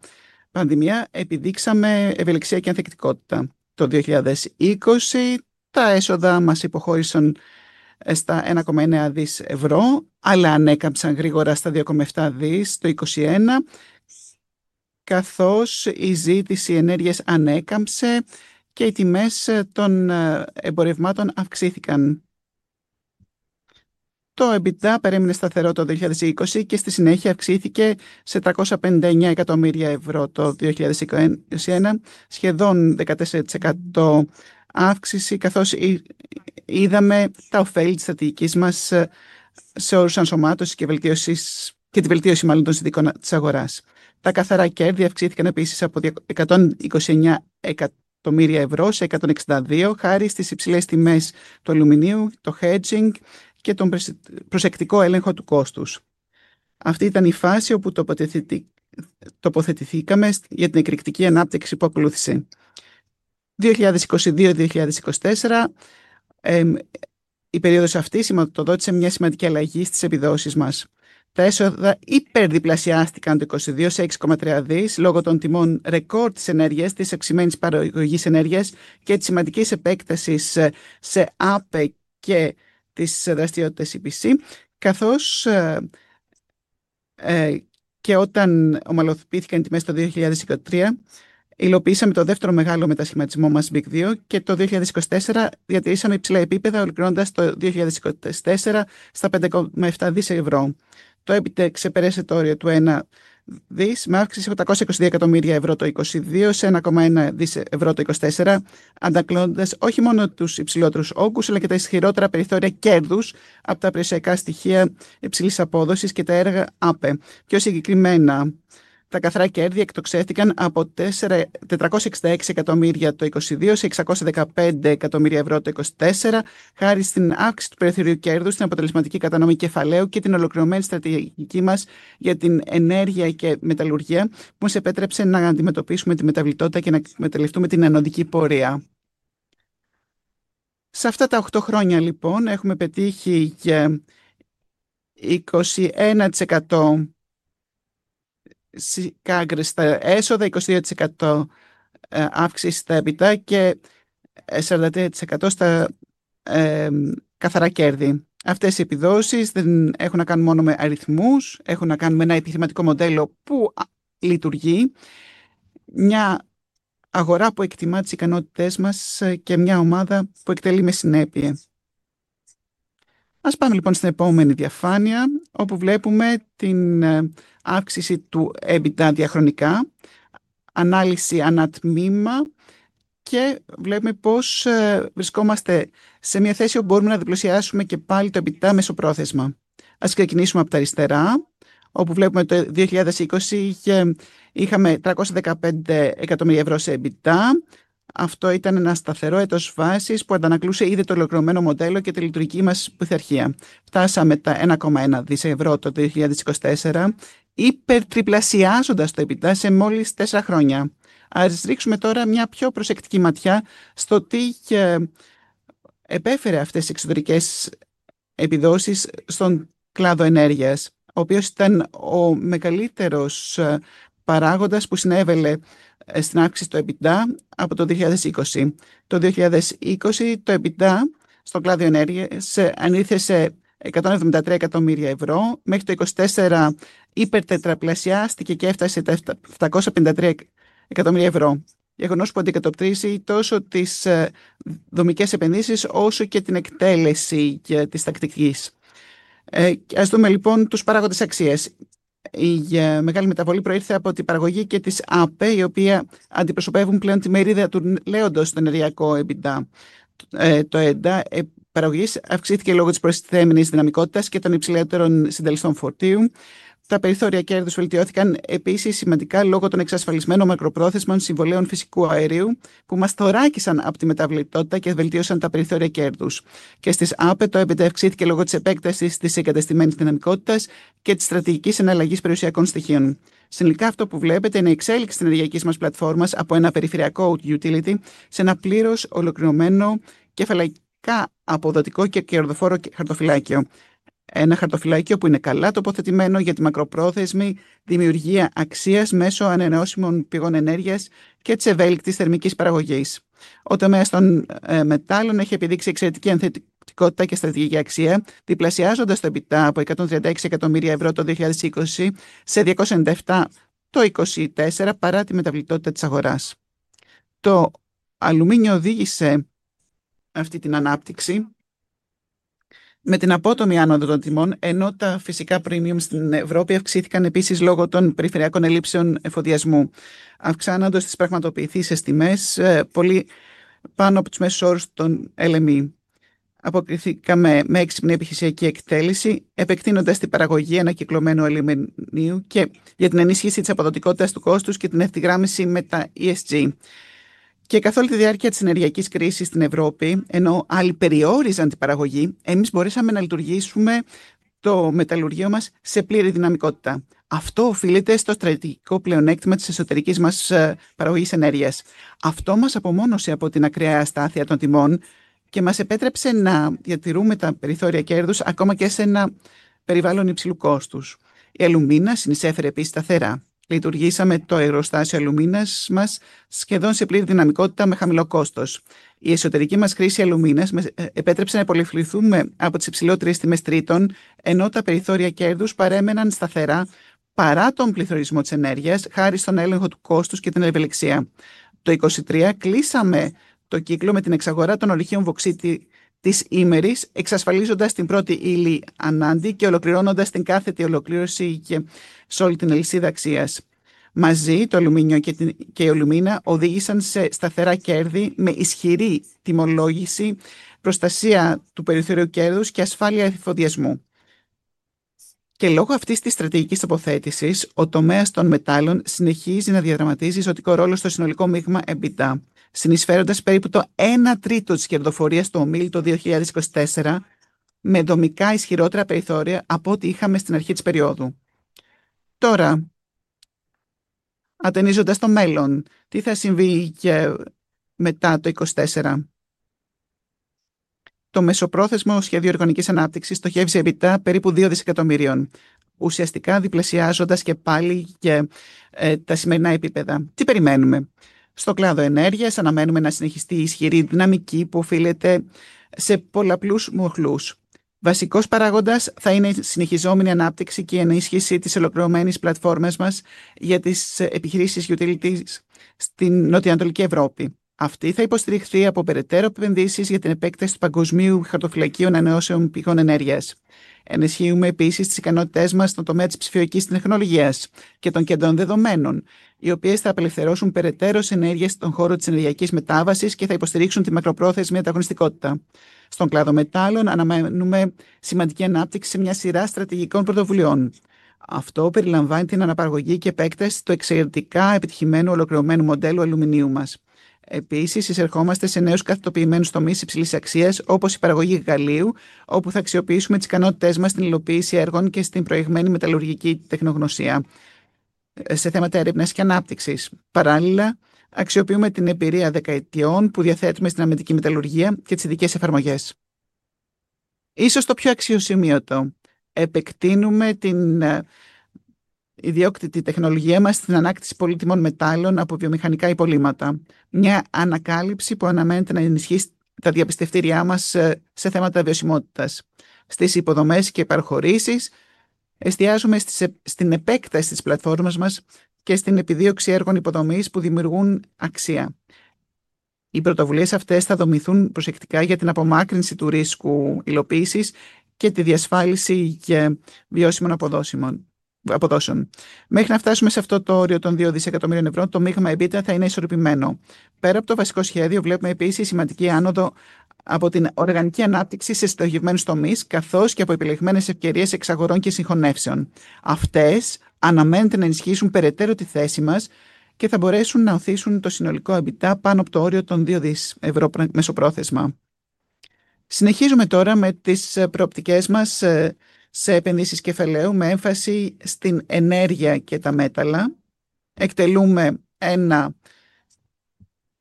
πανδημία, επιδείξαμε ευελιξία και ανθεκτικότητα. Το 2020, τα έσοδά μας υποχώρησαν στα €1,9 δισεκατομμύρια, αλλά ανέκαμψαν γρήγορα στα €2,7 δισεκατομμύρια το 2021, καθώς η ζήτηση ενέργειας ανέκαμψε και οι τιμές των εμπορευμάτων αυξήθηκαν. Το EBITDA παρέμεινε σταθερό το 2020 και στη συνέχεια αυξήθηκε σε €359 εκατομμύρια το 2021, σχεδόν 14% αύξηση, καθώς είδαμε τα οφέλη της στρατηγικής μας σε όρους ενσωμάτωσης και τη βελτίωση των συνθηκών της αγοράς. Τα καθαρά κέρδη αυξήθηκαν επίσης από €129 εκατομμύρια σε €162 εκατομμύρια, χάρη στις υψηλές τιμές του αλουμινίου, το hedging και τον προσεκτικό έλεγχο του κόστους. Αυτή ήταν η φάση όπου τοποθετηθήκαμε για την εκρηκτική ανάπτυξη που ακολούθησε. 2022-2024, η περίοδος αυτή σηματοδότησε μια σημαντική αλλαγή στις επιδόσεις μας. Τα έσοδα υπερδιπλασιάστηκαν το 2022 σε €6,3 δισεκατομμύρια λόγω των τιμών ρεκόρ της ενέργειας, της αυξημένης παραγωγής ενέργειας και της σημαντικής επέκτασης σε ΑΠΕ και τις δραστηριότητες EPC. Όταν ομαλοποιήθηκαν οι τιμές το 2023, υλοποιήσαμε το δεύτερο μεγάλο μετασχηματισμό μας, Big 2, και το 2024 διατηρήσαμε υψηλά επίπεδα, ολοκληρώνοντας το 2024 στα €5,7 δισεκατομμύρια. Το EBITDA ξεπέρασε το όριο του €1 δισεκατομμυρίου, με αύξηση από τα €822 εκατομμύρια το 2022 σε €1,1 δισεκατομμύρια το 2024, αντανακλώντας όχι μόνο τους υψηλότερους όγκους, αλλά και τα ισχυρότερα περιθώρια κέρδους από τα περιουσιακά στοιχεία υψηλής απόδοσης και τα έργα ΑΠΕ. Πιο συγκεκριμένα, τα καθαρά κέρδη εκτοξεύθηκαν από €466 εκατομμύρια το 2022 σε €615 εκατομμύρια το 2024, χάρη στην αύξηση του περιθωρίου κέρδους, στην αποτελεσματική κατανομή κεφαλαίου και την ολοκληρωμένη στρατηγική μας για την ενέργεια και μεταλλουργία, που μας επέτρεψε να αντιμετωπίσουμε τη μεταβλητότητα και να εκμεταλλευτούμε την ανοδική πορεία. Σε αυτά τα 8 χρόνια, λοιπόν, έχουμε πετύχει 21% αύξηση στα έσοδα, 22% αύξηση στα EBITDA και 43% αύξηση στα καθαρά κέρδη. Αυτές οι επιδόσεις δεν έχουν να κάνουν μόνο με αριθμούς, έχουν να κάνουν με ένα επιχειρηματικό μοντέλο που λειτουργεί, μια αγορά που εκτιμά τις ικανότητές μας και μια ομάδα που εκτελεί με συνέπεια. Ας πάμε, λοιπόν, στην επόμενη διαφάνεια, όπου βλέπουμε την αύξηση του EBITDA διαχρονικά, ανάλυση ανά τμήμα και βλέπουμε πώς βρισκόμαστε σε μια θέση όπου μπορούμε να διπλασιάσουμε και πάλι το EBITDA μεσοπρόθεσμα. Ας ξεκινήσουμε από τα αριστερά, όπου βλέπουμε ότι το 2020 είχαμε €315 εκατομμύρια σε EBITDA. Αυτό ήταν ένα σταθερό έτος βάσης που αντανακλούσε ήδη το ολοκληρωμένο μοντέλο και τη λειτουργική μας πειθαρχία. Φτάσαμε τα €1,1 δισεκατομμύρια το 2024, υπερτριπλασιάζοντας το EBITDA σε μόλις 4 χρόνια. Ας ρίξουμε τώρα μια πιο προσεκτική ματιά στο τι επέφερε αυτές τις εξαιρετικές επιδόσεις στον κλάδο ενέργειας, ο οποίος ήταν ο μεγαλύτερος παράγοντας που συνέβαλλε στην αύξηση του EBITDA από το 2020. Το 2020, το EBITDA στον κλάδο ενέργειας ανήλθε σε €173 εκατομμύρια, μέχρι το 2024 υπερτετραπλασιάστηκε και έφτασε τα €753 εκατομμύρια, γεγονός που αντικατοπτρίζει τόσο τις δομικές επενδύσεις όσο και την εκτέλεση της τακτικής. Ας δούμε, λοιπόν, τους παράγοντες αξίας. Η μεγάλη μεταβολή προήλθε από την παραγωγή και τις ΑΠΕ, οι οποίες αντιπροσωπεύουν πλέον τη μερίδα του λέοντος στον ενεργειακό EBITDA. Το EBITDA παραγωγής αυξήθηκε λόγω της προστιθέμενης δυναμικότητας και των υψηλότερων συντελεστών φορτίου. Τα περιθώρια κέρδους βελτιώθηκαν επίσης σημαντικά λόγω των εξασφαλισμένων μακροπρόθεσμων συμβολαίων φυσικού αερίου, που μας θωράκισαν από τη μεταβλητότητα και βελτίωσαν τα περιθώρια κέρδους. Στις ΑΠΕ, το EBITDA αυξήθηκε λόγω της επέκτασης της εγκατεστημένης δυναμικότητας και της στρατηγικής εναλλαγής περιουσιακών στοιχείων. Συνολικά, αυτό που βλέπετε είναι η εξέλιξη της ενεργειακής μας πλατφόρμας από ένα περιφερειακό utility σε ένα πλήρως ολοκληρωμένο, κεφαλαιακά αποδοτικό και κερδοφόρο χαρτοφυλάκιο. Ένα χαρτοφυλάκιο που είναι καλά τοποθετημένο για τη μακροπρόθεσμη δημιουργία αξίας μέσω ανανεώσιμων πηγών ενέργειας και της ευέλικτης θερμικής παραγωγής. Ο τομέας των μετάλλων έχει επιδείξει εξαιρετική ανθεκτικότητα και στρατηγική αξία, διπλασιάζοντας το EBITDA από €136 εκατομμύρια το 2020 σε €297 εκατομμύρια το 2024, παρά τη μεταβλητότητα της αγοράς. Το αλουμίνιο οδήγησε αυτή την ανάπτυξη με την απότομη άνοδο των τιμών, ενώ τα φυσικά premium στην Ευρώπη αυξήθηκαν επίσης λόγω των περιφερειακών ελλείψεων εφοδιασμού, αυξάνοντας τις πραγματοποιήσεις σε τιμές πολύ πάνω από τους μέσους όρους των LME. Αποκριθήκαμε με έξυπνη επιχειρησιακή εκτέλεση, επεκτείνοντας την παραγωγή ανακυκλωμένου αλουμινίου για την ενίσχυση της αποδοτικότητας του κόστους και την ευθυγράμμιση με τα ESG. Καθ' όλη τη διάρκεια της ενεργειακής κρίσης στην Ευρώπη, ενώ άλλοι περιόριζαν την παραγωγή, εμείς μπορέσαμε να λειτουργήσουμε το μεταλλουργείο μας σε πλήρη δυναμικότητα. Αυτό οφείλεται στο στρατηγικό πλεονέκτημα της εσωτερικής μας παραγωγής ενέργειας. Αυτό μας απομόνωσε από την ακραία αστάθεια των τιμών και μας επέτρεψε να διατηρούμε τα περιθώρια κέρδους ακόμα και σε ένα περιβάλλον υψηλού κόστους. Η αλουμίνα συνεισέφερε επίσης σταθερά. Λειτουργήσαμε το εργοστάσιο αλουμίνας μας σχεδόν σε πλήρη δυναμικότητα με χαμηλό κόστος. Η εσωτερική μας χρήση αλουμίνας μας επέτρεψε να επωφεληθούμε από τις υψηλότερες τιμές τρίτων, ενώ τα περιθώρια κέρδους παρέμεναν σταθερά, παρά τον πληθωρισμό της ενέργειας, χάρη στον έλεγχο του κόστους και την ευελιξία. Το 2023 κλείσαμε τον κύκλο με την εξαγορά των ορυχείων βωξίτη της Ίμερης, εξασφαλίζοντας την πρώτη ύλη ανάγκη και ολοκληρώνοντας την κάθετη ολοκλήρωση σε όλη την αλυσίδα αξίας. Μαζί, το αλουμίνιο και η αλουμίνα οδήγησαν σε σταθερά κέρδη με ισχυρή τιμολόγηση, προστασία του περιθωρίου κέρδους και ασφάλεια εφοδιασμού. Λόγω αυτής της στρατηγικής τοποθέτησης, ο τομέας των μετάλλων συνεχίζει να διαδραματίζει ζωτικό ρόλο στο συνολικό μείγμα EBITDA, συνεισφέροντας περίπου το 1/3 της κερδοφορίας του ομίλου το 2024, με δομικά ισχυρότερα περιθώρια από ό,τι είχαμε στην αρχή της περιόδου. Τώρα, ατενίζοντας το μέλλον, τι θα συμβεί και μετά το 2024; Το μεσοπρόθεσμο σχέδιο οργανικής ανάπτυξης στοχεύει σε EBITDA περίπου €2 δισεκατομμυρίων, ουσιαστικά διπλασιάζοντας και πάλι τα σημερινά επίπεδα. Τι περιμένουμε; Στον κλάδο ενέργειας αναμένουμε να συνεχιστεί η ισχυρή δυναμική που οφείλεται σε πολλαπλούς μοχλούς. Βασικός παράγοντας θα είναι η συνεχιζόμενη ανάπτυξη και η ενίσχυση της ολοκληρωμένης πλατφόρμας μας για τις επιχειρήσεις utilities στη νοτιοανατολική Ευρώπη. Αυτή θα υποστηριχθεί από περαιτέρω επενδύσεις για την επέκταση του παγκοσμίου χαρτοφυλακίου ανανεώσιμων πηγών ενέργειας. Ενισχύουμε επίσης τις ικανότητές μας στον τομέα της ψηφιακής τεχνολογίας και των κέντρων δεδομένων, οι οποίες θα απελευθερώσουν περαιτέρω ενέργεια στον χώρο της ενεργειακής μετάβασης και θα υποστηρίξουν τη μακροπρόθεσμη ανταγωνιστικότητα. Στον κλάδο μετάλλων αναμένουμε σημαντική ανάπτυξη σε μια σειρά στρατηγικών πρωτοβουλιών. Αυτό περιλαμβάνει την αναπαραγωγή και επέκταση του εξαιρετικά επιτυχημένου ολοκληρωμένου μοντέλου αλουμινίου μας. Επίσης, εισερχόμαστε σε νέους κατατοπισμένους τομείς υψηλής αξίας, όπως η παραγωγή γαλλίου, όπου θα αξιοποιήσουμε τις ικανότητές μας στην υλοποίηση έργων και στην προηγμένη μεταλλουργική τεχνογνωσία σε θέματα έρευνας και ανάπτυξης. Παράλληλα, αξιοποιούμε την εμπειρία δεκαετιών που διαθέτουμε στην αμυντική μεταλλουργία και τις ειδικές εφαρμογές. Ίσως το πιο αξιοσημείωτο: επεκτείνουμε την ιδιόκτητη τεχνολογία μας στην ανάκτηση πολύτιμων μετάλλων από βιομηχανικά υπολείμματα, μια ανακάλυψη που αναμένεται να ενισχύσει τα διαπιστευτήριά μας σε θέματα βιωσιμότητας. Στις υποδομές και παραχωρήσεις, εστιάζουμε στην επέκταση της πλατφόρμας μας και στην επιδίωξη έργων υποδομής που δημιουργούν αξία. Οι πρωτοβουλίες αυτές θα δομηθούν προσεκτικά για την απομάκρυνση του ρίσκου υλοποίησης και τη διασφάλιση βιώσιμων αποδόσεων. Μέχρι να φτάσουμε σε αυτό το όριο των €2 δισεκατομμυρίων, το μείγμα EBITDA θα είναι ισορροπημένο. Πέρα από το βασικό σχέδιο, βλέπουμε επίσης σημαντική άνοδο από την οργανική ανάπτυξη σε συνταγμένους τομείς, καθώς και από επιλεγμένες ευκαιρίες εξαγορών και συγχωνεύσεων. Αυτές αναμένεται να ενισχύσουν περαιτέρω τη θέση μας και θα μπορέσουν να ωθήσουν το συνολικό EBITDA πάνω από το όριο των €2 δισεκατομμυρίων μεσοπρόθεσμα. Συνεχίζουμε τώρα με τις προοπτικές μας σε επενδύσεις κεφαλαίου, με έμφαση στην ενέργεια και τα μέταλλα. Εκτελούμε ένα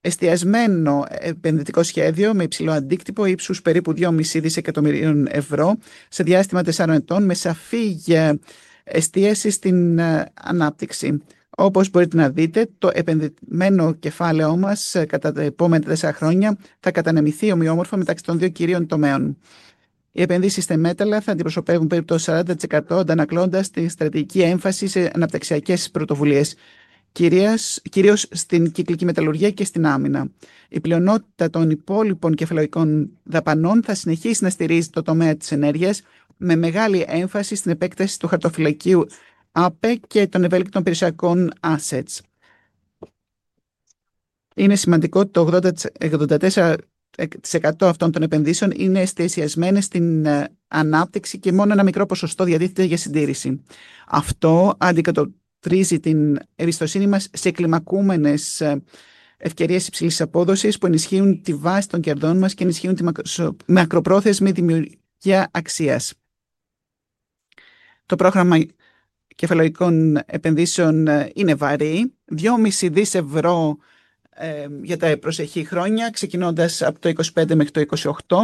εστιασμένο επενδυτικό σχέδιο με υψηλό αντίκτυπο, ύψους περίπου €2,5 δισεκατομμυρίων, σε διάστημα 4 ετών, με σαφή εστίαση στην ανάπτυξη. Όπως μπορείτε να δείτε, το επενδυμένο κεφάλαιό μας κατά τα επόμενα 4 χρόνια θα κατανεμηθεί ομοιόμορφα μεταξύ των δύο κυρίων τομέων. Οι επενδύσεις στα μέταλλα θα αντιπροσωπεύουν περίπου το 40%, αντανακλώντας τη στρατηγική έμφαση σε αναπτυξιακές πρωτοβουλίες, κυρίως στην κυκλική μεταλλουργία και στην άμυνα. Η πλειονότητα των υπόλοιπων κεφαλαιακών δαπανών θα συνεχίσει να στηρίζει τον τομέα της ενέργειας, με μεγάλη έμφαση στην επέκταση του χαρτοφυλακίου ΑΠΕ και των ευέλικτων περιουσιακών στοιχείων. Είναι σημαντικό ότι το 84% αυτών των επενδύσεων είναι εστιασμένες στην ανάπτυξη και μόνο ένα μικρό ποσοστό διατίθεται για συντήρηση. Αυτό αντικατοπτρίζει την εμπιστοσύνη μας σε κλιμακούμενες ευκαιρίες υψηλής απόδοσης, που ενισχύουν τη βάση των κερδών μας και ενισχύουν τη μακροπρόθεσμη δημιουργία αξίας. Το πρόγραμμα κεφαλαιακών επενδύσεων είναι βαρύ: €2,5 δισεκατομμύρια για τα προσεχή χρόνια, ξεκινώντας από το 2025 μέχρι το 2028.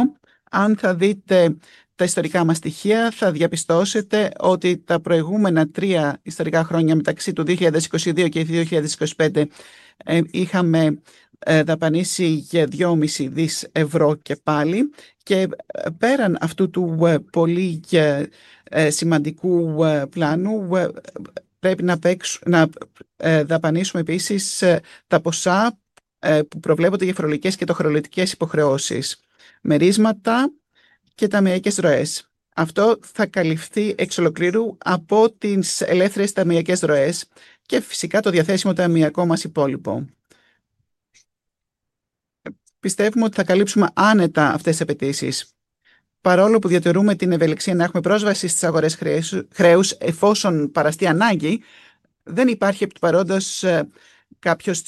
Αν δείτε τα ιστορικά μας στοιχεία, θα διαπιστώσετε ότι τα προηγούμενα τρία ιστορικά χρόνια, μεταξύ του 2022 και του 2025, είχαμε δαπανήσει €2,5 δισεκατομμύρια και πάλι. Πέραν αυτού του πολύ σημαντικού πλάνου, πρέπει να δαπανήσουμε επίσης τα ποσά που προβλέπονται για φορολογικές και τοκογλωτικές υποχρεώσεις, μερίσματα και ταμειακές ροές. Αυτό θα καλυφθεί εξ ολοκλήρου από τις ελεύθερες ταμειακές ροές και φυσικά το διαθέσιμο ταμειακό μας υπόλοιπο. Πιστεύουμε ότι θα καλύψουμε άνετα αυτές τις απαιτήσεις. Παρόλο που διατηρούμε την ευελιξία να έχουμε πρόσβαση στις αγορές χρέους, εφόσον παραστεί ανάγκη, δεν υπάρχει επί του παρόντος κάποιος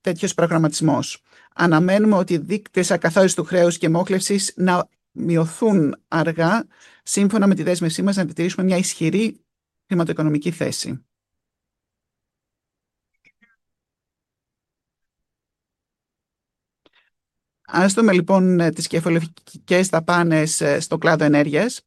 τέτοιος προγραμματισμός. Αναμένουμε ότι οι δείκτες καθαρού χρέους και μόχλευσης θα μειωθούν σταδιακά, σύμφωνα με τη δέσμευσή μας να διατηρήσουμε μια ισχυρή χρηματοοικονομική θέση. Ας δούμε, λοιπόν, τις κεφαλαιακές δαπάνες στον κλάδο ενέργειας.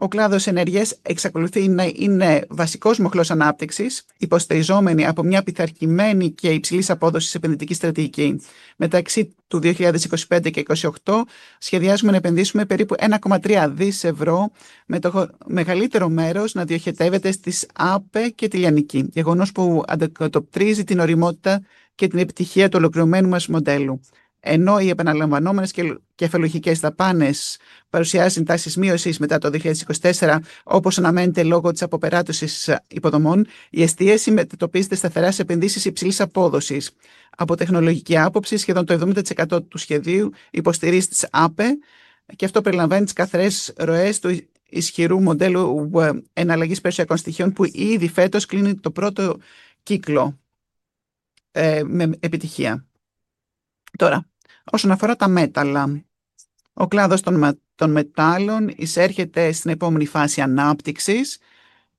Ο κλάδος ενέργειας εξακολουθεί να είναι βασικός μοχλός ανάπτυξης, υποστηριζόμενος από μια πειθαρχημένη και υψηλής απόδοσης επενδυτική στρατηγική. Μεταξύ του 2025 και 2028, σχεδιάζουμε να επενδύσουμε περίπου €1,3 δισεκατομμύρια, με το μεγαλύτερο μέρος να διοχετεύεται στις ΑΠΕ και τη λιανική, γεγονός που αντικατοπτρίζει την ωριμότητα και την επιτυχία του ολοκληρωμένου μας μοντέλου. Ενώ οι επαναλαμβανόμενες κεφαλαιακές δαπάνες παρουσιάζουν τάσεις μείωσης μετά το 2024, όπως αναμένεται λόγω της αποπεράτωσης υποδομών, η εστίαση μετατοπίζεται σταθερά σε επενδύσεις υψηλής απόδοσης. Από τεχνολογική άποψη, σχεδόν το 70% του σχεδίου υποστηρίζει τις ΑΠΕ και αυτό περιλαμβάνει τις καθαρές ροές του ισχυρού μοντέλου εναλλαγής περιουσιακών στοιχείων, που ήδη φέτος κλείνει τον πρώτο κύκλο με επιτυχία. Τώρα, όσον αφορά τα μέταλλα, ο κλάδος των μετάλλων εισέρχεται στην επόμενη φάση ανάπτυξης,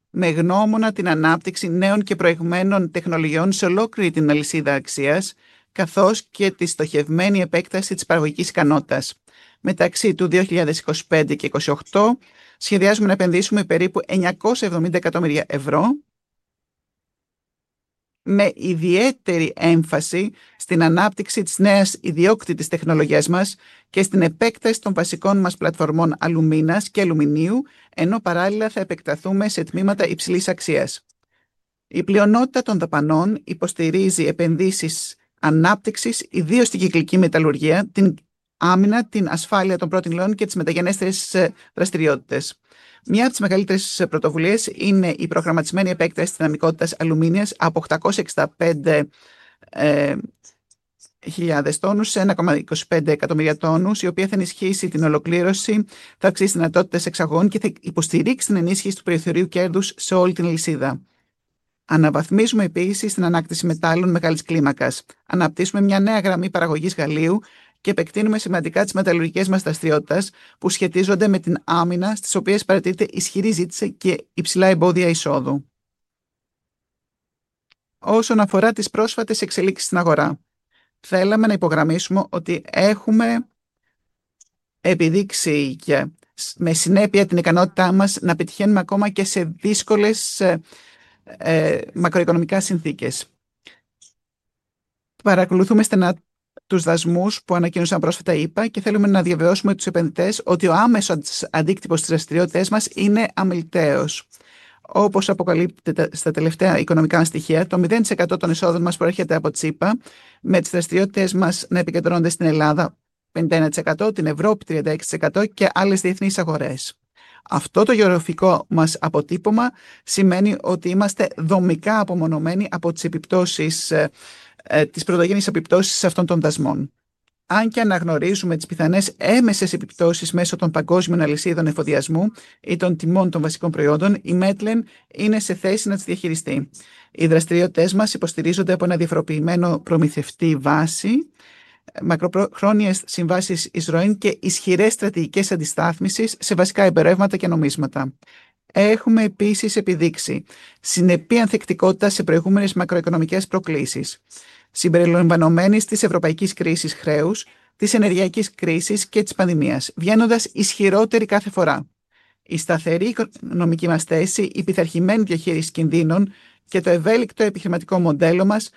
με γνώμονα την ανάπτυξη νέων και προηγμένων τεχνολογιών σε ολόκληρη την αλυσίδα αξίας, καθώς και τη στοχευμένη επέκταση της παραγωγικής ικανότητας. Μεταξύ του 2025 και 2028, σχεδιάζουμε να επενδύσουμε περίπου €970 εκατομμύρια, με ιδιαίτερη έμφαση στην ανάπτυξη της νέας ιδιόκτητης τεχνολογίας μας και στην επέκταση των βασικών μας πλατφορμών αλουμίνας και αλουμινίου, ενώ παράλληλα θα επεκταθούμε σε τμήματα υψηλής αξίας. Η πλειονότητα των δαπανών υποστηρίζει επενδύσεις ανάπτυξης, ιδίως στην κυκλική μεταλλουργία, την άμυνα, την ασφάλεια των πρώτων υλών και τις μεταγενέστερες δραστηριότητες. Μία από τις μεγαλύτερες πρωτοβουλίες είναι η προγραμματισμένη επέκταση της δυναμικότητας αλουμίνιας από 865.000 τόνους σε 1,25 εκατομμύρια τόνους, η οποία θα ενισχύσει την ολοκλήρωση, θα αυξήσει τις δυνατότητες εξαγών και θα υποστηρίξει την ενίσχυση του περιθωρίου κέρδους σε όλη την αλυσίδα. Αναβαθμίζουμε επίσης την ανάκτηση μετάλλων μεγάλης κλίμακας. Αναπτύσσουμε μια νέα γραμμή παραγωγής γαλλίου και επεκτείνουμε σημαντικά τις μεταλλουργικές μας δραστηριότητες που σχετίζονται με την άμυνα, στις οποίες παρατηρείται ισχυρή ζήτηση και υψηλά εμπόδια εισόδου. Όσον αφορά τις πρόσφατες εξελίξεις στην αγορά, θέλαμε να υπογραμμίσουμε ότι έχουμε επιδείξει και με συνέπεια την ικανότητά μας να πετυχαίνουμε ακόμα και σε δύσκολες μακροοικονομικά συνθήκες. Παρακολουθούμε στενά τους δασμούς που ανακοίνωσαν πρόσφατα οι ΗΠΑ και θέλουμε να διαβεβαιώσουμε τους επενδυτές ότι ο άμεσος αντίκτυπος στις δραστηριότητές μας είναι αμελητέος. Όπως αποκαλύπτεται στα τελευταία οικονομικά μας στοιχεία, το 0% των εσόδων μας προέρχεται από τις ΗΠΑ, με τις δραστηριότητές μας να επικεντρώνονται στην Ελλάδα 51%, την Ευρώπη 36% και άλλες διεθνείς αγορές. Αυτό το γεωγραφικό μας αποτύπωμα σημαίνει ότι είμαστε δομικά απομονωμένοι από τις πρωτογενείς επιπτώσεις αυτών των δασμών. Αν και αναγνωρίζουμε τις πιθανές έμμεσες επιπτώσεις μέσω των παγκόσμιων αλυσίδων εφοδιασμού ή των τιμών των βασικών προϊόντων, η Metlen είναι σε θέση να τις διαχειριστεί. Οι δραστηριότητές μας υποστηρίζονται από μια διαφοροποιημένη βάση προμηθευτών, μακροχρόνιες συμβάσεις εισροών και ισχυρές στρατηγικές αντιστάθμισης σε βασικά εμπορεύματα και νομίσματα. Έχουμε επίσης επιδείξει συνεπή ανθεκτικότητα σε προηγούμενες μακροοικονομικές προκλήσεις, συμπεριλαμβανομένης της ευρωπαϊκής κρίσης χρέους, της ενεργειακής κρίσης και της πανδημίας, βγαίνοντας ισχυρότεροι κάθε φορά. Η σταθερή οικονομική μας θέση, η πειθαρχημένη διαχείριση κινδύνων και το ευέλικτο επιχειρηματικό μοντέλο μας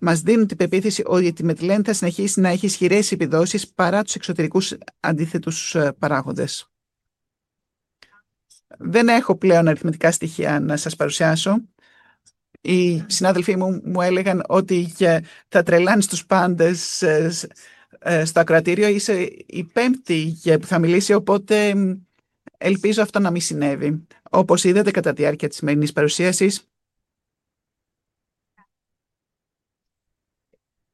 μας δίνουν την πεποίθηση ότι η Metlen θα συνεχίσει να έχει ισχυρές επιδόσεις παρά τους εξωτερικούς αντίθετους παράγοντες. Δεν έχω πλέον αριθμητικά στοιχεία να σας παρουσιάσω. Οι συνάδελφοί μου μου έλεγαν ότι θα τρελάνεις τους πάντες στο ακροατήριο. Είσαι η πέμπτη που θα μιλήσει, οπότε ελπίζω αυτό να μην συνέβη. Όπως είδατε κατά τη διάρκεια της σημερινής παρουσίασης,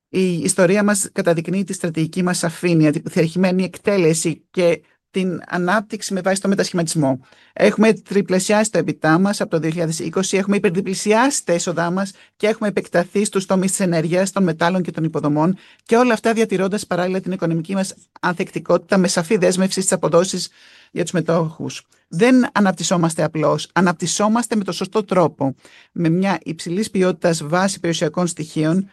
η ιστορία μας καταδεικνύει τη στρατηγική μας σαφήνεια, την πειθαρχημένη εκτέλεση και την ανάπτυξη με βάση τον μετασχηματισμό. Έχουμε τριπλασιάσει τα έσοδά μας από το 2020, έχουμε υπερδιπλασιάσει τα έσοδά μας και έχουμε επεκταθεί στους τομείς της ενέργειας, των μετάλλων και των υποδομών, και όλα αυτά διατηρώντας παράλληλα την οικονομική μας ανθεκτικότητα με σαφή δέσμευση στις αποδόσεις για τους μετόχους. Δεν αναπτυσσόμαστε απλώς. Αναπτυσσόμαστε με τον σωστό τρόπο, με μια υψηλής ποιότητας βάση περιουσιακών στοιχείων,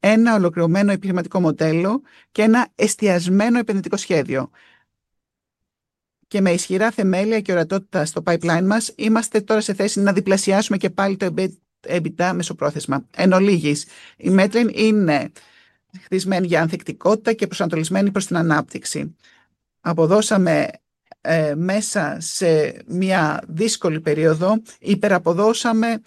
ένα ολοκληρωμένο επιχειρηματικό μοντέλο και ένα εστιασμένο επενδυτικό σχέδιο. Και με ισχυρά θεμέλια και ορατότητα στο pipeline μας, είμαστε τώρα σε θέση να διπλασιάσουμε και πάλι το EBITDA μεσοπρόθεσμα. Εν ολίγοις, η Metlen είναι χτισμένη για ανθεκτικότητα και προσανατολισμένη προς την ανάπτυξη. Αποδώσαμε μέσα σε μια δύσκολη περίοδο, υπεραποδώσαμε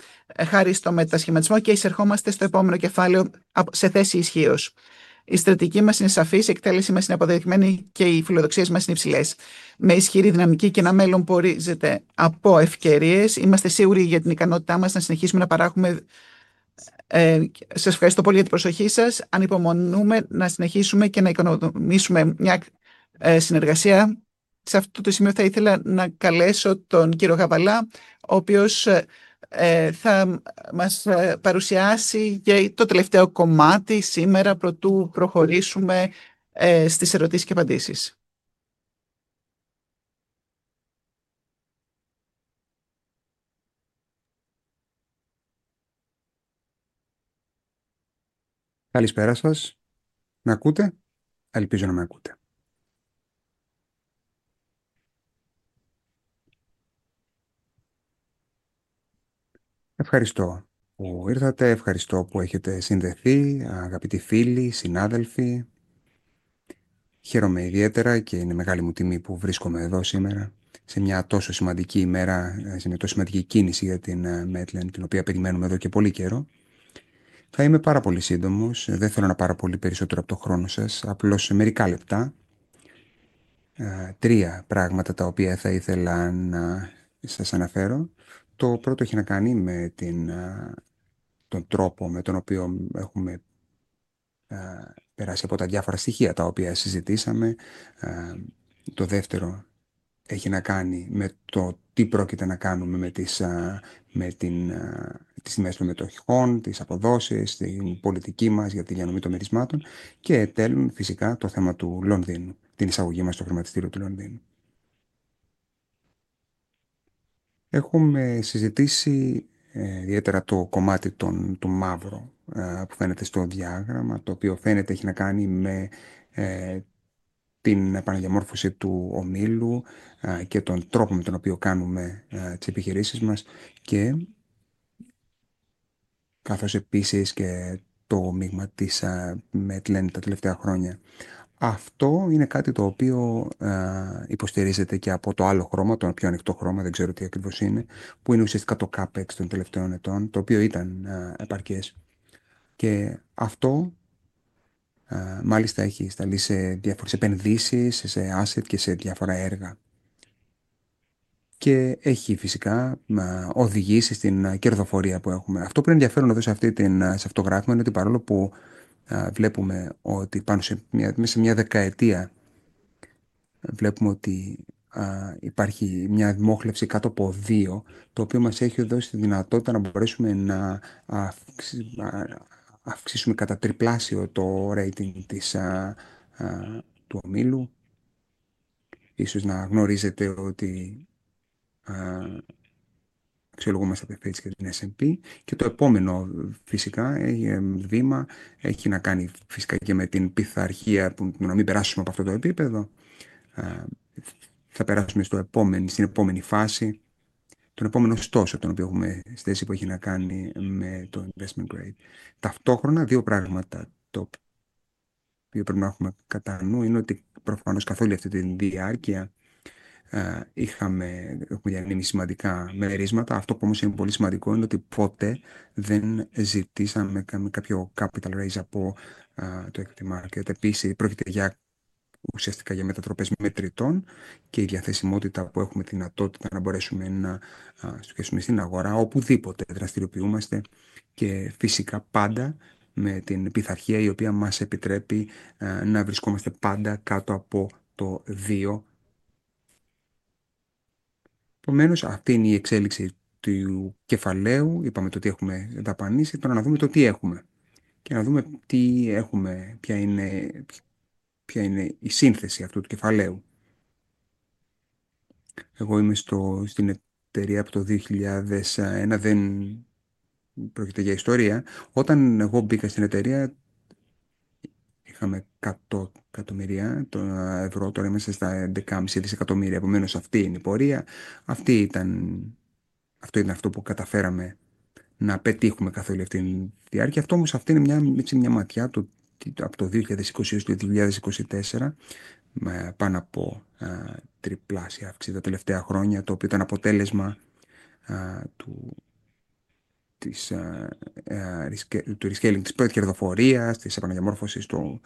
χάρη στον μετασχηματισμό και εισερχόμαστε στο επόμενο κεφάλαιο σε θέση ισχύος. Η στρατηγική μας είναι σαφής, η εκτέλεσή μας είναι αποδεδειγμένη και οι φιλοδοξίες μας είναι υψηλές. Με ισχυρή δυναμική και ένα μέλλον που ορίζεται από ευκαιρίες, είμαστε σίγουροι για την ικανότητά μας να συνεχίσουμε να παράγουμε. Σας ευχαριστώ πολύ για την προσοχή σας. Ανυπομονούμε να συνεχίσουμε και να οικοδομήσουμε μια συνεργασία. Σε αυτό το σημείο θα ήθελα να καλέσω τον Κύριο Γαβαλά, ο οποίος θα μας παρουσιάσει και το τελευταίο κομμάτι σήμερα, προτού προχωρήσουμε στις ερωτήσεις και απαντήσεις. Καλησπέρα σας. Με ακούτε; Ελπίζω να με ακούτε. Ευχαριστώ που ήρθατε, ευχαριστώ που έχετε συνδεθεί, αγαπητοί φίλοι, συνάδελφοι. Χαίρομαι ιδιαίτερα και είναι μεγάλη μου τιμή που βρίσκομαι εδώ σήμερα, σε μια τόσο σημαντική ημέρα, σε μια τόσο σημαντική κίνηση για την Metlen, την οποία περιμένουμε εδώ και πολύ καιρό. Θα είμαι πάρα πολύ σύντομος, δεν θέλω να πάρω πολύ περισσότερο από το χρόνο σας, απλώς μερικά λεπτά. Τρία πράγματα τα οποία θα ήθελα να σας αναφέρω. Το πρώτο έχει να κάνει με τον τρόπο με τον οποίο έχουμε περάσει από τα διάφορα στοιχεία τα οποία συζητήσαμε. Το δεύτερο έχει να κάνει με το τι πρόκειται να κάνουμε με τις τιμές των μετοχών, τις αποδόσεις, την πολιτική μας για τη διανομή των μερισμάτων και, εντέλου, φυσικά, το θέμα του Λονδίνου, την εισαγωγή μας στο χρηματιστήριο του Λονδίνου. Έχουμε συζητήσει ιδιαίτερα το κομμάτι του μαύρου που φαίνεται στο διάγραμμα, το οποίο φαίνεται έχει να κάνει με την επαναδιαμόρφωση του ομίλου και τον τρόπο με τον οποίο κάνουμε τις επιχειρήσεις μας, καθώς επίσης και το μείγμα της Metlen τα τελευταία χρόνια. Αυτό είναι κάτι το οποίο υποστηρίζεται και από το άλλο χρώμα, το πιο ανοιχτό χρώμα, δεν ξέρω τι ακριβώς είναι, που είναι ουσιαστικά το CAPEX των τελευταίων ετών, το οποίο ήταν επαρκές. Αυτό, μάλιστα, έχει σταλεί σε διάφορες επενδύσεις, σε assets και σε διάφορα έργα και έχει, φυσικά, οδηγήσει στην κερδοφορία που έχουμε. Αυτό που είναι ενδιαφέρον εδώ σε αυτό το γράφημα είναι ότι, παρόλο που βλέπουμε ότι πάνω σε μια δεκαετία, βλέπουμε ότι υπάρχει μια μόχλευση κάτω από δύο, το οποίο μας έχει δώσει τη δυνατότητα να μπορέσουμε να αυξήσουμε κατά τριπλάσιο το rating του ομίλου. Ίσως να γνωρίζετε ότι αξιολογούμαστε από τη Fitch και την S&P και το επόμενο, φυσικά, βήμα έχει να κάνει, φυσικά, και με την πειθαρχία του να μην περάσουμε από αυτό το επίπεδο. Θα περάσουμε στην επόμενη φάση, τον επόμενο στόχο τον οποίο έχουμε θέσει, που έχει να κάνει με το investment grade. Ταυτόχρονα, δύο πράγματα τα οποία πρέπει να έχουμε κατά νου είναι ότι, προφανώς, καθ' όλη αυτή τη διάρκεια είχαμε, έχουμε διανείμει σημαντικά μερίσματα. Αυτό που όμως είναι πολύ σημαντικό είναι ότι ποτέ δεν ζητήσαμε κάποιο capital raise από το equity market. Επίσης, πρόκειται για, ουσιαστικά, για μετατροπές μετρητών και η διαθεσιμότητα που έχουμε, τη δυνατότητα να μπορέσουμε να χρησιμοποιήσουμε στην αγορά, οπουδήποτε δραστηριοποιούμαστε και, φυσικά, πάντα με την πειθαρχία η οποία μας επιτρέπει να βρισκόμαστε πάντα κάτω από το δύο. Επομένως, αυτή είναι η εξέλιξη του κεφαλαίου. Είπαμε το τι έχουμε δαπανήσει, τώρα να δούμε το τι έχουμε και να δούμε τι έχουμε, ποια είναι η σύνθεση αυτού του κεφαλαίου. Εγώ είμαι στην εταιρεία από το 2001, δεν πρόκειται για ιστορία. Όταν εγώ μπήκα στην εταιρεία, είχαμε €100 εκατομμύρια, τώρα είμαστε στα €11,5 δισεκατομμύρια. Επομένως, αυτή είναι η πορεία. Αυτή ήταν, αυτό ήταν αυτό που καταφέραμε να πετύχουμε καθ' όλη αυτή τη διάρκεια. Αυτό όμως, αυτή είναι μια ματιά από το 2020 έως το 2024, με πάνω από τριπλάσια αύξηση τα τελευταία χρόνια, το οποίο ήταν αποτέλεσμα της rescaling, της πρώτης κερδοφορίας, της επαναδιαμόρφωσης του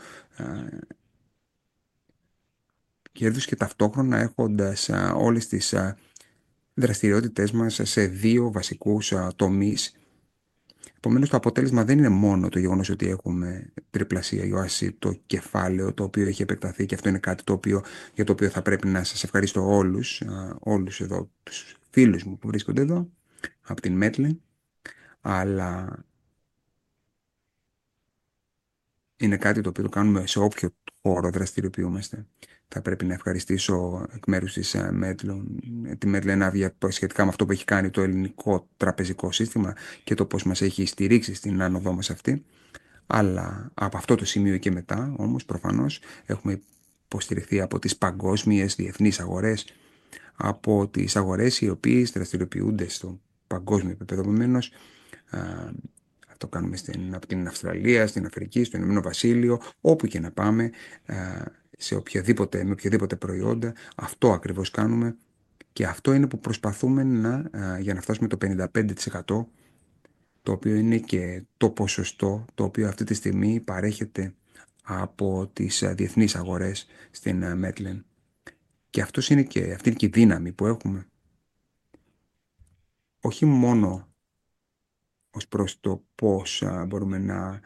κέρδους και, ταυτόχρονα, έχοντας όλες τις δραστηριότητές μας σε δύο βασικούς τομείς. Επομένως, το αποτέλεσμα δεν είναι μόνο το γεγονός ότι έχουμε τριπλασιάσει το κεφάλαιο το οποίο έχει επεκταθεί και αυτό είναι κάτι το οποίο, για το οποίο θα πρέπει να σας ευχαριστήσω όλους, όλους εδώ τους φίλους μου που βρίσκονται εδώ από την Metlen, αλλά είναι κάτι το οποίο το κάνουμε σε όποιο χώρο δραστηριοποιούμαστε. Θα πρέπει να ευχαριστήσω εκ μέρους της Metlen τη Metlen, σχετικά με αυτό που έχει κάνει το ελληνικό τραπεζικό σύστημα και το πώς μας έχει στηρίξει στην άνοδό μας αυτή. Από αυτό το σημείο και μετά, όμως, προφανώς, έχουμε υποστηριχθεί από τις παγκόσμιες διεθνείς αγορές, από τις αγορές οι οποίες δραστηριοποιούνται στο παγκόσμιο επίπεδο. Επομένως, αυτό κάνουμε στην Αυστραλία, στην Αφρική, στο Ηνωμένο Βασίλειο, όπου και να πάμε, σε οποιαδήποτε, με οποιαδήποτε προϊόντα, αυτό ακριβώς κάνουμε και αυτό είναι που προσπαθούμε να φτάσουμε το 55%, το οποίο είναι και το ποσοστό το οποίο αυτή τη στιγμή παρέχεται από τις διεθνείς αγορές στην Metlen. Και αυτός είναι και, αυτή είναι και η δύναμη που έχουμε, όχι μόνο ως προς το πώς μπορούμε να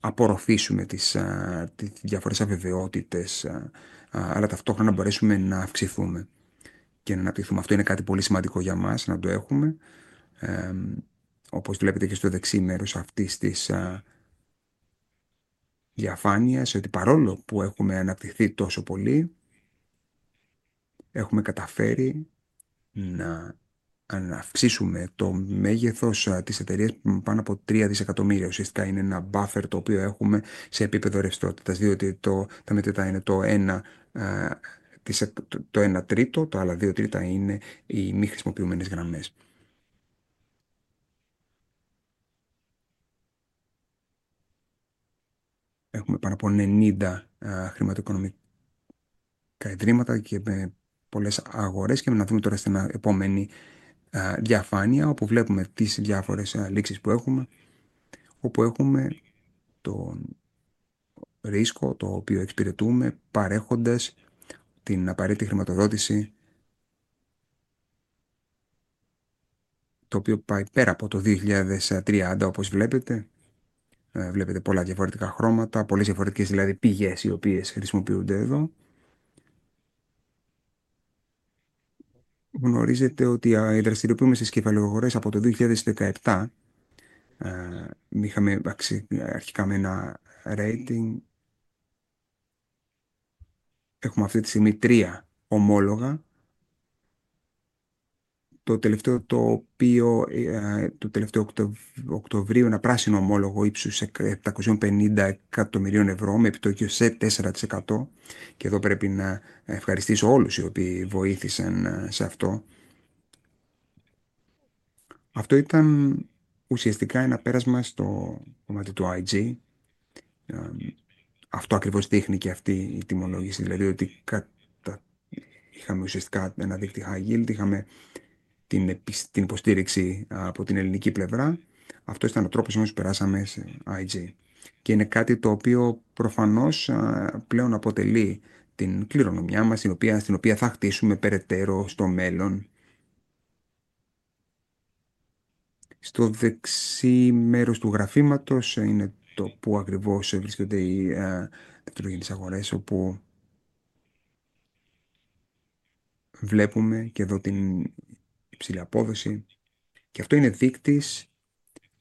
απορροφήσουμε τις διάφορες αβεβαιότητες, αλλά ταυτόχρονα να μπορέσουμε να αυξηθούμε και να αναπτυχθούμε. Αυτό είναι κάτι πολύ σημαντικό για μας να το έχουμε. Όπως βλέπετε και στο δεξί μέρος αυτής της διαφάνειας, ότι παρόλο που έχουμε αναπτυχθεί τόσο πολύ, έχουμε καταφέρει να αυξήσουμε το μέγεθος της εταιρείας πάνω από €3 δισεκατομμύρια. Ουσιαστικά είναι ένα buffer το οποίο έχουμε σε επίπεδο ρευστότητας, διότι τα μετρητά είναι το ένα τρίτο, τα άλλα δύο τρίτα είναι οι μη χρησιμοποιούμενες γραμμές. Έχουμε πάνω από 90 χρηματοοικονομικά ιδρύματα και με πολλές αγορές και να δούμε τώρα στην επόμενη διαφάνεια, όπου βλέπουμε τις διάφορες λήξεις που έχουμε, όπου έχουμε το ρίσκο το οποίο εξυπηρετούμε παρέχοντας την απαραίτητη χρηματοδότηση, το οποίο πάει πέρα από το 2030, όπως βλέπετε. Βλέπετε πολλά διαφορετικά χρώματα, πολλές διαφορετικές δηλαδή πηγές οι οποίες χρησιμοποιούνται εδώ. Γνωρίζετε ότι στις κεφαλαιοαγορές από το 2017 είχαμε αρχικά ένα rating, έχουμε αυτή τη στιγμή τρία ομόλογα, το τελευταίο το οποίο εκδόθηκε τον περασμένο Οκτώβριο, ένα πράσινο ομόλογο ύψους €750 εκατομμυρίων με επιτόκιο 4% και εδώ πρέπει να ευχαριστήσω όλους όσοι βοήθησαν σε αυτό. Αυτό ήταν ουσιαστικά ένα πέρασμα στο κομμάτι του Investment Grade. Αυτό ακριβώς δείχνει και αυτή η τιμολόγηση, δηλαδή ότι είχαμε ουσιαστικά έναν δείκτη high yield, είχαμε την υποστήριξη από την ελληνική πλευρά. Αυτός ήταν ο τρόπος με τον οποίο περάσαμε σε IG και είναι κάτι το οποίο προφανώς πλέον αποτελεί την κληρονομιά μας, την οποία θα χτίσουμε περαιτέρω στο μέλλον. Στο δεξί μέρος του γραφήματος είναι το πού ακριβώς βρίσκονται οι δευτερογενείς αγορές, όπου βλέπουμε και εδώ την υψηλή απόδοση και αυτό είναι δείκτης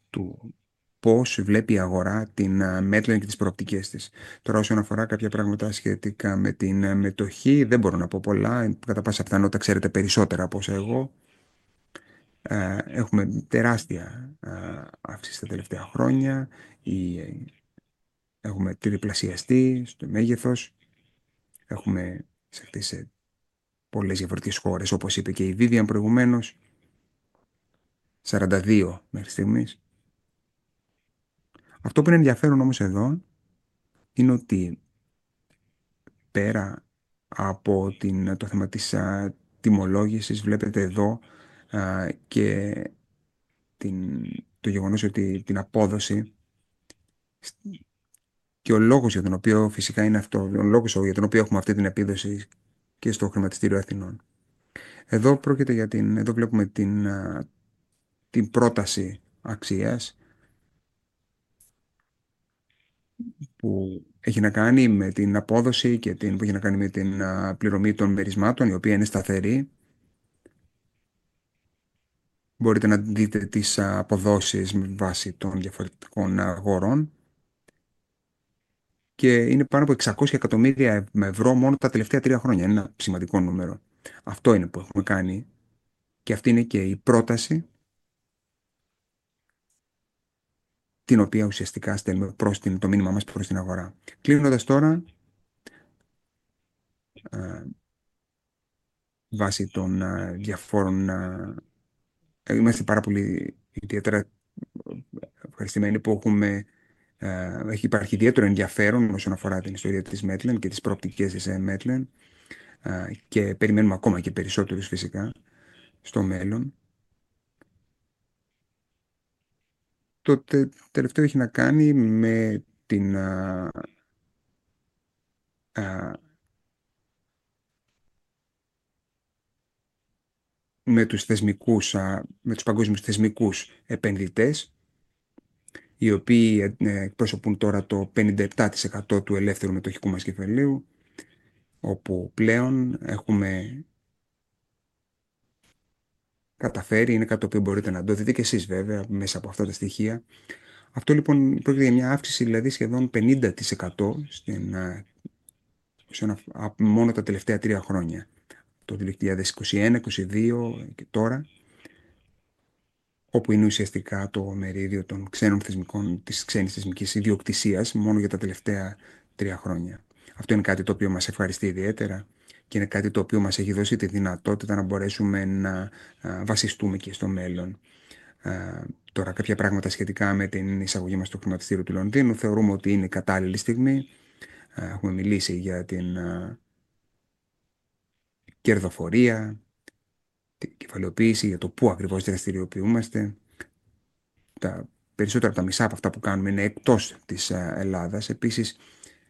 του πώς βλέπει η αγορά την Metlen και τις προοπτικές της. Τώρα, όσον αφορά κάποια πράγματα σχετικά με τη μετοχή, δεν μπορώ να πω πολλά. Κατά πάσα πιθανότητα ξέρετε περισσότερα από όσα εγώ. Έχουμε τεράστια αύξηση τα τελευταία χρόνια, έχουμε τριπλασιαστεί στο μέγεθος, έχουμε εισαχθεί σε πολλές διαφορετικές χώρες, όπως είπε και η Vivian προηγουμένως, 42 μέχρι στιγμής. Αυτό που είναι ενδιαφέρον όμως εδώ είναι ότι πέρα από το θέμα της τιμολόγησης, βλέπετε εδώ και το γεγονός ότι την απόδοση και ο λόγος για τον οποίο φυσικά είναι αυτό, ο λόγος για τον οποίο έχουμε αυτή την επίδοση και στο Χρηματιστήριο Αθηνών. Εδώ πρόκειται για την, εδώ βλέπουμε την πρόταση αξίας που έχει να κάνει με την απόδοση και την που έχει να κάνει με την πληρωμή των μερισμάτων, η οποία είναι σταθερή. Μπορείτε να δείτε τις αποδόσεις με βάση των διαφορετικών αγορών και είναι πάνω από €600 εκατομμύρια μόνο τα τελευταία τρία χρόνια. Είναι ένα σημαντικό νούμερο. Αυτό είναι που έχουμε κάνει και αυτή είναι και η πρόταση την οποία ουσιαστικά στέλνουμε προς το μήνυμά μας προς την αγορά. Κλείνοντας τώρα, βάσει των διαφόρων, είμαστε πάρα πολύ ιδιαίτερα ευχαριστημένοι που έχουμε, έχει υπάρξει ιδιαίτερο ενδιαφέρον όσον αφορά την ιστορία της Metlen και τις προοπτικές της Metlen και περιμένουμε ακόμα και περισσότερους φυσικά στο μέλλον. Το τελευταίο έχει να κάνει με τους θεσμικούς, με τους παγκόσμιους θεσμικούς επενδυτές, οι οποίοι εκπροσωπούν τώρα το 57% του ελεύθερου μετοχικού μας κεφαλαίου, όπου πλέον έχουμε καταφέρει, είναι κάτι το οποίο μπορείτε να το δείτε και εσείς βέβαια μέσα από αυτά τα στοιχεία. Αυτό λοιπόν πρόκειται για μια αύξηση δηλαδή σχεδόν 50% μόνο τα τελευταία τρία χρόνια, το 2021-22 και τώρα, όπου είναι ουσιαστικά το μερίδιο των ξένων θεσμικών, της ξένης θεσμικής ιδιοκτησίας μόνο για τα τελευταία τρία χρόνια. Αυτό είναι κάτι το οποίο μας ευχαριστεί ιδιαίτερα και είναι κάτι το οποίο μας έχει δώσει τη δυνατότητα να μπορέσουμε να βασιστούμε και στο μέλλον. Τώρα, κάποια πράγματα σχετικά με την εισαγωγή μας στο χρηματιστήριο του Λονδίνου θεωρούμε ότι είναι η κατάλληλη στιγμή. Έχουμε μιλήσει για την κερδοφορία, την κεφαλαιοποίηση, για το πού ακριβώς δραστηριοποιούμαστε. Τα περισσότερα από τα μισά από αυτά που κάνουμε είναι εκτός της Ελλάδας. Επίσης,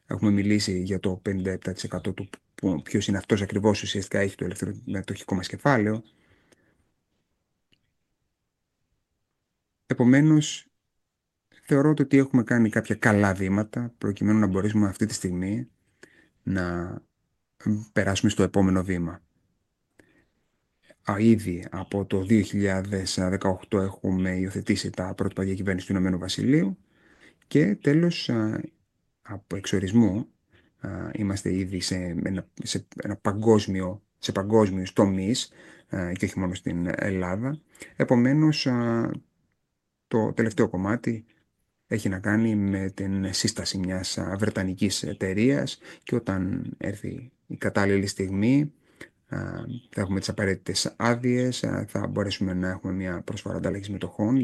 έχουμε μιλήσει για το 57% του ποιος είναι αυτός ακριβώς, ουσιαστικά έχει το ελεύθερο μετοχικό μας κεφάλαιο. Επομένως, θεωρώ ότι έχουμε κάνει κάποια καλά βήματα προκειμένου να μπορέσουμε αυτή τη στιγμή να περάσουμε στο επόμενο βήμα. Ήδη από το 2018 έχουμε υιοθετήσει τα πρότυπα εταιρικής διακυβέρνησης του Ηνωμένου Βασιλείου και τέλος, από ορισμού είμαστε ήδη σε παγκόσμιους τομείς και όχι μόνο στην Ελλάδα. Επομένως, το τελευταίο κομμάτι έχει να κάνει με την σύσταση μιας βρετανικής εταιρείας και όταν έρθει η κατάλληλη στιγμή, θα έχουμε τις απαραίτητες άδειες, θα μπορέσουμε να έχουμε μία προσφορά ανταλλαγής μετοχών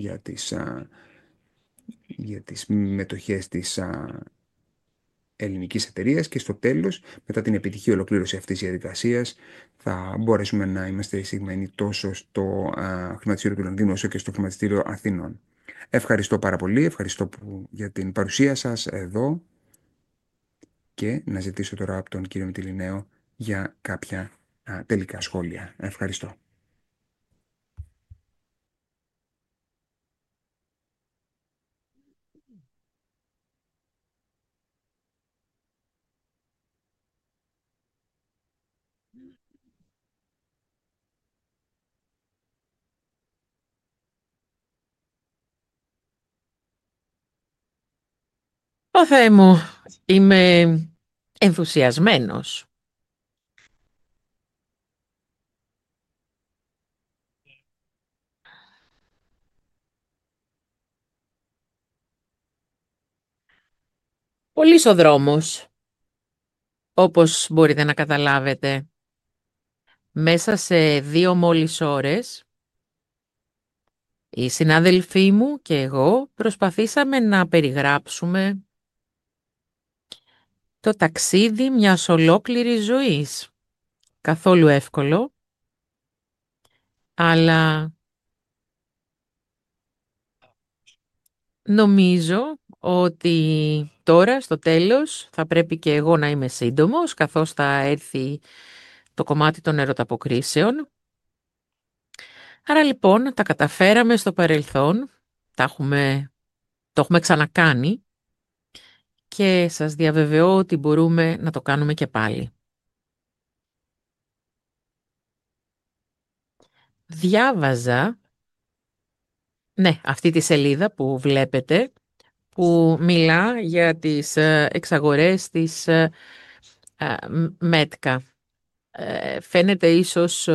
για τις μετοχές της ελληνικής εταιρείας και στο τέλος, μετά την επιτυχή ολοκλήρωση αυτής της διαδικασίας, θα μπορέσουμε να είμαστε εισηγμένοι τόσο στο χρηματιστήριο του Λονδίνου όσο και στο χρηματιστήριο Αθηνών. Ευχαριστώ πάρα πολύ, ευχαριστώ για την παρουσία σας εδώ και να ζητήσω τώρα από τον κύριο Μυτιληναίο για κάποια τελικά σχόλια. Ευχαριστώ. Θεέ μου, είμαι ενθουσιασμένος. Πολύς ο δρόμος, όπως μπορείτε να καταλάβετε. Μέσα σε δύο μόλις ώρες, οι συνάδελφοί μου και εγώ προσπαθήσαμε να περιγράψουμε το ταξίδι μιας ολόκληρης ζωής. Καθόλου εύκολο, αλλά νομίζω ότι τώρα στο τέλος θα πρέπει και εγώ να είμαι σύντομος, καθώς θα έρθει το κομμάτι των ερωταποκρίσεων. Άρα λοιπόν, τα καταφέραμε στο παρελθόν, τα έχουμε, το έχουμε ξανακάνει και σας διαβεβαιώ ότι μπορούμε να το κάνουμε και πάλι. Διάβαζα αυτή τη σελίδα που βλέπετε, που μιλά για τις εξαγορές της Metka. Φαίνεται ίσως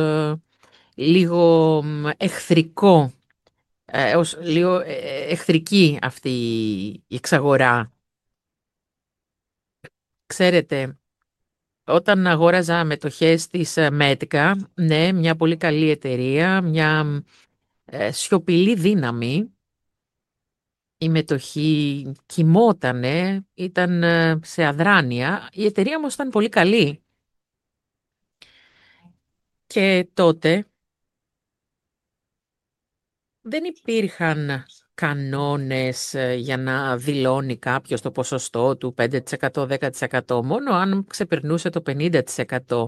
λίγο εχθρικό, ως λίγο εχθρική αυτή η εξαγορά. Ξέρετε, όταν αγόραζα μετοχές της Metka, μια πολύ καλή εταιρεία, μια σιωπηλή δύναμη, η μετοχή κοιμότανε, ήταν σε αδράνεια. Η εταιρεία όμως ήταν πολύ καλή και τότε δεν υπήρχαν κανόνες για να δηλώνει κάποιος το ποσοστό του 5%, 10%, μόνο αν ξεπερνούσε το 50%.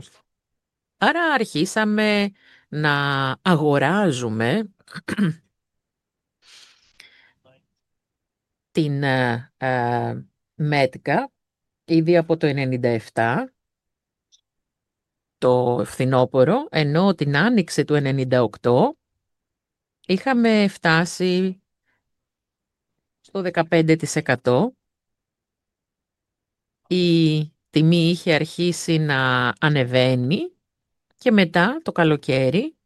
Άρα αρχίσαμε να αγοράζουμε την Metka ήδη από το 1997, το φθινόπωρο, ενώ την άνοιξη του 1998 είχαμε φτάσει στο 15%. Η τιμή είχε αρχίσει να ανεβαίνει και μετά το καλοκαίρι,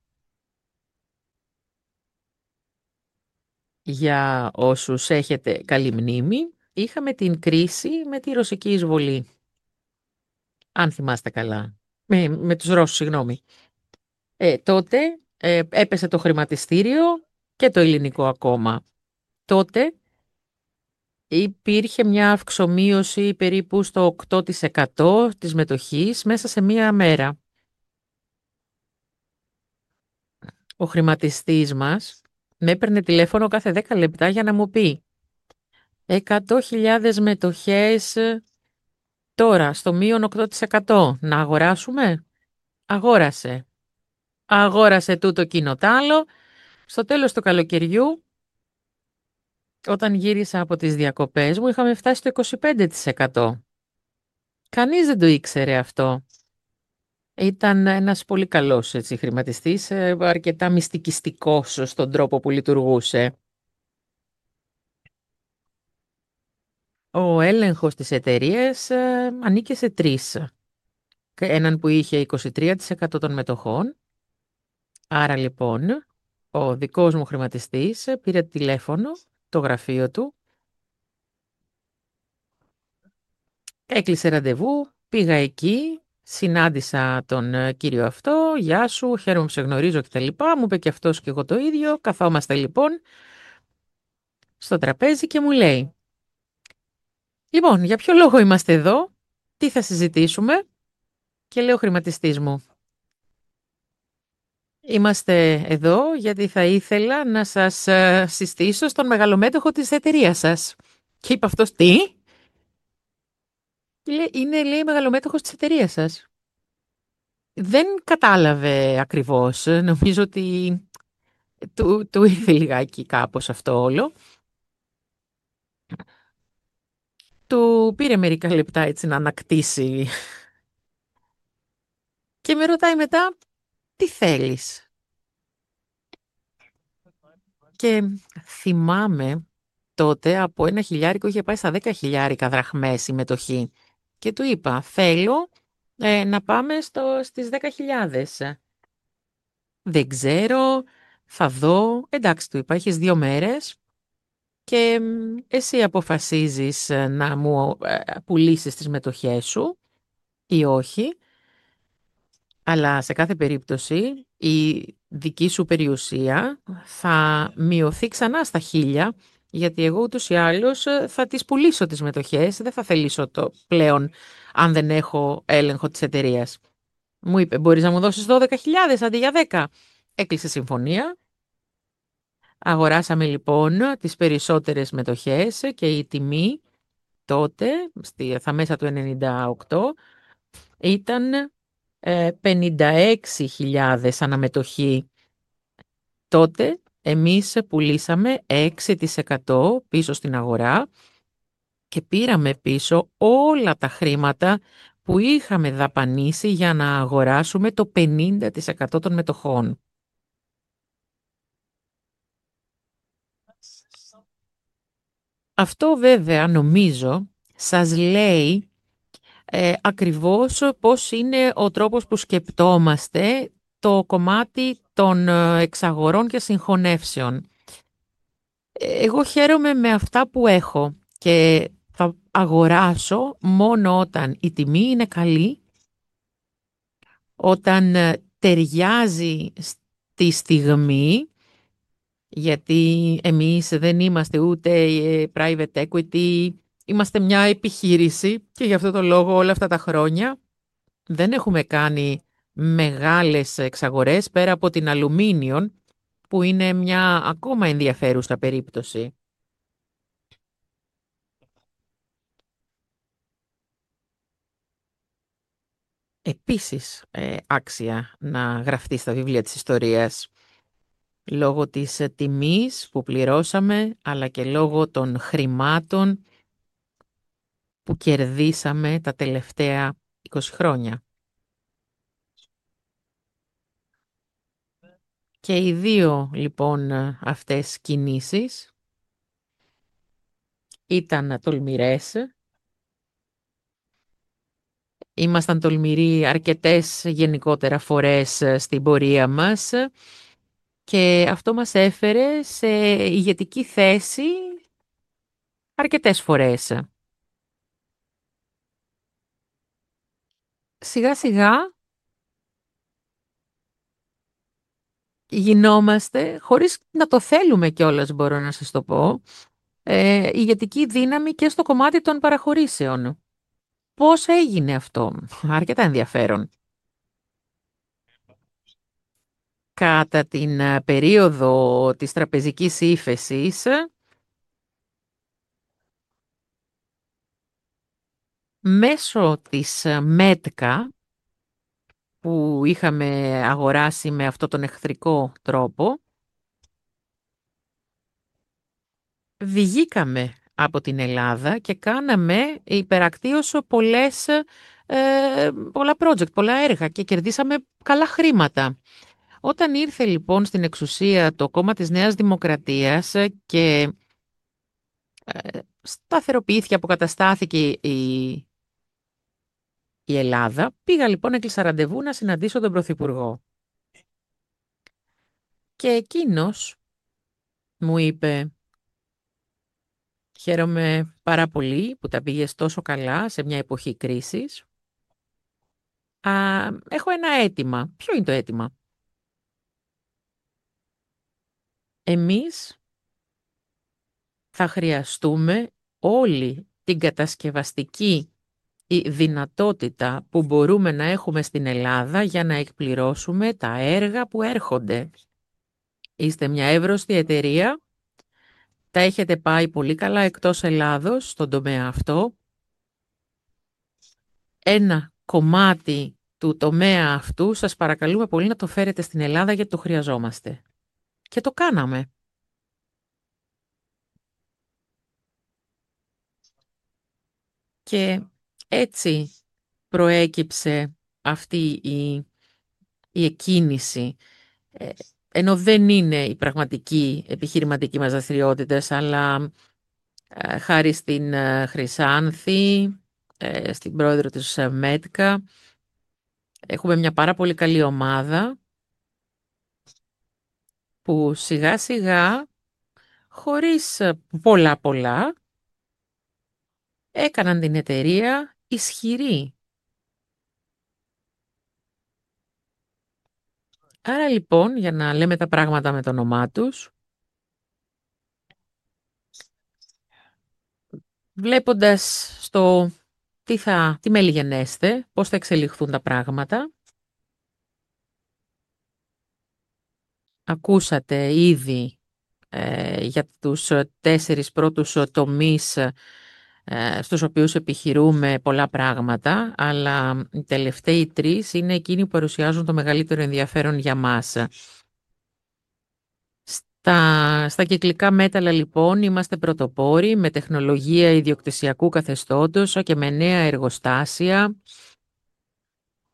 για όσους έχετε καλή μνήμη, είχαμε την κρίση με τη ρωσική εισβολή, αν θυμάστε καλά, με τους Ρώσους. Τότε έπεσε το χρηματιστήριο και το ελληνικό ακόμα. Τότε υπήρχε μια αυξομείωση περίπου στο 8% της μετοχής μέσα σε μία μέρα. Ο χρηματιστής μας με έπαιρνε τηλέφωνο κάθε 10 λεπτά για να μου πει: «100.000 μετοχές τώρα στο -8% να αγοράσουμε;» Αγόρασε, αγόρασε τούτο εκείνο τ' άλλο. Στο τέλος του καλοκαιριού, όταν γύρισα από τις διακοπές μου, είχαμε φτάσει στο 25%. Κανείς δεν το ήξερε αυτό. Ήταν ένας πολύ καλός χρηματιστής, αρκετά μυστικιστικός στον τρόπο που λειτουργούσε. Ο έλεγχος της εταιρείας ανήκε σε τρεις, έναν που είχε 23% των μετοχών. Άρα λοιπόν, ο δικός μου χρηματιστής πήρε τηλέφωνο το γραφείο του, έκλεισε ραντεβού, πήγα εκεί, συνάντησα τον κύριο αυτό: «Γεια σου, χαίρομαι που σε γνωρίζω» κτλπ. Μου είπε και αυτός και εγώ το ίδιο. Καθόμαστε λοιπόν στο τραπέζι και μου λέει: «Λοιπόν, για ποιο λόγο είμαστε εδώ; Τι θα συζητήσουμε;» Και λέω: «Χρηματιστής μου, είμαστε εδώ γιατί θα ήθελα να σας συστήσω στον μεγαλομέτοχο της εταιρείας σας». Και είπε αυτός: «Τι;» Και λέει: «Είναι, λέει, μεγαλομέτοχος της εταιρείας σας». Δεν κατάλαβε ακριβώς, νομίζω ότι του ήρθε λιγάκι κάπως αυτό όλο. Του πήρε μερικά λεπτά έτσι να ανακτήσει και με ρωτάει μετά: «Τι θέλεις;» Και θυμάμαι τότε από ένα χιλιάρικο είχε πάει στις 10.000 δραχμές η μετοχή και του είπα: «Θέλω να πάμε στις 10.000». Δεν ξέρω, θα δω. Εντάξει, του είπα: «Έχεις δύο μέρες και εσύ αποφασίζεις να μου πουλήσεις τις μετοχές σου ή όχι, αλλά σε κάθε περίπτωση η δική σου περιουσία θα μειωθεί ξανά στις 1.000 γιατί εγώ ούτως ή άλλως θα τις πουλήσω τις μετοχές, δεν θα θελήσω το πλέον αν δεν έχω έλεγχο της εταιρείας». Μου είπε: «Μπορείς να μου δώσεις 12.000 αντί για 10;» Έκλεισε συμφωνία. Αγοράσαμε λοιπόν τις περισσότερες μετοχές και η τιμή τότε, στα μέσα του 1998, ήταν 56.000 ανά μετοχή. Τότε εμείς πουλήσαμε 6% πίσω στην αγορά και πήραμε πίσω όλα τα χρήματα που είχαμε δαπανήσει για να αγοράσουμε το 50% των μετοχών. Αυτό βέβαια νομίζω σας λέει ακριβώς πώς είναι ο τρόπος που σκεπτόμαστε το κομμάτι των εξαγορών και συγχωνεύσεων. Εγώ χαίρομαι με αυτά που έχω και θα αγοράσω μόνο όταν η τιμή είναι καλή, όταν ταιριάζει στη στιγμή, γιατί εμείς δεν είμαστε ούτε private equity, είμαστε μια επιχείρηση και γι' αυτό το λόγο όλα αυτά τα χρόνια δεν έχουμε κάνει μεγάλες εξαγορές πέρα από την Aluminium, που είναι μια ακόμα ενδιαφέρουσα περίπτωση. Επίσης, άξια να γραφτεί στα βιβλία της ιστορίας λόγω της τιμής που πληρώσαμε, αλλά και λόγω των χρημάτων που κερδίσαμε τα τελευταία 20 χρόνια. Και οι δύο λοιπόν αυτές κινήσεις ήταν τολμηρές. Ήμασταν τολμηροί αρκετές γενικότερα φορές στην πορεία μας και αυτό μας έφερε σε ηγετική θέση αρκετές φορές. Σιγά-σιγά γινόμαστε, χωρίς να το θέλουμε κιόλας, μπορώ να σας το πω, ηγετική δύναμη και στο κομμάτι των παραχωρήσεων. Πώς έγινε αυτό; Αρκετά ενδιαφέρον. Κατά την περίοδο της τραπεζικής ύφεσης, μέσω της Metka, που είχαμε αγοράσει με αυτόν τον εχθρικό τρόπο, βγήκαμε από την Ελλάδα και κάναμε υπερακτίωση πολλές, πολλά projects, πολλά έργα και κερδίσαμε καλά χρήματα. Όταν ήρθε λοιπόν στην εξουσία το κόμμα της Νέας Δημοκρατίας και σταθεροποιήθηκε, αποκαταστάθηκε η Ελλάδα, πήγα λοιπόν, έκλεισα ραντεβού να συναντήσω τον Πρωθυπουργό και εκείνος μου είπε: «Χαίρομαι πάρα πολύ που τα πήγες τόσο καλά σε μια εποχή κρίσης. Έχω ένα αίτημα». Ποιο είναι το αίτημα; Εμείς θα χρειαστούμε όλοι την κατασκευαστική δυνατότητα που μπορούμε να έχουμε στην Ελλάδα για να εκπληρώσουμε τα έργα που έρχονται. Είστε μια εύρωστη εταιρεία, τα έχετε πάει πολύ καλά εκτός Ελλάδος στον τομέα αυτό. Ένα κομμάτι του τομέα αυτού σας παρακαλούμε πολύ να το φέρετε στην Ελλάδα γιατί το χρειαζόμαστε. Και το κάναμε. Και έτσι προέκυψε αυτή η εκκίνηση, ενώ δεν είναι οι πραγματικοί επιχειρηματικοί μας δραστηριότητες, αλλά χάρη στην Χρυσάνθη, στην Πρόεδρο της Metka, έχουμε μια πάρα πολύ καλή ομάδα που σιγά-σιγά, χωρίς πολλά-πολλά, έκαναν την εταιρεία ισχυρή. Άρα λοιπόν, για να λέμε τα πράγματα με το όνομά τους, βλέποντας στο τι θα, τι μέλλει γενέσθαι, πώς θα εξελιχθούν τα πράγματα, ακούσατε ήδη για τους τέσσερις πρώτους τομείς στους οποίους επιχειρούμε πολλά πράγματα, αλλά οι τελευταίοι τρεις είναι εκείνοι που παρουσιάζουν το μεγαλύτερο ενδιαφέρον για μας. Στα κυκλικά μέταλλα λοιπόν είμαστε πρωτοπόροι με τεχνολογία ιδιοκτησιακού καθεστώτος και με νέα εργοστάσια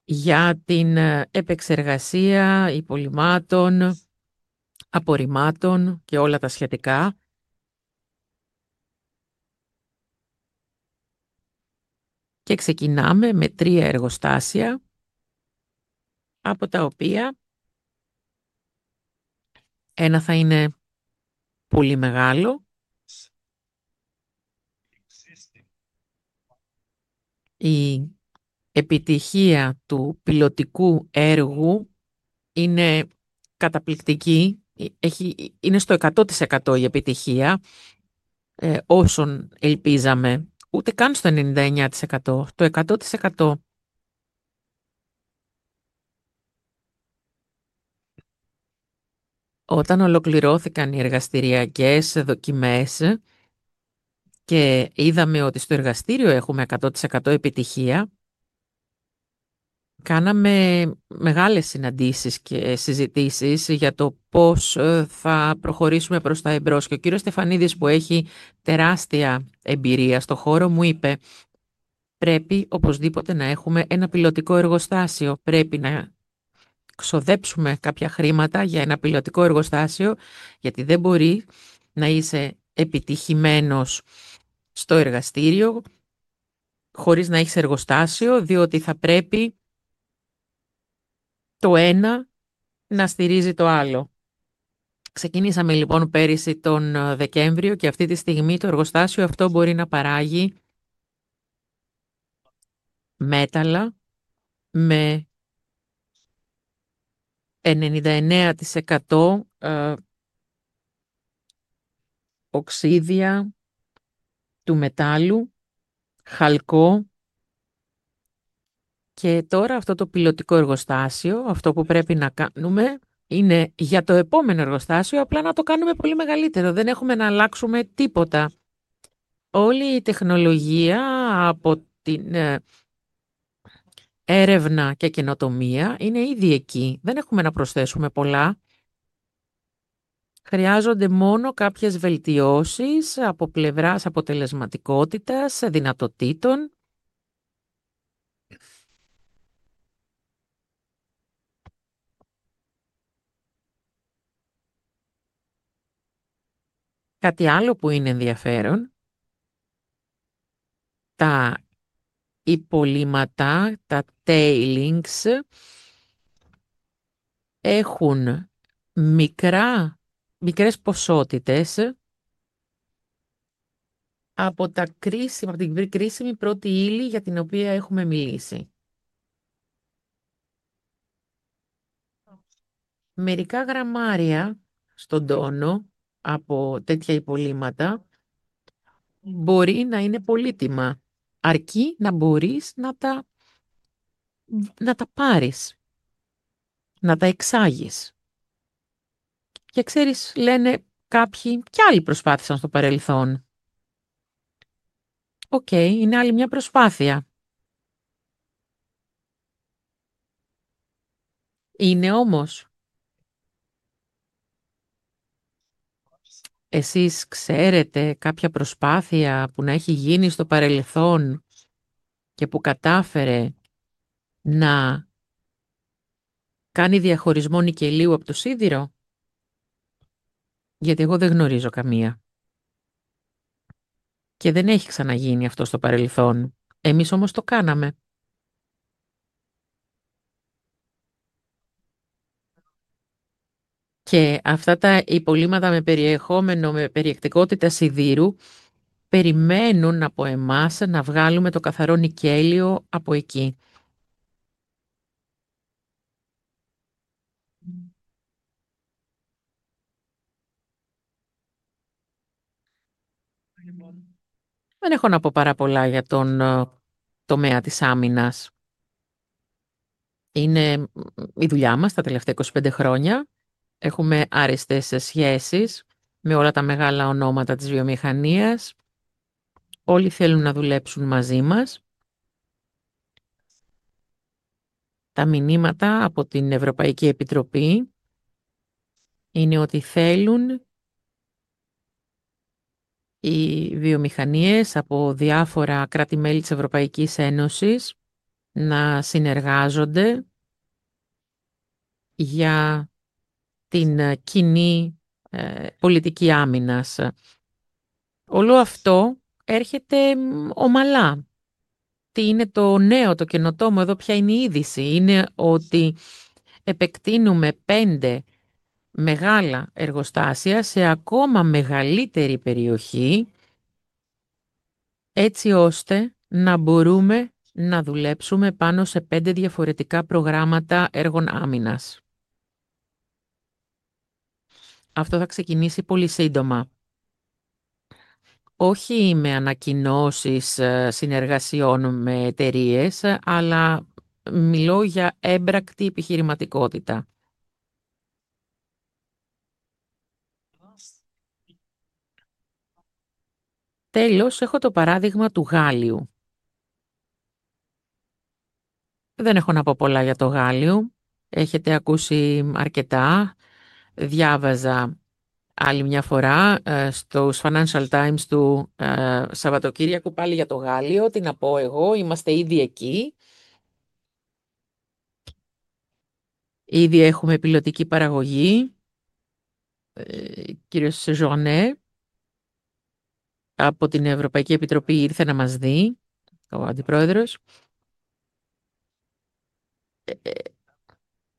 για την επεξεργασία υπολειμμάτων, απορριμμάτων και όλα τα σχετικά. Και ξεκινάμε με τρία εργοστάσια, από τα οποία ένα θα είναι πολύ μεγάλο. Η επιτυχία του πιλοτικού έργου είναι καταπληκτική. Έχει, είναι στο 100% η επιτυχία όσων ελπίζαμε, ούτε καν στο 99%, το 100%. Όταν ολοκληρώθηκαν οι εργαστηριακές δοκιμές και είδαμε ότι στο εργαστήριο έχουμε 100% επιτυχία, κάναμε μεγάλες συναντήσεις και συζητήσεις για το πώς θα προχωρήσουμε προς τα εμπρός. Ο κύριος Στεφανίδης, που έχει τεράστια εμπειρία στο χώρο, μου είπε: «Πρέπει οπωσδήποτε να έχουμε ένα πιλοτικό εργοστάσιο, πρέπει να ξοδέψουμε κάποια χρήματα για ένα πιλοτικό εργοστάσιο, γιατί δεν μπορεί να είσαι επιτυχημένος στο εργαστήριο χωρίς να έχεις εργοστάσιο, διότι θα πρέπει το ένα να στηρίζει το άλλο». Ξεκινήσαμε λοιπόν πέρυσι τον Δεκέμβριο και αυτή τη στιγμή το εργοστάσιο αυτό μπορεί να παράγει μέταλλα με 99% οξείδια του μετάλλου, χαλκό, και τώρα αυτό το πιλοτικό εργοστάσιο, αυτό που πρέπει να κάνουμε είναι για το επόμενο εργοστάσιο απλά να το κάνουμε πολύ μεγαλύτερο. Δεν έχουμε να αλλάξουμε τίποτα. Όλη η τεχνολογία από την έρευνα και καινοτομία είναι ήδη εκεί, δεν έχουμε να προσθέσουμε πολλά. Χρειάζονται μόνο κάποιες βελτιώσεις από πλευράς αποτελεσματικότητας, δυνατοτήτων. Κάτι άλλο που είναι ενδιαφέρον: τα υπολείμματα, τα tailings, έχουν μικρές ποσότητες από την κρίσιμη πρώτη ύλη για την οποία έχουμε μιλήσει. Μερικά γραμμάρια στον τόνο από τέτοια υπολείμματα μπορεί να είναι πολύτιμα, αρκεί να μπορείς να τα πάρεις, να τα εξάγεις. Και ξέρεις, λένε κάποιοι: «Κι άλλοι προσπάθησαν στο παρελθόν». Οκέι, είναι άλλη μια προσπάθεια. Είναι όμως; Εσείς ξέρετε κάποια προσπάθεια που να έχει γίνει στο παρελθόν και που κατάφερε να κάνει διαχωρισμό νικελίου από το σίδηρο; Γιατί εγώ δεν γνωρίζω καμία. Και δεν έχει ξαναγίνει αυτό στο παρελθόν. Εμείς όμως το κάναμε. Και αυτά τα υπολείμματα με περιεχόμενο, με περιεκτικότητα σιδήρου, περιμένουν από εμάς να βγάλουμε το καθαρό νικέλιο από εκεί. Δεν έχω να πω πάρα πολλά για τον τομέα της άμυνας. Είναι η δουλειά μας τα τελευταία 25 χρόνια. Έχουμε άριστες σχέσεις με όλα τα μεγάλα ονόματα της βιομηχανίας. Όλοι θέλουν να δουλέψουν μαζί μας. Τα μηνύματα από την Ευρωπαϊκή Επιτροπή είναι ότι θέλουν οι βιομηχανίες από διάφορα κράτη μέλη της Ευρωπαϊκής Ένωσης να συνεργάζονται για την κοινή πολιτική άμυνας. Όλο αυτό έρχεται ομαλά. Τι είναι το νέο, το καινοτόμο εδώ, ποια είναι η είδηση; Είναι ότι επεκτείνουμε πέντε μεγάλα εργοστάσια σε ακόμα μεγαλύτερη περιοχή, έτσι ώστε να μπορούμε να δουλέψουμε πάνω σε πέντε διαφορετικά προγράμματα έργων άμυνας. Αυτό θα ξεκινήσει πολύ σύντομα. Όχι με ανακοινώσεις συνεργασιών με εταιρείες, αλλά μιλώ για έμπρακτη επιχειρηματικότητα. Τέλος, έχω το παράδειγμα του γάλλιου. Δεν έχω να πω πολλά για το γάλλιο. Έχετε ακούσει αρκετά. Διάβαζα άλλη μια φορά στους Financial Times του Σαββατοκύριακου πάλι για το γάλλιο. Τι να πω εγώ; Είμαστε ήδη εκεί. Ήδη έχουμε πιλοτική παραγωγή. Ο κύριος Σεζουανέ από την Ευρωπαϊκή Επιτροπή ήρθε να μας δει, ο Αντιπρόεδρος.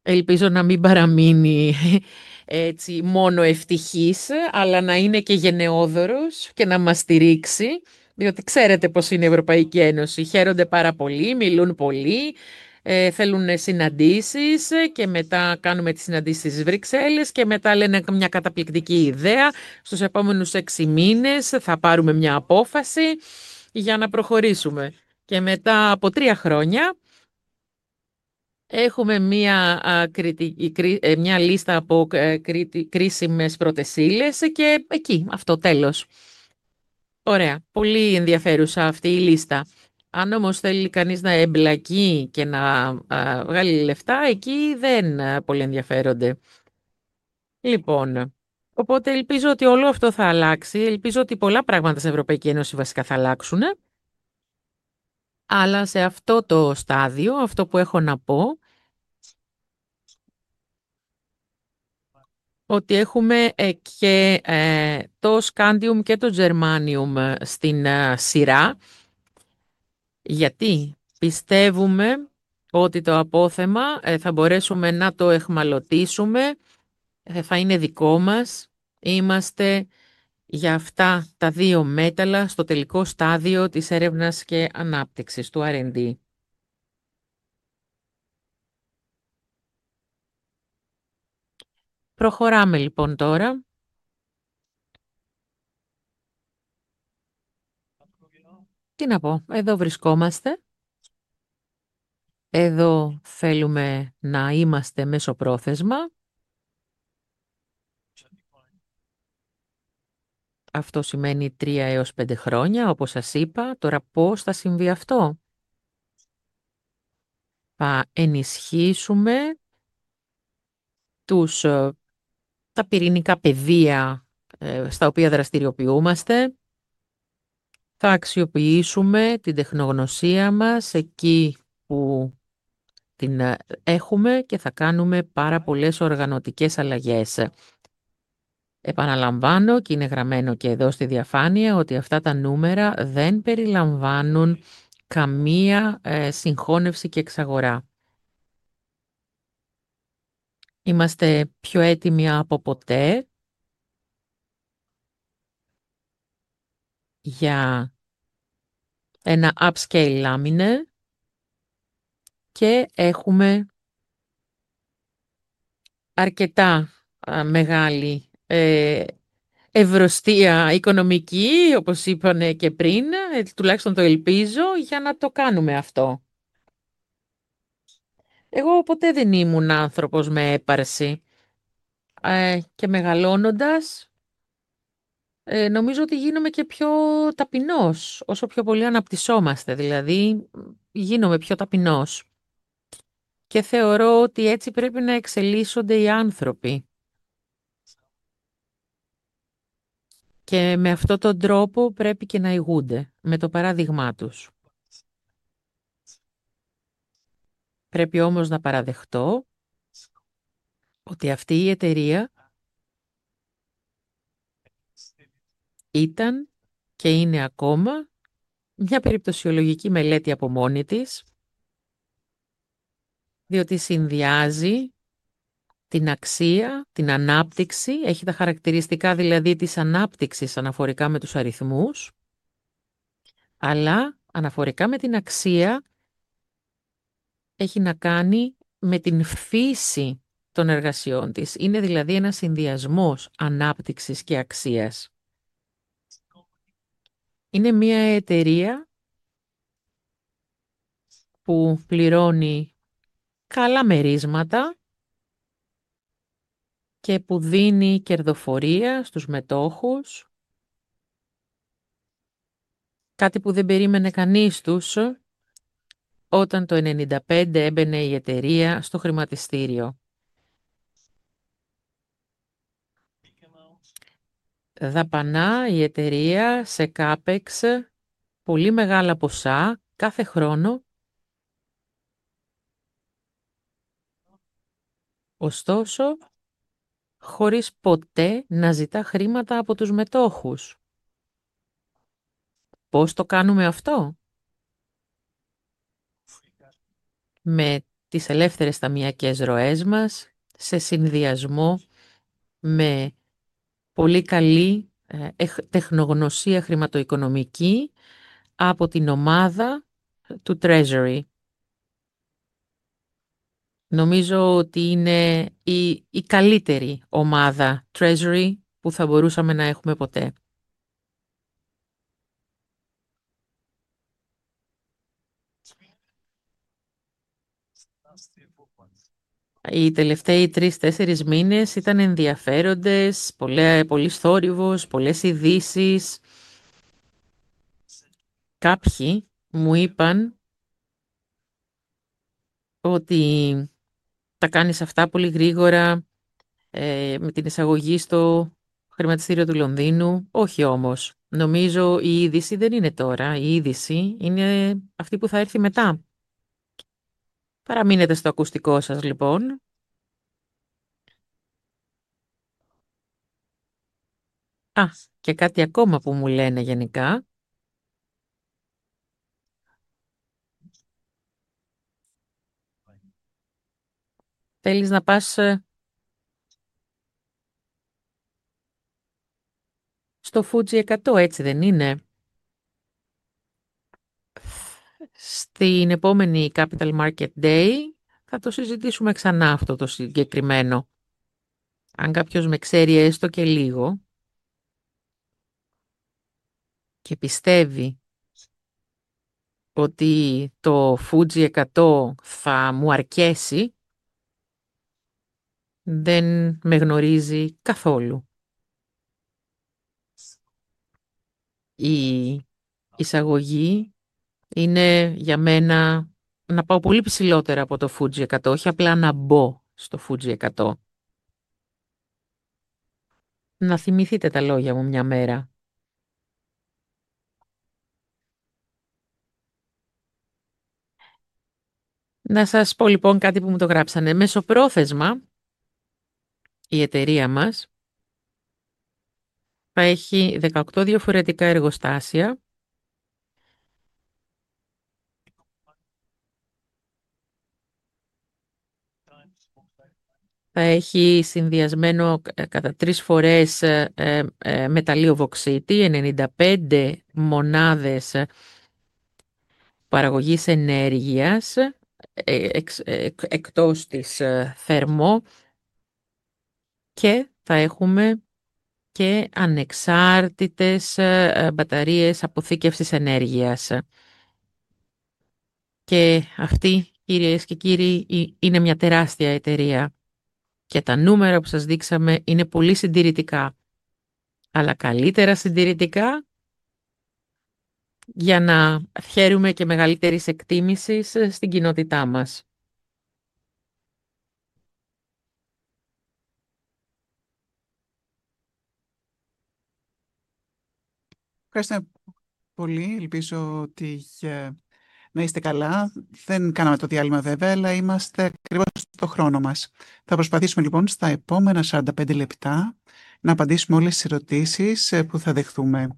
Ελπίζω να μην παραμείνει έτσι μόνο ευτυχής, αλλά να είναι και γενναιόδωρος και να μας στηρίξει, διότι ξέρετε πώς είναι η Ευρωπαϊκή Ένωση. Χαίρονται πάρα πολύ, μιλούν πολύ, θέλουν συναντήσεις και μετά κάνουμε τις συναντήσεις στις Βρυξέλλες και μετά λένε μια καταπληκτική ιδέα: «Στους επόμενους έξι μήνες θα πάρουμε μια απόφαση για να προχωρήσουμε». Μετά από τρία χρόνια έχουμε μια λίστα από κρίσιμες πρώτες ύλες και εκεί, αυτό τέλος. Ωραία, πολύ ενδιαφέρουσα αυτή η λίστα. Αν όμως θέλει κανείς να εμπλακεί και να βγάλει λεφτά, εκεί δεν πολυενδιαφέρονται. Οπότε ελπίζω ότι όλο αυτό θα αλλάξει. Ελπίζω ότι πολλά πράγματα στην Ευρωπαϊκή Ένωση βασικά θα αλλάξουν, αλλά σε αυτό το στάδιο, αυτό που έχω να πω, ότι έχουμε και το Scandium και το Germanium στην σειρά, γιατί πιστεύουμε ότι το απόθεμα θα μπορέσουμε να το αιχμαλωτίσουμε, θα είναι δικό μας. Είμαστε για αυτά τα δύο μέταλλα στο τελικό στάδιο της έρευνας και ανάπτυξης του R&D. Προχωράμε λοιπόν τώρα. Τι να πω; Εδώ βρισκόμαστε. Εδώ θέλουμε να είμαστε μεσοπρόθεσμα. Αυτό σημαίνει τρία έως πέντε χρόνια, όπως σας είπα. Τώρα, πώς θα συμβεί αυτό; Θα ενισχύσουμε τα πυρηνικά πεδία στα οποία δραστηριοποιούμαστε, θα αξιοποιήσουμε την τεχνογνωσία μας εκεί που την έχουμε και θα κάνουμε πάρα πολλές οργανωτικές αλλαγές. Επαναλαμβάνω και είναι γραμμένο και εδώ στη διαφάνεια ότι αυτά τα νούμερα δεν περιλαμβάνουν καμία συγχώνευση και εξαγορά. Είμαστε πιο έτοιμοι από ποτέ για ένα upscale laminate και έχουμε αρκετά μεγάλη ευρωστία οικονομική, όπως είπαμε και πριν, έτσι τουλάχιστον το ελπίζω, για να το κάνουμε αυτό. Εγώ ποτέ δεν ήμουν άνθρωπος με έπαρση. Μεγαλώνοντας νομίζω ότι γίνομαι και πιο ταπεινός όσο πιο πολύ αναπτυσσόμαστε, δηλαδή γίνομαι πιο ταπεινός. Θεωρώ ότι έτσι πρέπει να εξελίσσονται οι άνθρωποι. Με αυτόν τον τρόπο πρέπει και να ηγούνται με το παράδειγμά τους. Πρέπει όμως να παραδεχτώ ότι αυτή η εταιρεία ήταν και είναι ακόμα μια περιπτωσιολογική μελέτη από μόνη της, διότι συνδυάζει την αξία, την ανάπτυξη, έχει τα χαρακτηριστικά δηλαδή της ανάπτυξης αναφορικά με τους αριθμούς, αλλά αναφορικά με την αξία έχει να κάνει με την φύση των εργασιών της. Είναι δηλαδή ένας συνδυασμός ανάπτυξης και αξίας. Είναι μια εταιρεία που πληρώνει καλά μερίσματα και που δίνει κερδοφορία στους μετόχους, κάτι που δεν περίμενε κανείς όταν το 1995 έμπαινε η εταιρεία στο χρηματιστήριο. Δαπανά η εταιρεία σε CAPEX πολύ μεγάλα ποσά κάθε χρόνο, ωστόσο χωρίς ποτέ να ζητά χρήματα από τους μετόχους. Πώς το κάνουμε αυτό; Με τις ελεύθερες ταμειακές ροές μας, σε συνδυασμό με πολύ καλή τεχνογνωσία χρηματοοικονομική από την ομάδα του Treasury. Νομίζω ότι είναι η καλύτερη ομάδα Treasury που θα μπορούσαμε να έχουμε ποτέ. Οι τελευταίοι τρεις-τέσσερις μήνες ήταν ενδιαφέροντες, πολύς θόρυβος, πολλές ειδήσεις. Κάποιοι μου είπαν ότι τα κάνεις αυτά πολύ γρήγορα με την εισαγωγή στο χρηματιστήριο του Λονδίνου. Όχι όμως. Νομίζω η είδηση δεν είναι τώρα. Η είδηση είναι αυτή που θα έρθει μετά. Παραμείνετε στο ακουστικό σας λοιπόν. Και κάτι ακόμα που μου λένε γενικά. Θέλεις να πας στο Fuji 100, έτσι δεν είναι; Στην επόμενη Capital Market Day θα το συζητήσουμε ξανά αυτό το συγκεκριμένο. Αν κάποιος με ξέρει έστω και λίγο και πιστεύει ότι το Fuji 100 θα μου αρκέσει, δεν με γνωρίζει καθόλου. Η εισαγωγή είναι για μένα να πάω πολύ ψηλότερα από το Fuji 100, όχι απλά να μπω στο Fuji 100. Να θυμηθείτε τα λόγια μου μια μέρα. Να σας πω λοιπόν κάτι που μου το γράψανε. Μεσοπρόθεσμα η εταιρεία μας θα έχει 18 διαφορετικά εργοστάσια, θα έχει συνδυασμένο κατά τρεις φορές μεγαλύτερο βοξίτη, 95 μονάδες παραγωγής ενέργειας εκτός της θερμικής, και θα έχουμε και ανεξάρτητες μπαταρίες αποθήκευσης ενέργειας. Και αυτή, κυρίες και κύριοι, είναι μια τεράστια εταιρεία. Και τα νούμερα που σας δείξαμε είναι πολύ συντηρητικά, αλλά καλύτερα συντηρητικά για να χαίρουμε και μεγαλύτερης εκτίμησης στην κοινότητά μας. Ευχαριστώ πολύ. Ελπίζω να είστε καλά. Δεν κάναμε το διάλειμμα βέβαια, αλλά είμαστε ακριβώς στο χρόνο μας. Θα προσπαθήσουμε λοιπόν στα επόμενα 45 λεπτά να απαντήσουμε όλες τις ερωτήσεις που θα δεχθούμε.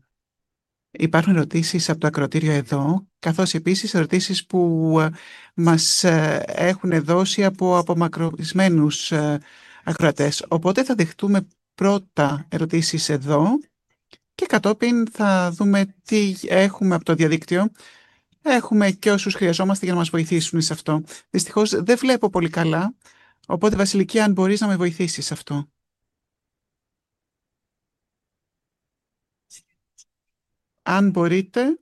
Υπάρχουν ερωτήσεις από το ακροατήριο εδώ, καθώς επίσης ερωτήσεις που μας έχουν δώσει από απομακρυσμένους ακροατές. Οπότε θα δεχτούμε πρώτα ερωτήσεις εδώ και κατόπιν θα δούμε τι έχουμε από το διαδίκτυο. Έχουμε και όσους χρειαζόμαστε για να μας βοηθήσουν σε αυτό. Δυστυχώς δεν βλέπω πολύ καλά, οπότε Βασιλική, αν μπορείς να με βοηθήσεις σε αυτό. Αν μπορείτε,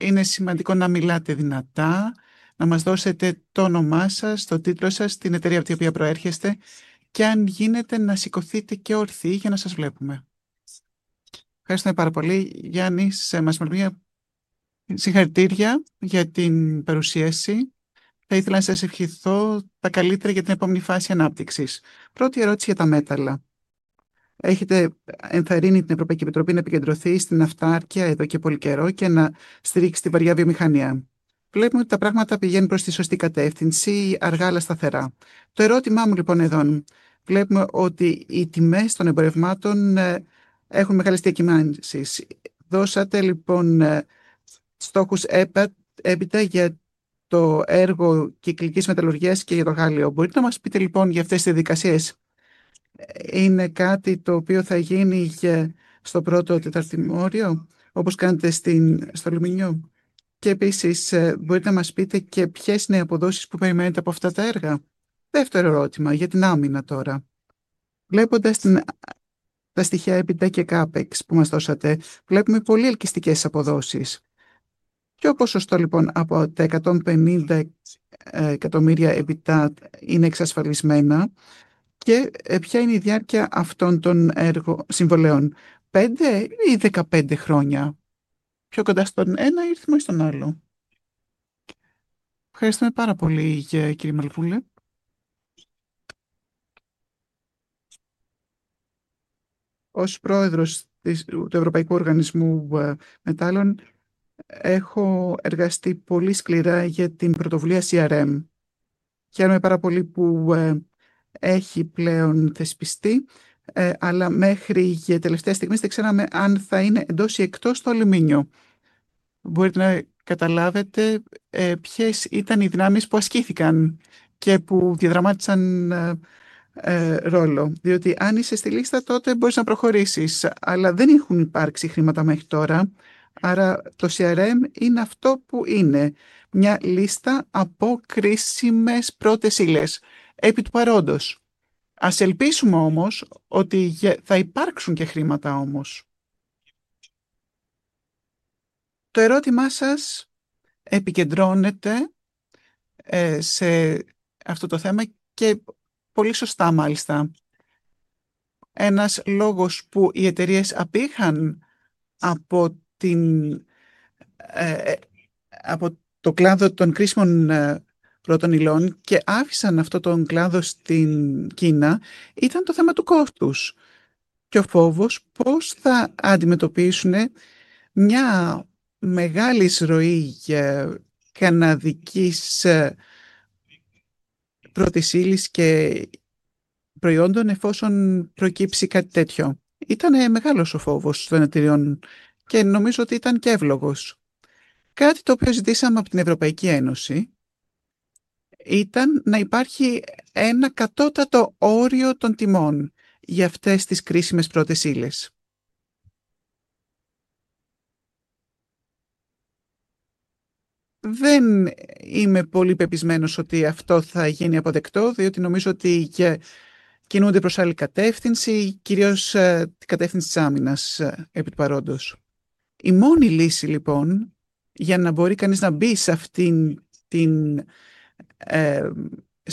είναι σημαντικό να μιλάτε δυνατά, να μας δώσετε το όνομά σας, τον τίτλο σας, την εταιρεία από την οποία προέρχεστε και αν γίνεται να σηκωθείτε όρθιοι για να σας βλέπουμε. Ευχαριστούμε πάρα πολύ, Γιάννη, για τα συγχαρητήρια για την παρουσίαση. Θα ήθελα να σας ευχηθώ τα καλύτερα για την επόμενη φάση ανάπτυξης. Πρώτη ερώτηση για τα μέταλλα. Έχετε ενθαρρύνει την Ευρωπαϊκή Επιτροπή να επικεντρωθεί στην αυτάρκεια εδώ και πολύ καιρό και να στηρίξει τη βαριά βιομηχανία. Βλέπουμε ότι τα πράγματα πηγαίνουν προς τη σωστή κατεύθυνση, αργά αλλά σταθερά. Το ερώτημά μου λοιπόν εδώ είναι: βλέπουμε ότι οι τιμές των εμπορευμάτων έχουν μεγάλες διακυμάνσεις. Δώσατε λοιπόν στόχους έπειτα για το έργο κυκλικής μεταλλουργίας και για το γάλλιο. Μπορείτε να μας πείτε λοιπόν για αυτές τις διαδικασίες; Είναι κάτι το οποίο θα γίνει και στο πρώτο τρίμηνο, όπως κάνετε στο αλουμίνιο; Επίσης μπορείτε να μας πείτε και ποιες είναι οι αποδόσεις που περιμένετε από αυτά τα έργα; Δεύτερο ερώτημα για την άμυνα τώρα. Βλέποντας τα στοιχεία EBITDA και CAPEX που μας δώσατε, βλέπουμε πολύ ελκυστικές αποδόσεις. Ποιο ποσοστό λοιπόν από τα 150 εκατομμύρια EBITDA είναι εξασφαλισμένα και ποια είναι η διάρκεια αυτών των έργων συμβολαίων; 5 ή 15 χρόνια; Πιο κοντά στον ένα αριθμό ή στον άλλο; Ευχαριστούμε πάρα πολύ, κυρία Μελπούλη. Ως Πρόεδρος του Ευρωπαϊκού Οργανισμού Μετάλλων, έχω εργαστεί πολύ σκληρά για την πρωτοβουλία CRM. Χαίρομαι πάρα πολύ που έχει πλέον θεσπιστεί, αλλά μέχρι και τελευταία στιγμή δεν ξέραμε αν θα είναι εντός ή εκτός το αλουμίνιο. Μπορείτε να καταλάβετε ποιες ήταν οι δυνάμεις που ασκήθηκαν και που διαδραμάτισαν ρόλο, διότι αν είσαι στη λίστα τότε μπορείς να προχωρήσεις, αλλά δεν έχουν υπάρξει χρήματα μέχρι τώρα. Άρα το CRM είναι αυτό που είναι: μια λίστα από κρίσιμες πρώτες ύλες επί του παρόντος. Ας ελπίσουμε όμως ότι θα υπάρξουν και χρήματα. Το ερώτημά σας επικεντρώνεται σε αυτό το θέμα και πολύ σωστά μάλιστα. Ένας λόγος που οι εταιρείες απείχαν από τον κλάδο των κρίσιμων πρώτων υλών και άφησαν αυτόν τον κλάδο στην Κίνα ήταν το θέμα του κόστους και ο φόβος πώς θα αντιμετωπίσουν μια μεγάλη εισροή κινεζικής πρώτης ύλης και προϊόντων εφόσον προκύψει κάτι τέτοιο. Ήταν μεγάλος ο φόβος των εταιρειών και νομίζω ότι ήταν και εύλογος. Κάτι το οποίο ζητήσαμε από την Ευρωπαϊκή Ένωση ήταν να υπάρχει ένα κατώτατο όριο των τιμών για αυτές τις κρίσιμες πρώτες ύλες. Δεν είμαι πολύ πεπεισμένος ότι αυτό θα γίνει αποδεκτό, διότι νομίζω ότι κινούνται προς άλλη κατεύθυνση, κυρίως την κατεύθυνση της άμυνας επί του παρόντος. Η μόνη λύση λοιπόν για να μπορεί κανείς να μπει σε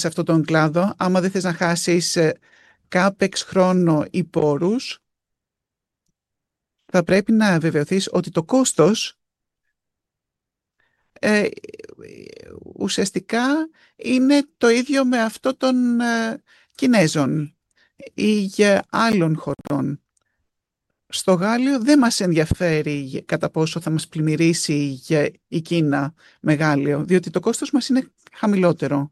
αυτόν τον κλάδο, αν δεν θέλει να χάσει CAPEX, χρόνο ή πόρους, θα πρέπει να βεβαιωθεί ότι το κόστος ουσιαστικά είναι το ίδιο με αυτό των Κινέζων ή άλλων χωρών. Στο γάλλιο δεν μας ενδιαφέρει κατά πόσο θα μας πλημμυρίσει η Κίνα με γάλλιο, διότι το κόστος μας είναι χαμηλότερο.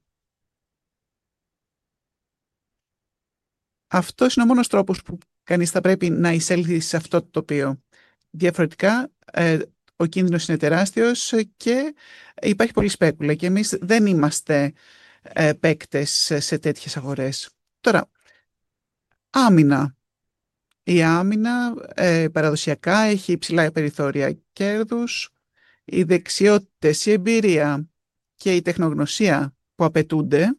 Αυτός είναι ο μόνος τρόπος που κανείς θα πρέπει να εισέλθει σε αυτό το τοπίο. Διαφορετικά, ο κίνδυνος είναι τεράστιος και υπάρχει πολλή σπέκουλα και εμείς δεν είμαστε παίκτες σε τέτοιες αγορές. Τώρα, άμυνα. Η άμυνα παραδοσιακά έχει υψηλά περιθώρια κέρδους. Οι δεξιότητες, η εμπειρία και η τεχνογνωσία που απαιτούνται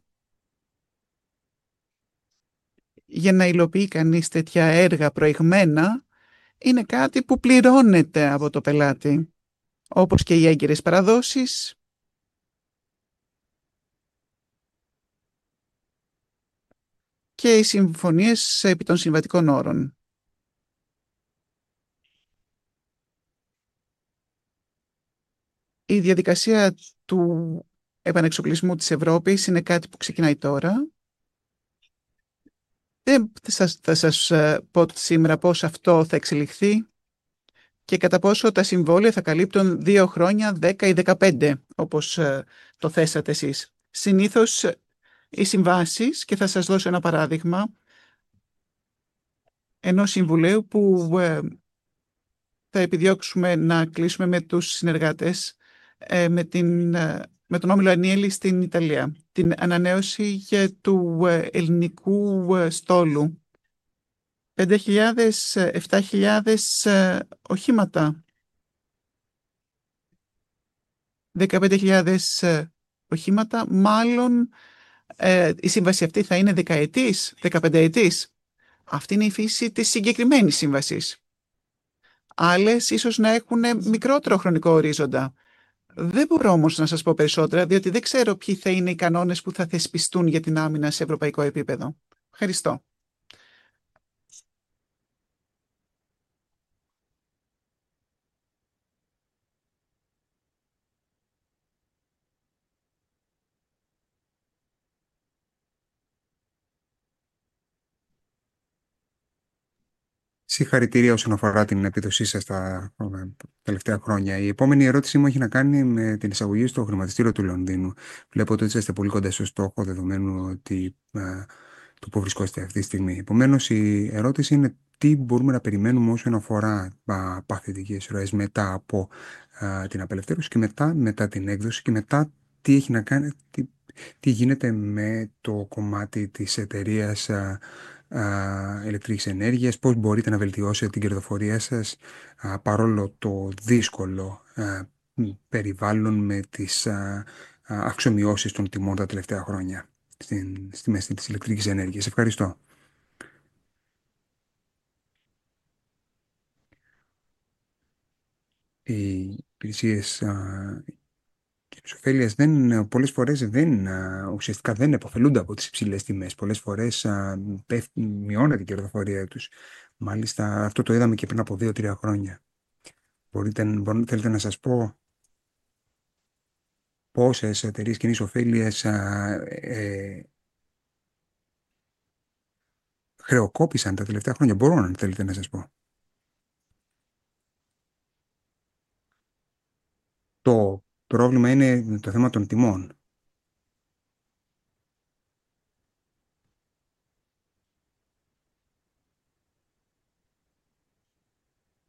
για να υλοποιεί κανείς τέτοια έργα προηγμένα είναι κάτι που πληρώνεται από τον πελάτη, όπως και οι έγκυρες παραδόσεις και οι συμφωνίες επί των συμβατικών όρων. Η διαδικασία του επανεξοπλισμού της Ευρώπης είναι κάτι που ξεκινάει τώρα. Δεν θα σας πω σήμερα πώς αυτό θα εξελιχθεί και κατά πόσο τα συμβόλαια θα καλύπτουν δύο χρόνια, 10 ή 15, όπως το θέσατε εσείς. Συνήθως οι συμβάσεις, και θα σας δώσω ένα παράδειγμα ενός συμβολαίου που θα επιδιώξουμε να κλείσουμε με τους συνεργάτες, με τον όμιλο Anieli στην Ιταλία. Την ανανέωση και του ελληνικού στόλου. 5.000-7.000 οχήματα. 15.000 οχήματα. Μάλλον η σύμβαση αυτή θα είναι δεκαετής, δεκαπενταετής. Αυτή είναι η φύση της συγκεκριμένης σύμβασης. Άλλες ίσως να έχουν μικρότερο χρονικό ορίζοντα. Δεν μπορώ όμως να σας πω περισσότερα, διότι δεν ξέρω ποιοι θα είναι οι κανόνες που θα θεσπιστούν για την άμυνα σε ευρωπαϊκό επίπεδο. Ευχαριστώ. Συγχαρητήρια όσον αφορά την επίδοσή σας τα τελευταία χρόνια. Η επόμενη ερώτησή μου έχει να κάνει με την εισαγωγή στο χρηματιστήριο του Λονδίνου. Βλέπω ότι είσαστε πολύ κοντά στο στόχο, δεδομένου ότι το πού βρισκόσαστε αυτή τη στιγμή. Επομένως, η ερώτηση είναι: τι μπορούμε να περιμένουμε όσον αφορά παθητικές ροές μετά από την απελευθέρωση και μετά την έκδοση; Και μετά, τι έχει να κάνει, τι γίνεται με το κομμάτι της εταιρείας ηλεκτρικής ενέργειας; Πώς μπορείτε να βελτιώσετε την κερδοφορία σας, παρόλο το δύσκολο περιβάλλον με τις αξιομειώσεις των τιμών τα τελευταία χρόνια στην τιμή της ηλεκτρικής ενέργειας; Ευχαριστώ. Οι υπηρεσίες κυκλικής ωφέλειας πολλές φορές δεν επωφελούνται από τις υψηλές τιμές. Πολλές φορές μειώνεται η κερδοφορία τους. Μάλιστα, αυτό το είδαμε και πριν από δύο-τρία χρόνια. Μπορείτε, αν θέλετε, να σας πω πόσες εταιρείες κυκλικής ωφέλειας χρεοκόπησαν τα τελευταία χρόνια; Μπορώ, αν θέλετε, να σας πω. Το πρόβλημα είναι το θέμα των τιμών.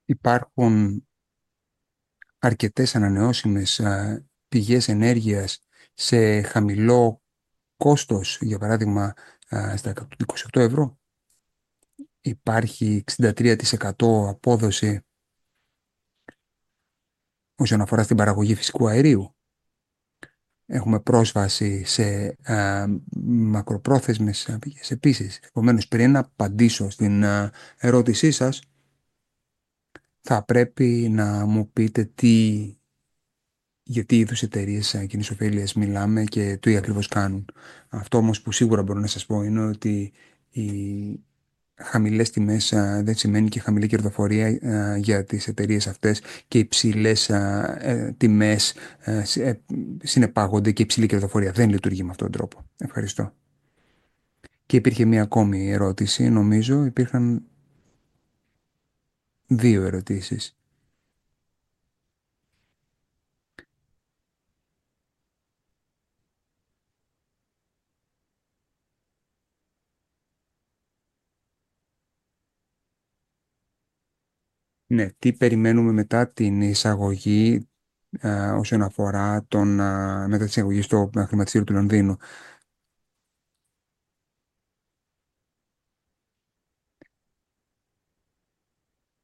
Υπάρχουν αρκετές ανανεώσιμες πηγές ενέργειας σε χαμηλό κόστος. Για παράδειγμα, στα €128 υπάρχει 63% απόδοση όσον αφορά στην παραγωγή φυσικού αερίου. Έχουμε πρόσβαση σε μακροπρόθεσμες πηγές επίσης. Επομένως, πριν απαντήσω στην ερώτησή σας, θα πρέπει να μου πείτε για τι είδους εταιρείες κυκλικής ωφέλειας μιλάμε και τι ακριβώς κάνουν. Αυτό που σίγουρα μπορώ να σας πω είναι ότι οι χαμηλές τιμές δεν σημαίνουν και χαμηλή κερδοφορία για τις εταιρείες αυτές και υψηλές τιμές συνεπάγονται και υψηλή κερδοφορία. Δεν λειτουργεί με αυτόν τον τρόπο. Ευχαριστώ. Υπήρχε μία ακόμη ερώτηση, νομίζω υπήρχαν δύο ερωτήσεις. Ναι, τι περιμένουμε μετά την εισαγωγή, όσον αφορά μετά την εισαγωγή στο χρηματιστήριο του Λονδίνου;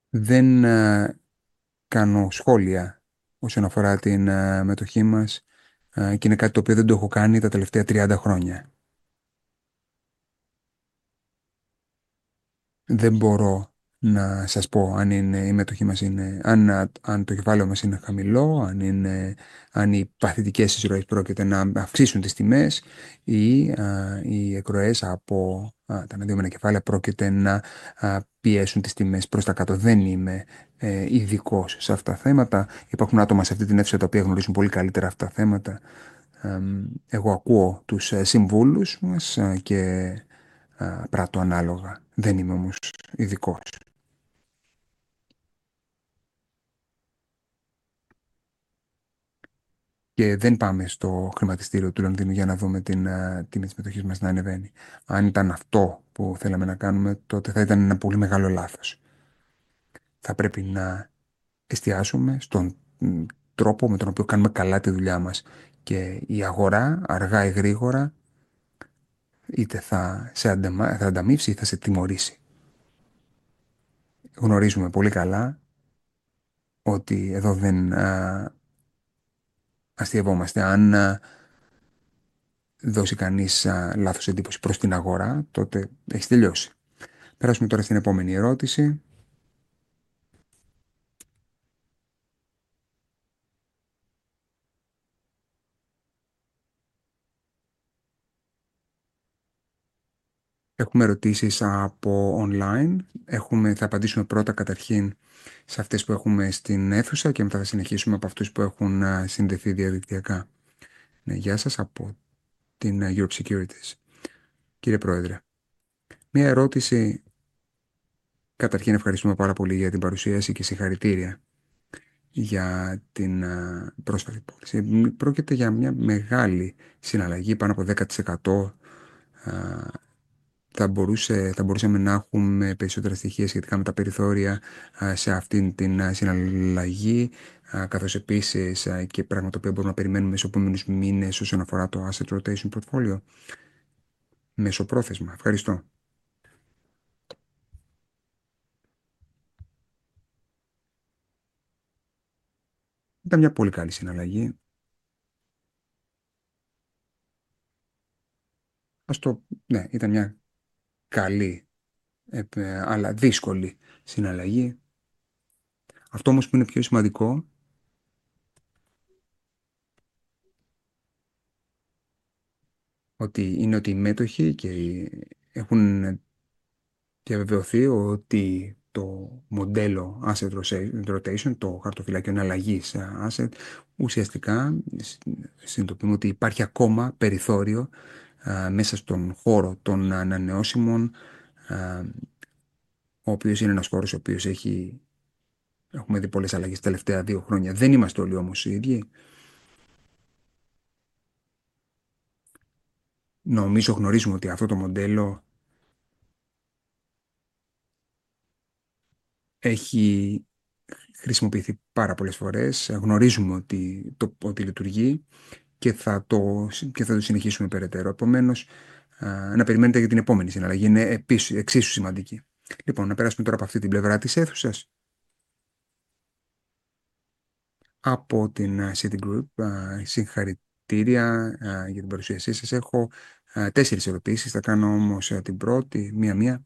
Δεν κάνω σχόλια όσον αφορά την μετοχή μας και είναι κάτι το οποίο δεν το έχω κάνει τα τελευταία 30 χρόνια. Δεν μπορώ να σας πω αν η μετοχή μας, αν το κεφάλαιό μας είναι χαμηλό, αν οι παθητικές εισροές πρόκειται να αυξήσουν τις τιμές ή οι εκροές από τα αναδυόμενα κεφάλαια πρόκειται να πιέσουν τις τιμές προς τα κάτω. Δεν είμαι ειδικός σε αυτά τα θέματα. Υπάρχουν άτομα σε αυτή την αίθουσα τα οποία γνωρίζουν πολύ καλύτερα αυτά τα θέματα. Εγώ ακούω τους συμβούλους μας και πράττω ανάλογα. Δεν είμαι όμως ειδικός. Δεν πάμε στο χρηματιστήριο του Λονδίνου για να δούμε την τιμή της μετοχής μας να ανεβαίνει. Αν ήταν αυτό που θέλαμε να κάνουμε, τότε θα ήταν ένα πολύ μεγάλο λάθος. Θα πρέπει να εστιάσουμε στον τρόπο με τον οποίο κάνουμε καλά τη δουλειά μας και η αγορά, αργά ή γρήγορα, είτε θα σε ανταμείψει είτε θα σε τιμωρήσει. Γνωρίζουμε πολύ καλά ότι εδώ δεν αστειευόμαστε. Αν δώσει κανείς λάθος εντύπωση προς την αγορά, τότε έχεις τελειώσει. Περάσουμε τώρα στην επόμενη ερώτηση. Έχουμε ερωτήσεις από online. Θα απαντήσουμε πρώτα, καταρχήν, σε αυτές που έχουμε στην αίθουσα και μετά θα συνεχίσουμε από αυτούς που έχουν συνδεθεί διαδικτυακά. Ναι, γεια σας από την Europe Securities. Κύριε Πρόεδρε, μία ερώτηση. Καταρχήν, ευχαριστούμε πάρα πολύ για την παρουσίαση και συγχαρητήρια για την πρόσφατη υπόθεση. Πρόκειται για μια μεγάλη συναλλαγή, πάνω από 10%. Θα μπορούσαμε να έχουμε περισσότερα στοιχεία σχετικά με τα περιθώρια σε αυτήν την συναλλαγή, καθώς επίσης και πράγματα τα οποία μπορούμε να περιμένουμε στους επόμενους μήνες όσον αφορά το asset rotation portfolio μεσοπρόθεσμα; Ευχαριστώ. Ήταν μια πολύ καλή συναλλαγή. Ναι, ήταν μια καλή αλλά δύσκολη συναλλαγή. Αυτό όμως που είναι πιο σημαντικό είναι ότι οι μέτοχοι έχουν διαβεβαιωθεί ότι το μοντέλο asset rotation, το χαρτοφυλάκιο εναλλαγής asset, ουσιαστικά συνειδητοποιούμε ότι υπάρχει ακόμα περιθώριο μέσα στον χώρο των ανανεώσιμων, ο οποίος είναι ένας χώρος ο οποίος έχουμε δει πολλές αλλαγές τα τελευταία δύο χρόνια. Δεν είμαστε όλοι όμως οι ίδιοι. Νομίζω γνωρίζουμε ότι αυτό το μοντέλο έχει χρησιμοποιηθεί πάρα πολλές φορές. Γνωρίζουμε ότι λειτουργεί και θα το συνεχίσουμε περαιτέρω. Επομένως, να περιμένετε για την επόμενη συναλλαγή. Είναι επίσης εξίσου σημαντική. Λοιπόν, να περάσουμε τώρα από αυτή την πλευρά της αίθουσας. Από την City Group, συγχαρητήρια για την παρουσίασή σας. Έχω τέσσερις ερωτήσεις. Θα κάνω όμως την πρώτη, μία-μία.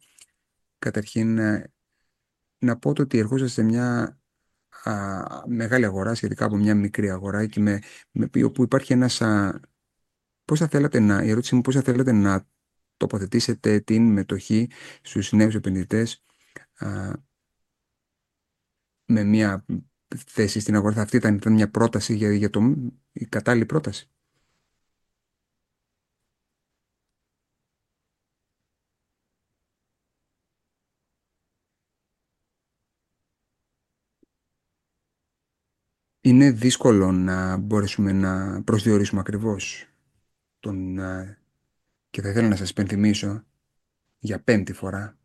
Καταρχήν, να πω ότι ερχόσαστε σε μια μεγάλη αγορά σχετικά από μια μικρή αγορά και όπου υπάρχει ένας... Πώς θα θέλατε να... Η ερώτησή μου: πώς θα θέλατε να τοποθετήσετε την μετοχή στους νέους επενδυτές με μία θέση στην αγορά; Αυτή ήταν μια πρόταση για το... Η κατάλληλη πρόταση; Είναι δύσκολο να μπορέσουμε να προσδιορίσουμε ακριβώς τον... Και θα ήθελα να σας υπενθυμίσω για πέμπτη φορά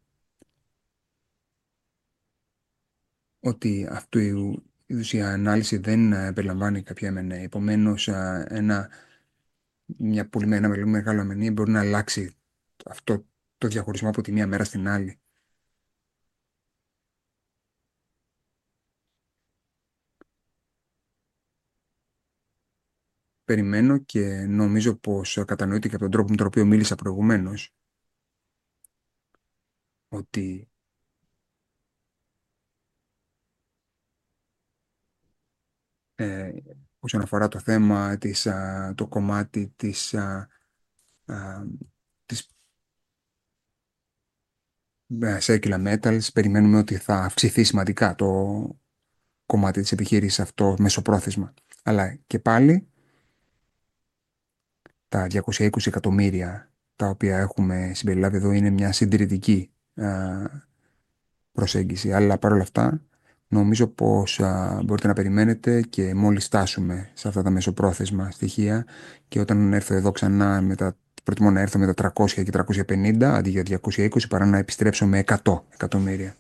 ότι αυτή η ουσιαστική ανάλυση δεν περιλαμβάνει κάποια M&A. Επομένως, μια πολύ μεγάλη M&A μπορεί να αλλάξει αυτό το διαχωρισμό από τη μία μέρα στην άλλη. Περιμένω και νομίζω πως κατανοείται και από τον τρόπο με τον οποίο μίλησα προηγουμένως ότι, όσον αφορά το θέμα της, το κομμάτι της Circular Metals, περιμένουμε ότι θα αυξηθεί σημαντικά το κομμάτι της επιχείρησης αυτό μεσοπρόθεσμα. Αλλά και πάλι, τα €220 εκατομμύρια τα οποία έχουμε συμπεριλάβει εδώ είναι μια συντηρητική προσέγγιση. Παρόλα αυτά, νομίζω πως μπορείτε να περιμένετε και μόλις φτάσουμε σε αυτά τα μεσοπρόθεσμα στοιχεία και όταν έρθω εδώ ξανά, προτιμώ να έρθω με τα €300 και €350 εκατομμύρια αντί για €220 εκατομμύρια, παρά να επιστρέψω με €100 εκατομμύρια.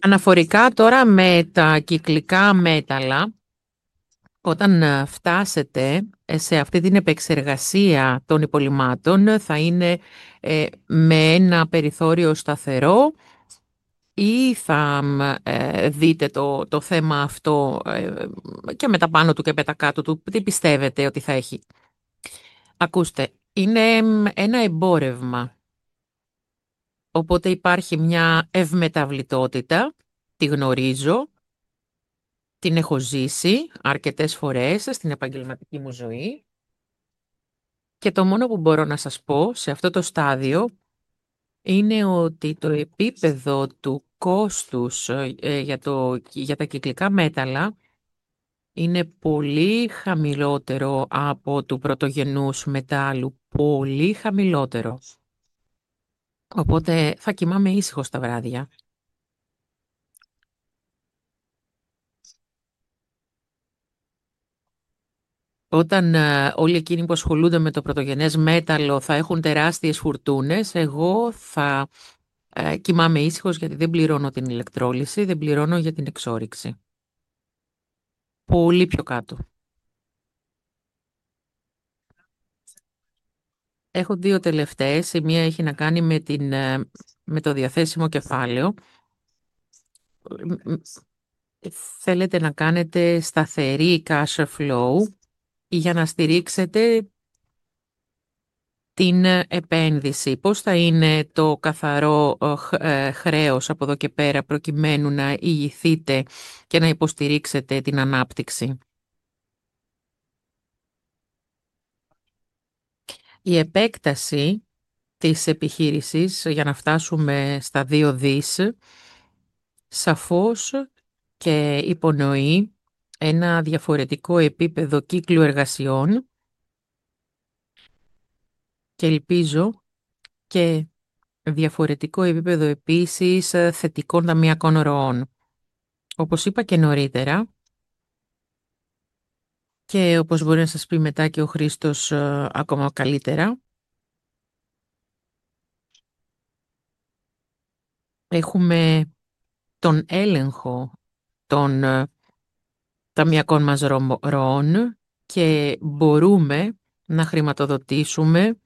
Αναφορικά τώρα με τα κυκλικά μέταλλα, όταν φτάσετε σε αυτή την επεξεργασία των υπολειμμάτων, θα είναι με ένα περιθώριο σταθερό ή θα δείτε το θέμα αυτό και με τα πάνω του και με τα κάτω του, τι πιστεύετε ότι θα έχει; Ακούστε, είναι ένα εμπόρευμα, οπότε υπάρχει μια ευμεταβλητότητα, τη γνωρίζω, την έχω ζήσει αρκετές φορές στην επαγγελματική μου ζωή και το μόνο που μπορώ να σας πω σε αυτό το στάδιο είναι ότι το επίπεδο του κόστους για τα κυκλικά μέταλλα είναι πολύ χαμηλότερο από του πρωτογενούς μετάλλου, πολύ χαμηλότερο. Οπότε θα κοιμάμαι ήσυχος τα βράδια. Όταν όλοι εκείνοι που ασχολούνται με το πρωτογενές μέταλλο θα έχουν τεράστιες φουρτούνες, εγώ θα κοιμάμαι ήσυχος γιατί δεν πληρώνω την ηλεκτρόλυση, δεν πληρώνω για την εξόρυξη. Πολύ πιο κάτω. Έχω δύο τελευταίες. Η μία έχει να κάνει με το διαθέσιμο κεφάλαιο. Θέλετε να κάνετε σταθερή cash flow για να στηρίξετε την επένδυση; Πώς θα είναι το καθαρό χρέος από εδώ και πέρα προκειμένου να ηγηθείτε και να υποστηρίξετε την ανάπτυξη; Η επέκταση της επιχείρησης για να φτάσουμε στα δύο δισεκατομμύρια, σαφώς και υπονοεί ένα διαφορετικό επίπεδο κύκλου εργασιών και ελπίζω και διαφορετικό επίπεδο επίσης θετικών ταμειακών ροών. Όπως είπα και νωρίτερα και όπως μπορεί να σας πει μετά και ο Χρήστος ακόμα καλύτερα, έχουμε τον έλεγχο των ταμειακών μας ροών και μπορούμε να χρηματοδοτήσουμε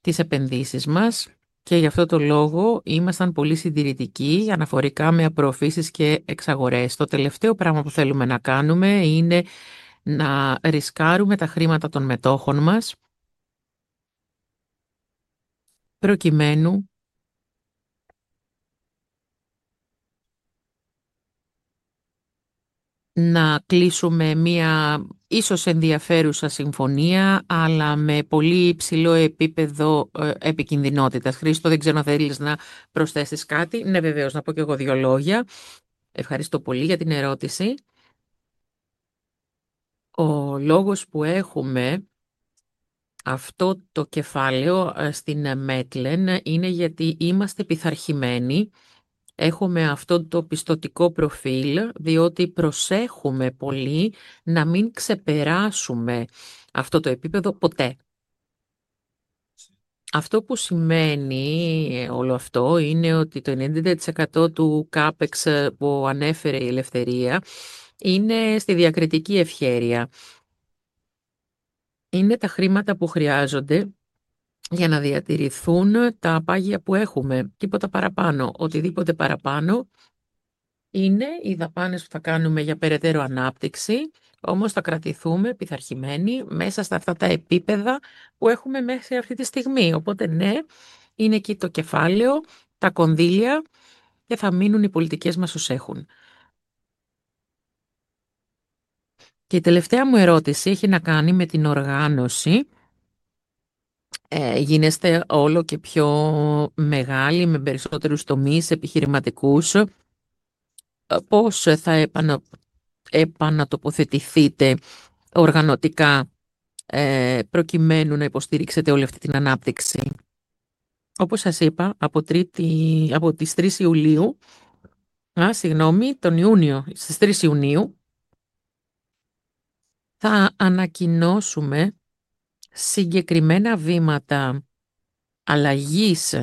τις επενδύσεις μας και γι' αυτό το λόγο ήμασταν πολύ συντηρητικοί αναφορικά με απορροφήσεις και εξαγορές. Το τελευταίο πράγμα που θέλουμε να κάνουμε είναι να ρισκάρουμε τα χρήματα των μετόχων μας προκειμένου να κλείσουμε μια ίσως ενδιαφέρουσα συμφωνία, αλλά με πολύ υψηλό επίπεδο επικινδυνότητας. Χρήστο, δεν ξέρω αν θέλεις να προσθέσεις κάτι. Ναι, βεβαίως, να πω και εγώ δύο λόγια. Ευχαριστώ πολύ για την ερώτηση. Ο λόγος που έχουμε αυτό το κεφάλαιο στην Metlen είναι γιατί είμαστε πειθαρχημένοι, έχουμε αυτό το πιστωτικό προφίλ, διότι προσέχουμε πολύ να μην ξεπεράσουμε αυτό το επίπεδο ποτέ. Αυτό που σημαίνει όλο αυτό είναι ότι το 90% του CAPEX που ανέφερε η Ελευθερία είναι στη διακριτική ευχέρεια. Είναι τα χρήματα που χρειάζονται για να διατηρηθούν τα πάγια που έχουμε. Τίποτα παραπάνω. Οτιδήποτε παραπάνω είναι οι δαπάνες που θα κάνουμε για περαιτέρω ανάπτυξη, όμως θα κρατηθούμε πειθαρχημένοι μέσα σε αυτά τα επίπεδα που έχουμε μέχρι αυτή τη στιγμή. Οπότε ναι, είναι εκεί το κεφάλαιο, τα κονδύλια και θα μείνουν οι πολιτικές μας ως έχουν. Η τελευταία μου ερώτηση έχει να κάνει με την οργάνωση. Γίνεστε όλο και πιο μεγάλοι, με περισσότερους τομείς επιχειρηματικούς. Πώς θα επανατοποθετηθείτε οργανωτικά προκειμένου να υποστηρίξετε όλη αυτή την ανάπτυξη; Όπως σας είπα, από τις 3 Ιουλίου, συγγνώμη, τον Ιούνιο, στις 3 Ιουνίου, θα ανακοινώσουμε συγκεκριμένα βήματα αλλαγής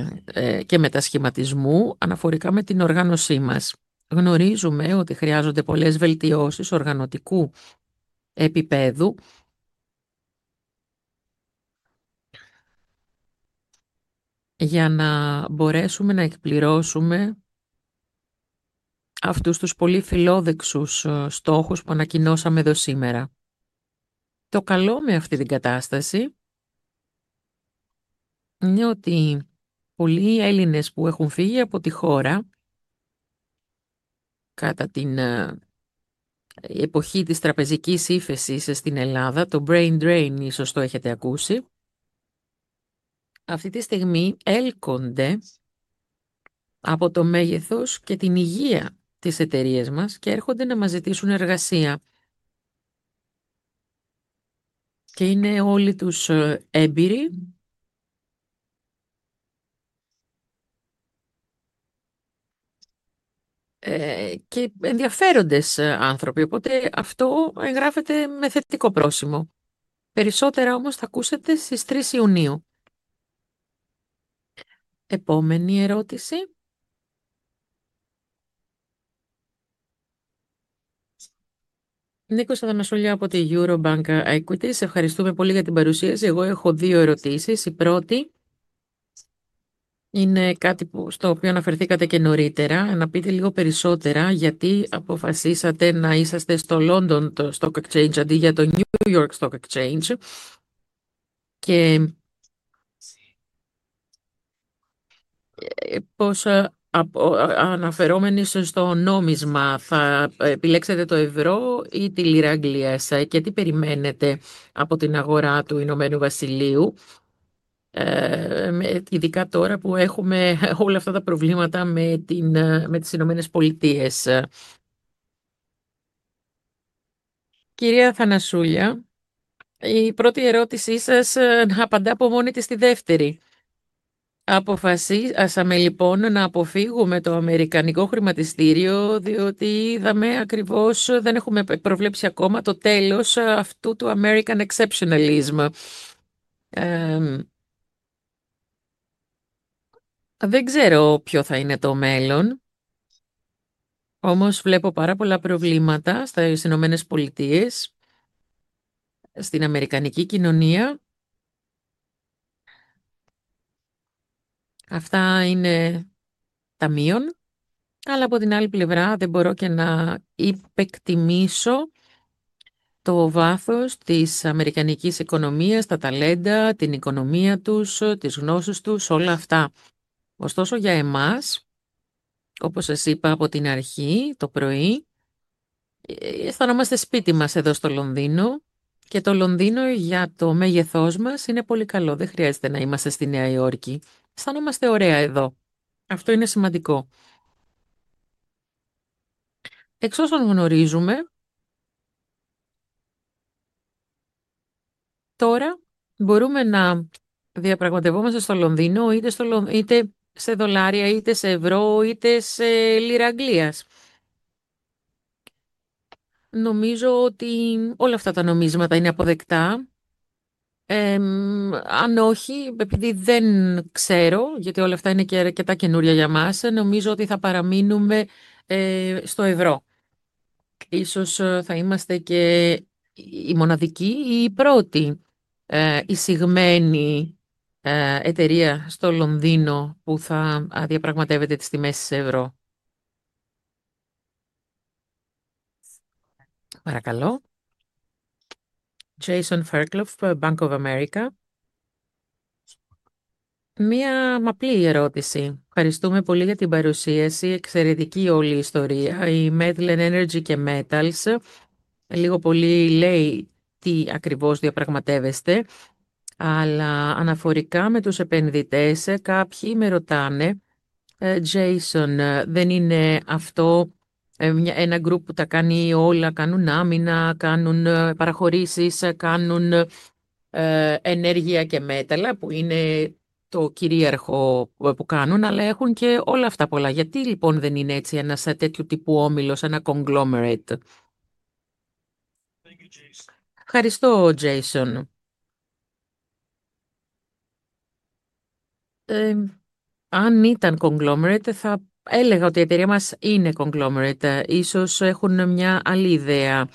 και μετασχηματισμού αναφορικά με την οργάνωσή μας. Γνωρίζουμε ότι χρειάζονται πολλές βελτιώσεις οργανωτικού επιπέδου για να μπορέσουμε να εκπληρώσουμε αυτούς τους πολύ φιλόδοξους στόχους που ανακοινώσαμε εδώ σήμερα. Το καλό με αυτή την κατάσταση είναι ότι πολλοί Έλληνες που έχουν φύγει από τη χώρα κατά την εποχή της τραπεζικής ύφεσης στην Ελλάδα, το brain drain ίσως το έχετε ακούσει, αυτή τη στιγμή έλκονται από το μέγεθος και την υγεία της εταιρείας μας και έρχονται να μας ζητήσουν εργασία. Είναι όλοι τους έμπειροι και ενδιαφέροντες άνθρωποι, οπότε αυτό γράφεται με θετικό πρόσημο. Περισσότερα όμως θα ακούσετε στις 3 Ιουνίου. Επόμενη ερώτηση. Νίκος Αθανασούλα από τη EUROBANK Equities. Ευχαριστούμε πολύ για την παρουσίαση. Εγώ έχω δύο ερωτήσεις. Η πρώτη είναι κάτι που στο οποίο αναφερθήκατε νωρίτερα, να πείτε λίγο περισσότερα γιατί αποφασίσατε να είσαστε στο London Stock Exchange αντί για το New York Stock Exchange και πώς αναφερόμενοι στο νόμισμα θα επιλέξετε το ευρώ ή τη λίρα Αγγλίας και τι περιμένετε από την αγορά του Ηνωμένου Βασιλείου, ειδικά τώρα που έχουμε όλα αυτά τα προβλήματα με τις Ηνωμένες Πολιτείες. Κυρία Αθανασούλα, η πρώτη ερώτησή σας απαντά από μόνη της τη δεύτερη. Αποφασίσαμε λοιπόν να αποφύγουμε το αμερικανικό χρηματιστήριο, διότι είδαμε ακριβώς, δεν έχουμε προβλέψει ακόμα το τέλος αυτού του American Exceptionalism. Δεν ξέρω ποιο θα είναι το μέλλον, όμως βλέπω πάρα πολλά προβλήματα στις Ηνωμένες Πολιτείες, στην αμερικανική κοινωνία. Αυτά είναι τα μείον, αλλά από την άλλη πλευρά δεν μπορώ και να υπεκτιμήσω το βάθος της αμερικανικής οικονομίας, τα ταλέντα, την οικονομία τους, τις γνώσεις τους, όλα αυτά. Ωστόσο, για εμάς, όπως σας είπα από την αρχή το πρωί, αισθανόμαστε σπίτι μας εδώ στο Λονδίνο και το Λονδίνο για το μέγεθός μας είναι πολύ καλό. Δεν χρειάζεται να είμαστε στη Νέα Υόρκη. Αισθανόμαστε ωραία εδώ. Αυτό είναι σημαντικό. Εξ όσων γνωρίζουμε, τώρα μπορούμε να διαπραγματευόμαστε στο Λονδίνο είτε σε δολάρια είτε σε ευρώ είτε σε λίρες Αγγλίας. Νομίζω ότι όλα αυτά τα νομίσματα είναι αποδεκτά. Αν όχι, επειδή δεν ξέρω, γιατί όλα αυτά είναι αρκετά καινούργια για εμάς, νομίζω ότι θα παραμείνουμε στο ευρώ. Ίσως θα είμαστε οι μοναδικοί ή οι πρώτοι, η εισηγμένη εταιρεία στο Λονδίνο που θα διαπραγματεύεται τις τιμές σε ευρώ. Jason Ferkloff, Bank of America: Μία απλή ερώτηση. Ευχαριστούμε πολύ για την παρουσίαση. Εξαιρετική όλη η ιστορία της Metlen Energy and Metals. Λίγο πολύ λέει τι ακριβώς διαπραγματεύεστε, αλλά αναφορικά με τους επενδυτές, κάποιοι με ρωτάνε, Jason, δεν είναι αυτό ένα γκρουπ που τα κάνει όλα; Κάνουν άμυνα, κάνουν παραχωρήσεις, κάνουν ενέργεια και μέταλλα, που είναι το κυρίαρχο που κάνουν, αλλά έχουν και όλα αυτά πολλά. Γιατί λοιπόν δεν είναι έτσι ένας τέτοιου τύπου όμιλος, ένα conglomerate; Ευχαριστώ, Jason. Αν ήταν conglomerate, θα έλεγα ότι η εταιρεία μας είναι conglomerate. Ίσως έχουν μια άλλη ιδέα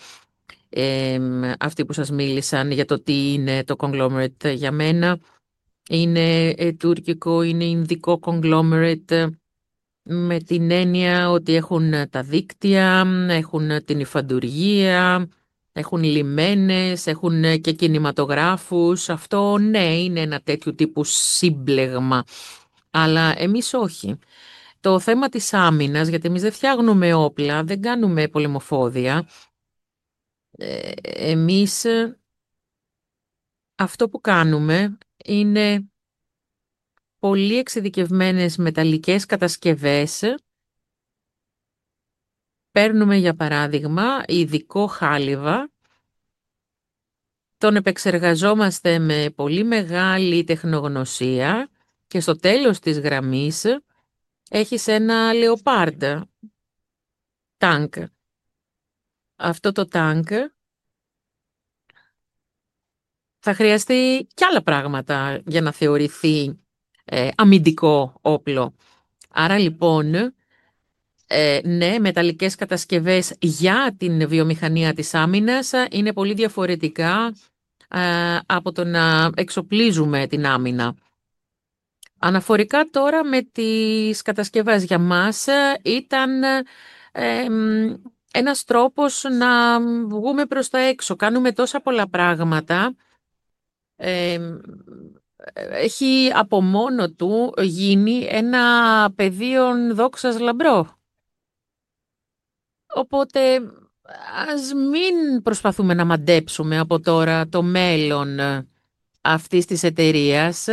αυτοί που σας μίλησαν για το τι είναι το conglomerate. Για μένα είναι τουρκικό, είναι ινδικό conglomerate, με την έννοια ότι έχουν τα δίκτυα, έχουν την υφαντουργία, έχουν λιμένες, έχουν και κινηματογράφους. Αυτό ναι, είναι ένα τέτοιου τύπου σύμπλεγμα, αλλά εμείς όχι. Το θέμα της άμυνας, γιατί εμείς δεν φτιάχνουμε όπλα, δεν κάνουμε πολεμοφόδια. Εμείς αυτό που κάνουμε είναι πολύ εξειδικευμένες μεταλλικές κατασκευές. Παίρνουμε, για παράδειγμα, ειδικό χάλυβα, τον επεξεργαζόμαστε με πολύ μεγάλη τεχνογνωσία και στο τέλος της γραμμής έχεις ένα λεοπάρ τανκ. Αυτό το τανκ θα χρειαστεί κι άλλα πράγματα για να θεωρηθεί αμυντικό όπλο. Άρα λοιπόν, ναι, μεταλλικές κατασκευές για την βιομηχανία της άμυνας είναι πολύ διαφορετικά από το να εξοπλίζουμε την άμυνα. Αναφορικά τώρα με τις κατασκευές, για εμάς ήταν ένας τρόπος να βγούμε προς τα έξω. Κάνουμε τόσα πολλά πράγματα, έχει από μόνο του γίνει ένα πεδίο δόξας λαμπρό. Οπότε ας μην προσπαθούμε να μαντέψουμε από τώρα το μέλλον αυτής της εταιρείας.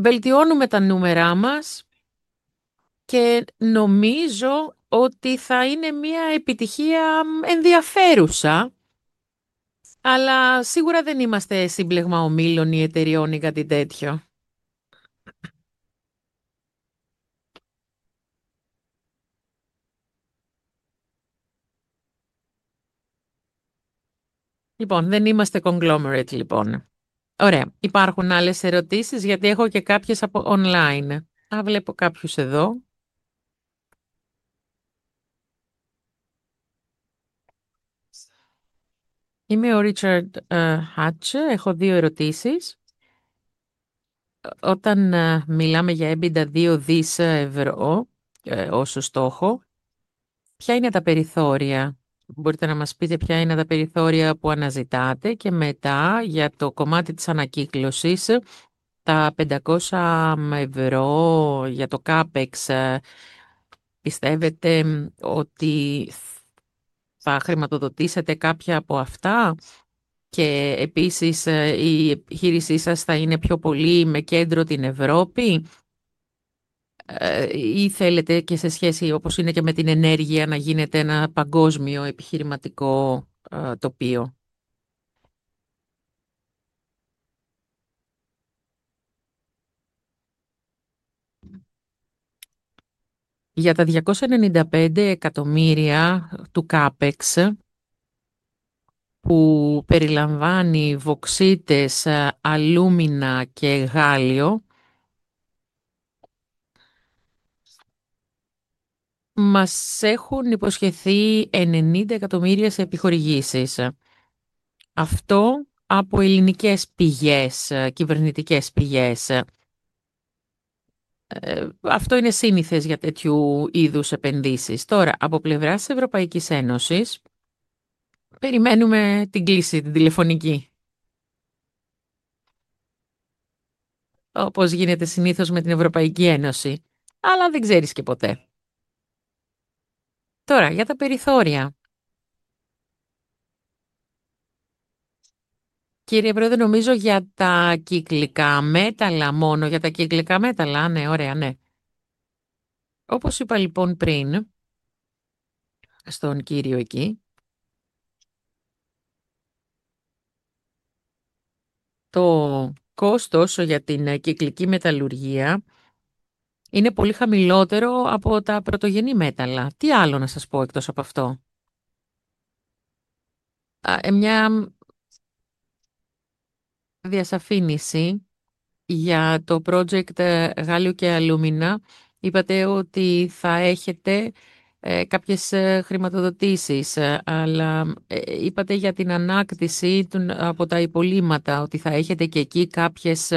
Βελτιώνουμε τα νούμερά μας και νομίζω ότι θα είναι μια επιτυχία ενδιαφέρουσα, αλλά σίγουρα δεν είμαστε σύμπλεγμα ομίλων ή εταιρειών ή κάτι τέτοιο. Λοιπόν, δεν είμαστε conglomerate λοιπόν. Ωραία. Υπάρχουν άλλες ερωτήσεις; Γιατί έχω και κάποιες από online. Βλέπω κάποιους εδώ. Είμαι ο Richard Hatch, έχω δύο ερωτήσεις. Όταν μιλάμε για EBITDA €2 δισεκατομμύρια ως στόχο, ποια είναι τα περιθώρια; Μπορείτε να μας πείτε ποια είναι τα περιθώρια που αναζητάτε; Και μετά, για το κομμάτι της ανακύκλωσης, τα €500 για το CAPEX, πιστεύετε ότι θα χρηματοδοτήσετε κάποια από αυτά; Και επίσης, η επιχείρησή σας θα είναι πιο πολύ με κέντρο την Ευρώπη ή θέλετε και σε σχέση, όπως είναι και με την ενέργεια, να γίνεται ένα παγκόσμιο επιχειρηματικό τοπίο; Για τα €295 εκατομμύρια του CAPEX, που περιλαμβάνει βωξίτες, αλουμίνα και γάλλιο, μας έχουν υποσχεθεί €90 εκατομμύρια σε επιχορηγήσεις. Αυτό από ελληνικές πηγές, κυβερνητικές πηγές. Αυτό είναι σύνηθες για τέτοιου είδους επενδύσεις. Τώρα, από πλευράς Ευρωπαϊκής Ένωσης, περιμένουμε την κλήση την τηλεφωνική. Όπως γίνεται συνήθως με την Ευρωπαϊκή Ένωση. Αλλά δεν ξέρεις και ποτέ. Τώρα, για τα περιθώρια. Κύριε Πρόεδρε, νομίζω για τα κυκλικά μέταλλα μόνο; Για τα κυκλικά μέταλλα; Ναι, ωραία, ναι. Όπως είπα λοιπόν πριν στον κύριο εκεί, το κόστος για την κυκλική μεταλλουργία είναι πολύ χαμηλότερο από τα πρωτογενή μέταλλα. Τι άλλο να σας πω εκτός από αυτό; Μια διασαφήνιση για το project γάλλιο και αλουμίνα. Είπατε ότι θα έχετε κάποιες χρηματοδοτήσεις, αλλά είπατε για την ανάκτηση από τα υπολείμματα, ότι θα έχετε και εκεί κάποιες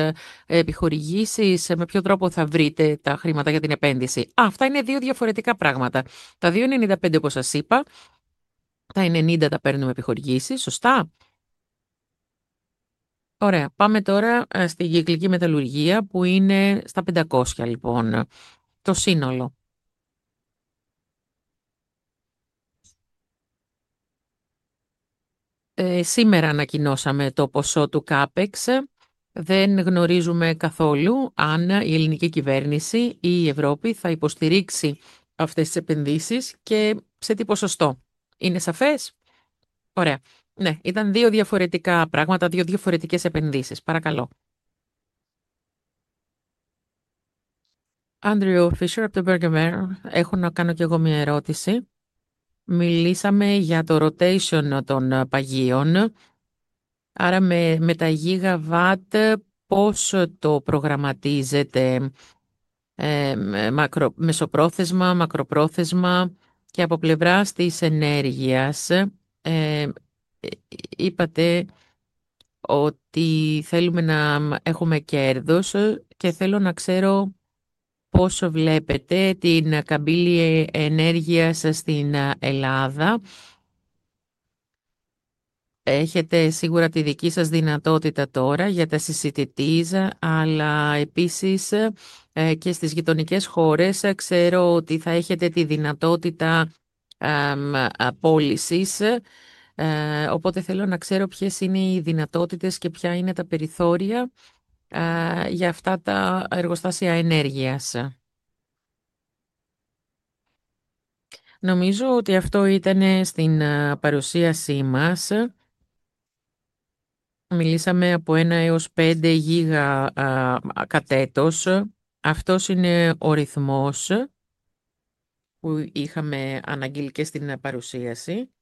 επιχορηγήσεις; Με ποιο τρόπο θα βρείτε τα χρήματα για την επένδυση; Αυτά είναι δύο διαφορετικά πράγματα. Τα €295 εκατομμύρια, όπως σας είπα, τα €90 εκατομμύρια τα παίρνουμε επιχορηγήσεις, σωστά; Ωραία. Πάμε τώρα στην κυκλική μεταλλουργία, που είναι στα €500 εκατομμύρια λοιπόν, το σύνολο. Σήμερα ανακοινώσαμε το ποσό του CAPEX. Δεν γνωρίζουμε καθόλου αν η ελληνική κυβέρνηση ή η Ευρώπη θα υποστηρίξει αυτές τις επενδύσεις και σε τι ποσοστό. Είναι σαφές; Ωραία. Ναι, ήταν δύο διαφορετικά πράγματα, δύο διαφορετικές επενδύσεις. Παρακαλώ. Andrew Fisher από το Bergamer. Έχω να κάνω κι εγώ μια ερώτηση. Μιλήσαμε για το rotation των παγίων, άρα με τα γίγαβατ πόσο το προγραμματίζετε; Μεσοπρόθεσμα, μακροπρόθεσμα και από πλευράς της ενέργειας. Είπατε ότι θέλουμε να έχουμε κέρδος και θέλω να ξέρω πόσο βλέπετε την καμπύλη ενέργειας στην Ελλάδα. Έχετε σίγουρα τη δική σας δυνατότητα τώρα για τα CCGTs, αλλά επίσης και στις γειτονικές χώρες. Ξέρω ότι θα έχετε τη δυνατότητα πώλησης, οπότε θέλω να ξέρω ποιες είναι οι δυνατότητες και ποια είναι τα περιθώρια για αυτά τα εργοστάσια ενέργειας. Νομίζω ότι αυτό ήταν στην παρουσίασή μας. Μιλήσαμε από 1 έως 5 γίγα κατ' έτος. Αυτός είναι ο ρυθμός που είχαμε αναγγείλει και στην παρουσίαση.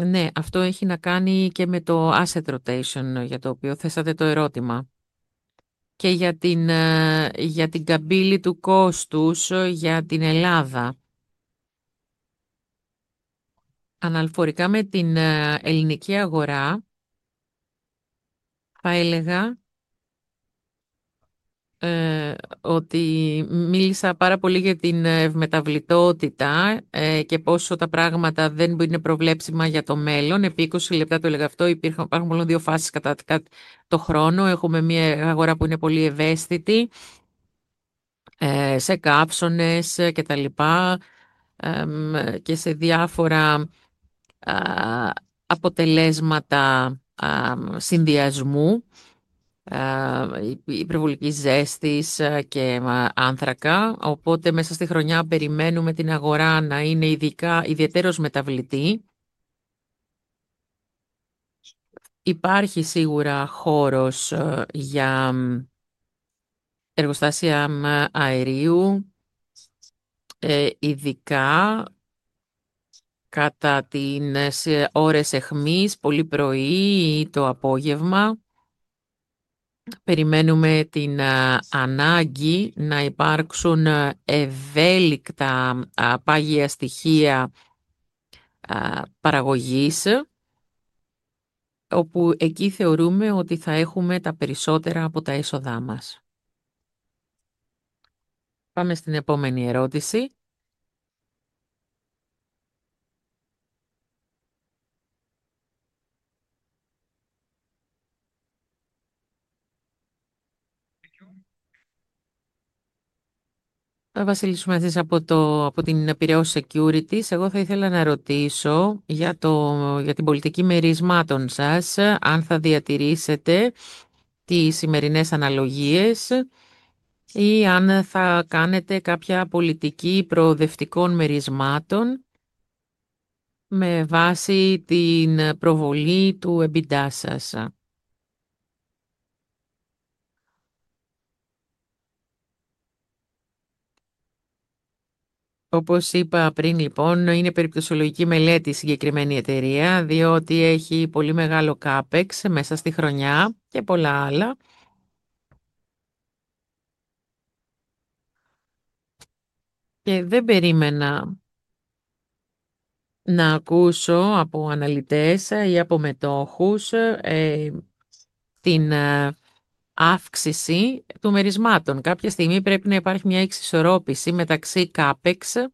Ναι, αυτό έχει να κάνει και με το asset rotation για το οποίο θέσατε το ερώτημα και για την καμπύλη του κόστους για την Ελλάδα. Αναφορικά με την ελληνική αγορά, θα έλεγα ότι μίλησα πάρα πολύ για την ευμεταβλητότητα και πόσο τα πράγματα δεν είναι προβλέψιμα για το μέλλον. Επί 20 λεπτά το έλεγα αυτό. Υπάρχουν μόνο δύο φάσεις κατά το χρόνο. Έχουμε μια αγορά που είναι πολύ ευαίσθητη σε καύσωνες κτλ. και σε διάφορα αποτελέσματα συνδυασμού, υπερβολικής ζέστης και άνθρακα. Οπότε, μέσα στη χρονιά περιμένουμε την αγορά να είναι ιδιαίτερα μεταβλητή. Υπάρχει σίγουρα χώρος για εργοστάσια αερίου, ειδικά κατά τις ώρες αιχμής, πολύ πρωί ή το απόγευμα. Περιμένουμε την ανάγκη να υπάρξουν ευέλικτα πάγια στοιχεία παραγωγής, όπου εκεί θεωρούμε ότι θα έχουμε τα περισσότερα από τα έσοδά μας. Πάμε στην επόμενη ερώτηση. Ο Βασίλης Σουματής από την Πειραιώς Securities. Εγώ θα ήθελα να ρωτήσω για την πολιτική μερισμάτων σας, αν θα διατηρήσετε τις σημερινές αναλογίες ή αν θα κάνετε κάποια πολιτική προοδευτικών μερισμάτων με βάση την προβολή του EBITDA σας. Όπως είπα πριν λοιπόν, είναι περιπτωσιολογική μελέτη η συγκεκριμένη εταιρεία, διότι έχει πολύ μεγάλο CAPEX μέσα στη χρονιά και πολλά άλλα. Δεν περίμενα να ακούσω από αναλυτές ή από μετόχους την αύξηση του μερίσματος. Κάποια στιγμή πρέπει να υπάρχει μια εξισορρόπηση μεταξύ CAPEX,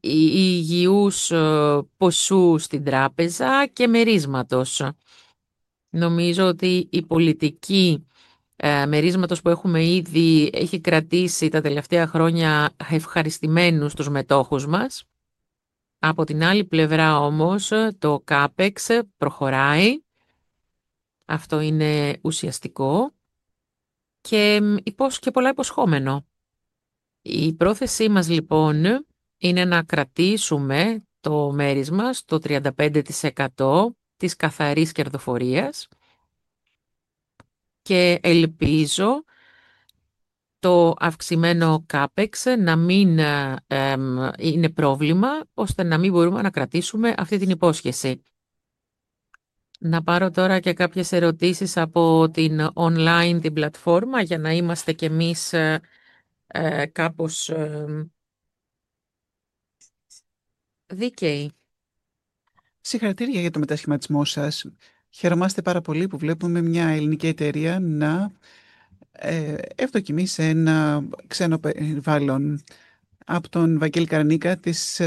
υγιούς ποσού στην τράπεζα και μερίσματος. Νομίζω ότι η πολιτική μερίσματος που έχουμε ήδη έχει κρατήσει τα τελευταία χρόνια ευχαριστημένους τους μετόχους μας. Από την άλλη πλευρά όμως, το CAPEX προχωράει. Αυτό είναι ουσιαστικό και πολλά υποσχόμενο. Η πρόθεσή μας λοιπόν είναι να κρατήσουμε το μέρισμα στο 35% της καθαρής κερδοφορίας και ελπίζω το αυξημένο CAPEX να μην είναι πρόβλημα, ώστε να μην μπορούμε να κρατήσουμε αυτή την υπόσχεση. Να πάρω τώρα και κάποιες ερωτήσεις από την online πλατφόρμα, για να είμαστε και εμείς κάπως δίκαιοι. Συγχαρητήρια για τον μετασχηματισμό σας. Χαιρόμαστε πάρα πολύ που βλέπουμε μια ελληνική εταιρεία να ευδοκιμεί σε ένα ξένο περιβάλλον. Από τον Βαγγέλη Καρανίκα της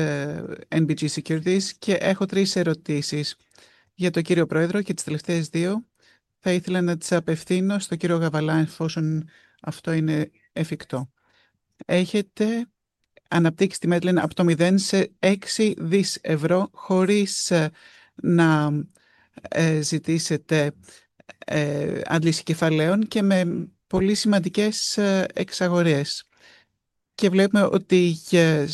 NBG Securities και έχω τρεις ερωτήσεις για τον κύριο Πρόεδρο και τις τελευταίες δύο θα ήθελα να τις απευθύνω στον κύριο Γαβαλά, εφόσον αυτό είναι εφικτό. Έχετε αναπτύξει τη Medline από το 0 σε €6 δισεκατομμύρια χωρίς να ζητήσετε αντλήσεις κεφαλαίων και με πολύ σημαντικές εξαγορές. Βλέπουμε ότι για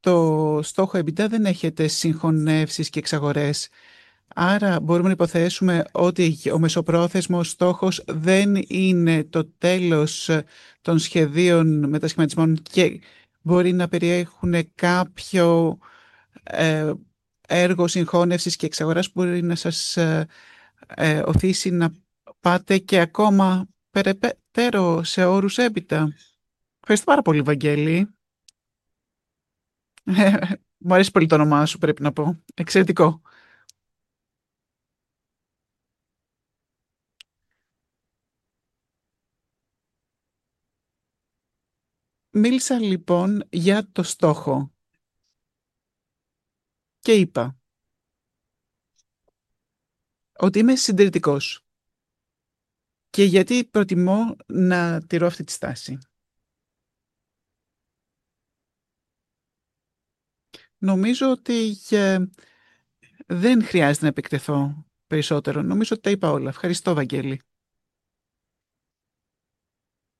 το στόχο EBITDA δεν έχετε συγχωνεύσεις και εξαγορές. Μπορούμε να υποθέσουμε ότι ο μεσοπρόθεσμος στόχος δεν είναι το τέλος των σχεδίων μετασχηματισμών και μπορεί να περιέχουν κάποιο έργο συγχώνευσης και εξαγοράς που μπορεί να σας ωθήσει να πάτε ακόμα περαιτέρω σε όρους EBITDA; Ευχαριστώ πάρα πολύ, Βαγγέλη. Μου αρέσει πολύ το όνομά σου, πρέπει να πω. Εξαιρετικό. Μίλησα για το στόχο και είπα ότι είμαι συντηρητικός και γιατί προτιμώ να τηρώ αυτή τη στάση. Νομίζω ότι δεν χρειάζεται να επεκταθώ περισσότερο. Νομίζω ότι τα είπα όλα. Ευχαριστώ, Βαγγέλη.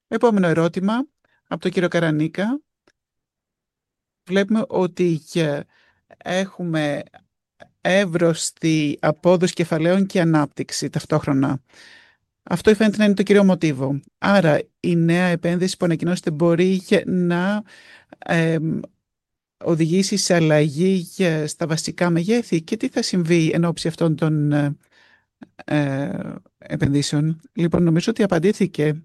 Επόμενο ερώτημα από τον κύριο Καρανίκα. Βλέπουμε ότι έχουμε εύρωστη απόδοση κεφαλαίων και ανάπτυξη ταυτόχρονα. Αυτό φαίνεται να είναι το κύριο μοτίβο. Άρα η νέα επένδυση που ανακοινώσατε μπορεί να οδηγήσει σε αλλαγή στα βασικά μεγέθη; Και τι θα συμβεί ενόψει αυτών των επενδύσεων; Νομίζω ότι απαντήθηκε,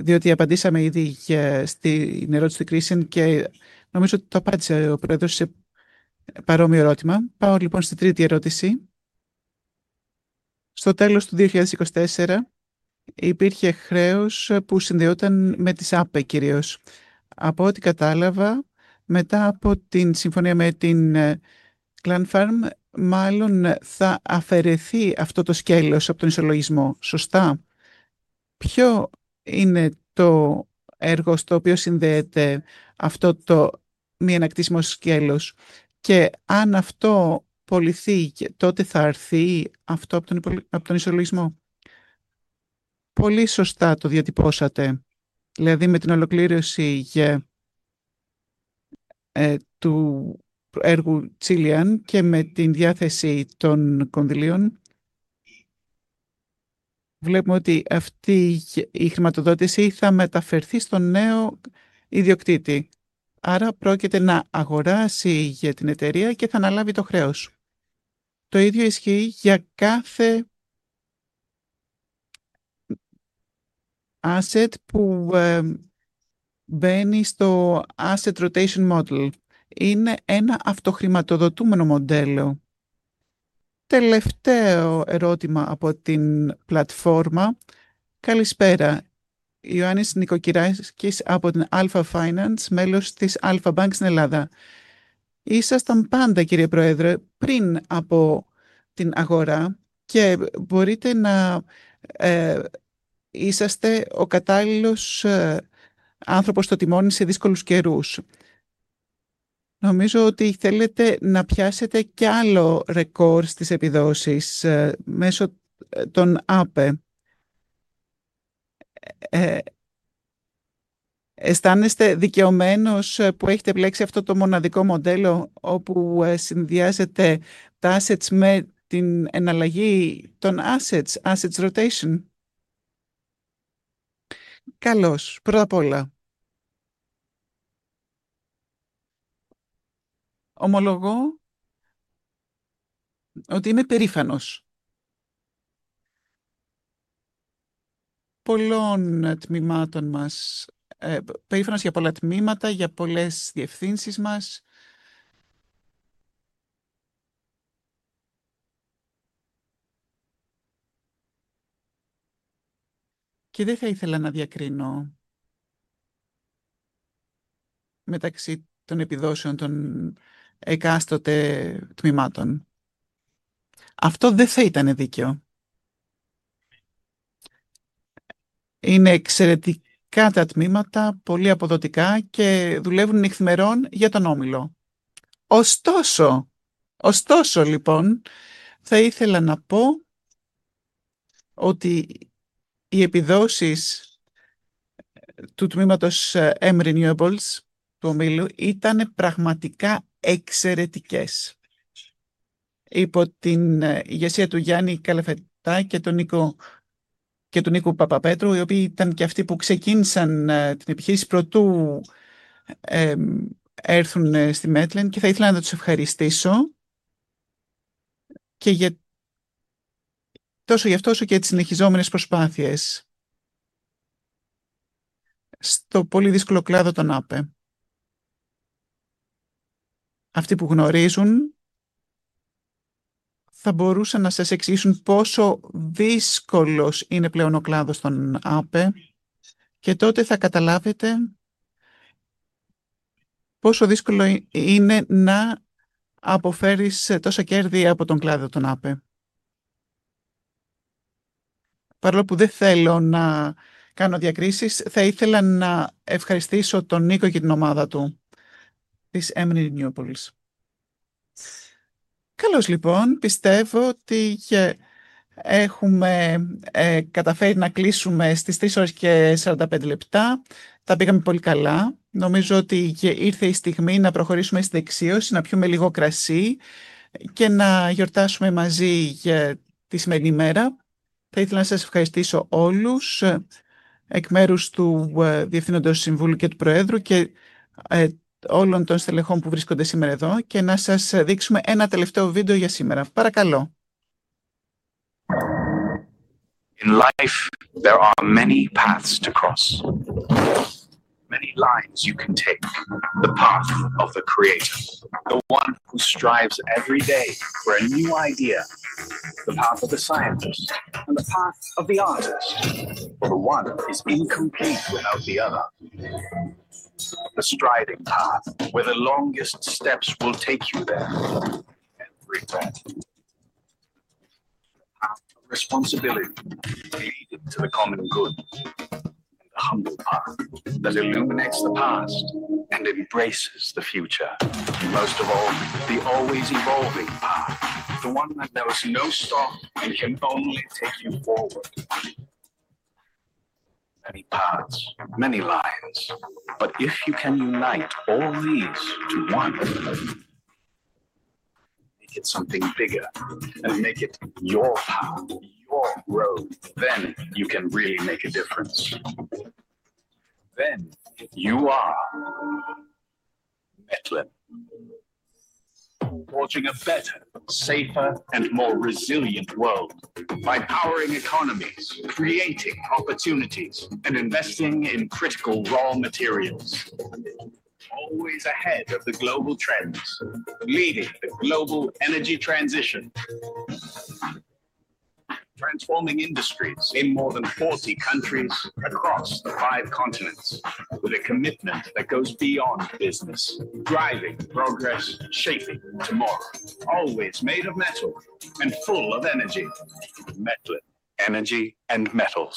διότι απαντήσαμε ήδη στην ερώτηση του Christien και νομίζω ότι το απάντησε ο Πρόεδρος σε παρόμοιο ερώτημα. Πάω στην τρίτη ερώτηση. Στο τέλος του 2024 υπήρχε χρέος που συνδεόταν με τις ΑΠΕ κυρίως. Από ό,τι κατάλαβα, μετά από τη συμφωνία με την Klanfarm μάλλον θα αφαιρεθεί αυτό το σκέλος από τον ισολογισμό, σωστά; Ποιο είναι το έργο στο οποίο συνδέεται αυτό το μη ανακτήσιμο σκέλος και αν αυτό πωληθεί, τότε θα αρθεί αυτό από τον ισολογισμό; Πολύ σωστά το διατυπώσατε. Δηλαδή με την ολοκλήρωση του έργου Chilian και με την διάθεση των κονδυλίων, βλέπουμε ότι αυτή η χρηματοδότηση θα μεταφερθεί στον νέο ιδιοκτήτη. Άρα πρόκειται να αγοράσει για την εταιρεία και θα αναλάβει το χρέος. Το ίδιο ισχύει για κάθε asset που μπαίνει στο asset rotation model. Είναι ένα αυτοχρηματοδοτούμενο μοντέλο. Τελευταίο ερώτημα από την πλατφόρμα. Καλησπέρα. Ιωάννης Νικοκυράκης από την Alpha Finance, μέλος της Alpha Bank στην Ελλάδα. Ήσασταν πάντα, κύριε Πρόεδρε, πριν από την αγορά και μπορείτε να είσαστε ο κατάλληλος άνθρωπος στο τιμόνι σε δύσκολους καιρούς. Νομίζω ότι θέλετε να πιάσετε κι άλλο ρεκόρ στις επιδόσεις μέσω των ΑΠΕ. Αισθάνεστε δικαιωμένος που έχετε επιλέξει αυτό το μοναδικό μοντέλο, όπου συνδυάζετε τα assets με την εναλλαγή των assets, assets rotation; Καλώς. Πρώτα απ' όλα, ομολογώ ότι είμαι περήφανος πολλών τμημάτων μας. Περήφανος για πολλά τμήματα, για πολλές διευθύνσεις μας. Και δεν θα ήθελα να διακρίνω μεταξύ των επιδόσεων των εκάστοτε τμημάτων. Αυτό δεν θα ήταν δίκαιο. Είναι εξαιρετικά τα τμήματα, πολύ αποδοτικά και δουλεύουν νυχθημερόν για τον όμιλο. Ωστόσο, θα ήθελα να πω ότι οι επιδόσεις του τμήματος M Renewables του ομίλου ήταν πραγματικά εξαιρετικές. Υπό την ηγεσία του Γιάννη Καλαφετά και του Νίκου Παπαπέτρου, οι οποίοι ήταν και αυτοί που ξεκίνησαν την επιχείρηση προτού έρθουν στη Medline και θα ήθελα να τους ευχαριστήσω και για τόσο για αυτό όσο και για τις συνεχιζόμενες προσπάθειες στο πολύ δύσκολο κλάδο των ΑΠΕ. Αυτοί που γνωρίζουν θα μπορούσαν να σας εξηγήσουν πόσο δύσκολος είναι πλέον ο κλάδος των ΑΠΕ και τότε θα καταλάβετε πόσο δύσκολο είναι να αποφέρεις τόσα κέρδη από τον κλάδο των ΑΠΕ. Παρόλο που δεν θέλω να κάνω διακρίσεις, θα ήθελα να ευχαριστήσω τον Νίκο και την ομάδα του της M Renewables. Καλώς λοιπόν, πιστεύω ότι έχουμε καταφέρει να κλείσουμε στις 3 ώρες και 45 λεπτά. Τα πήγαμε πολύ καλά. Νομίζω ότι ήρθε η στιγμή να προχωρήσουμε στη δεξίωση, να πιούμε λίγο κρασί και να γιορτάσουμε μαζί για τη σημερινή μέρα. Θα ήθελα να σας ευχαριστήσω όλους εκ μέρους του Διευθύνοντος Συμβούλου και του Προέδρου και όλων των στελεχών που βρίσκονται σήμερα εδώ και να σας δείξουμε ένα τελευταίο βίντεο για σήμερα. Παρακαλώ. In life, there are many paths to cross. Many lines you can take. The path of the creator. The one who strives every day for a new idea. The path of the scientist. The path of the artist. For the one is incomplete without the other. The striving path, where the longest steps will take you there. Regret. The path of responsibility, leading to the common good. The humble path that illuminates the past and embraces the future. Most of all, the always evolving path. The one that knows no stop and can only take you forward. Many paths, many lines. But if you can unite all these to one, make it something bigger and make it your path, your road, then you can really make a difference. Then you are Medline. Forging a better, safer, and more resilient world by powering economies, creating opportunities, and investing in critical raw materials. Always ahead of the global trends, leading the global energy transition. Transforming industries in more than 40 countries across the five continents, with a commitment that goes beyond business. Driving progress, shaping tomorrow. Always made of metal and full of energy. Medline. Energy and metal.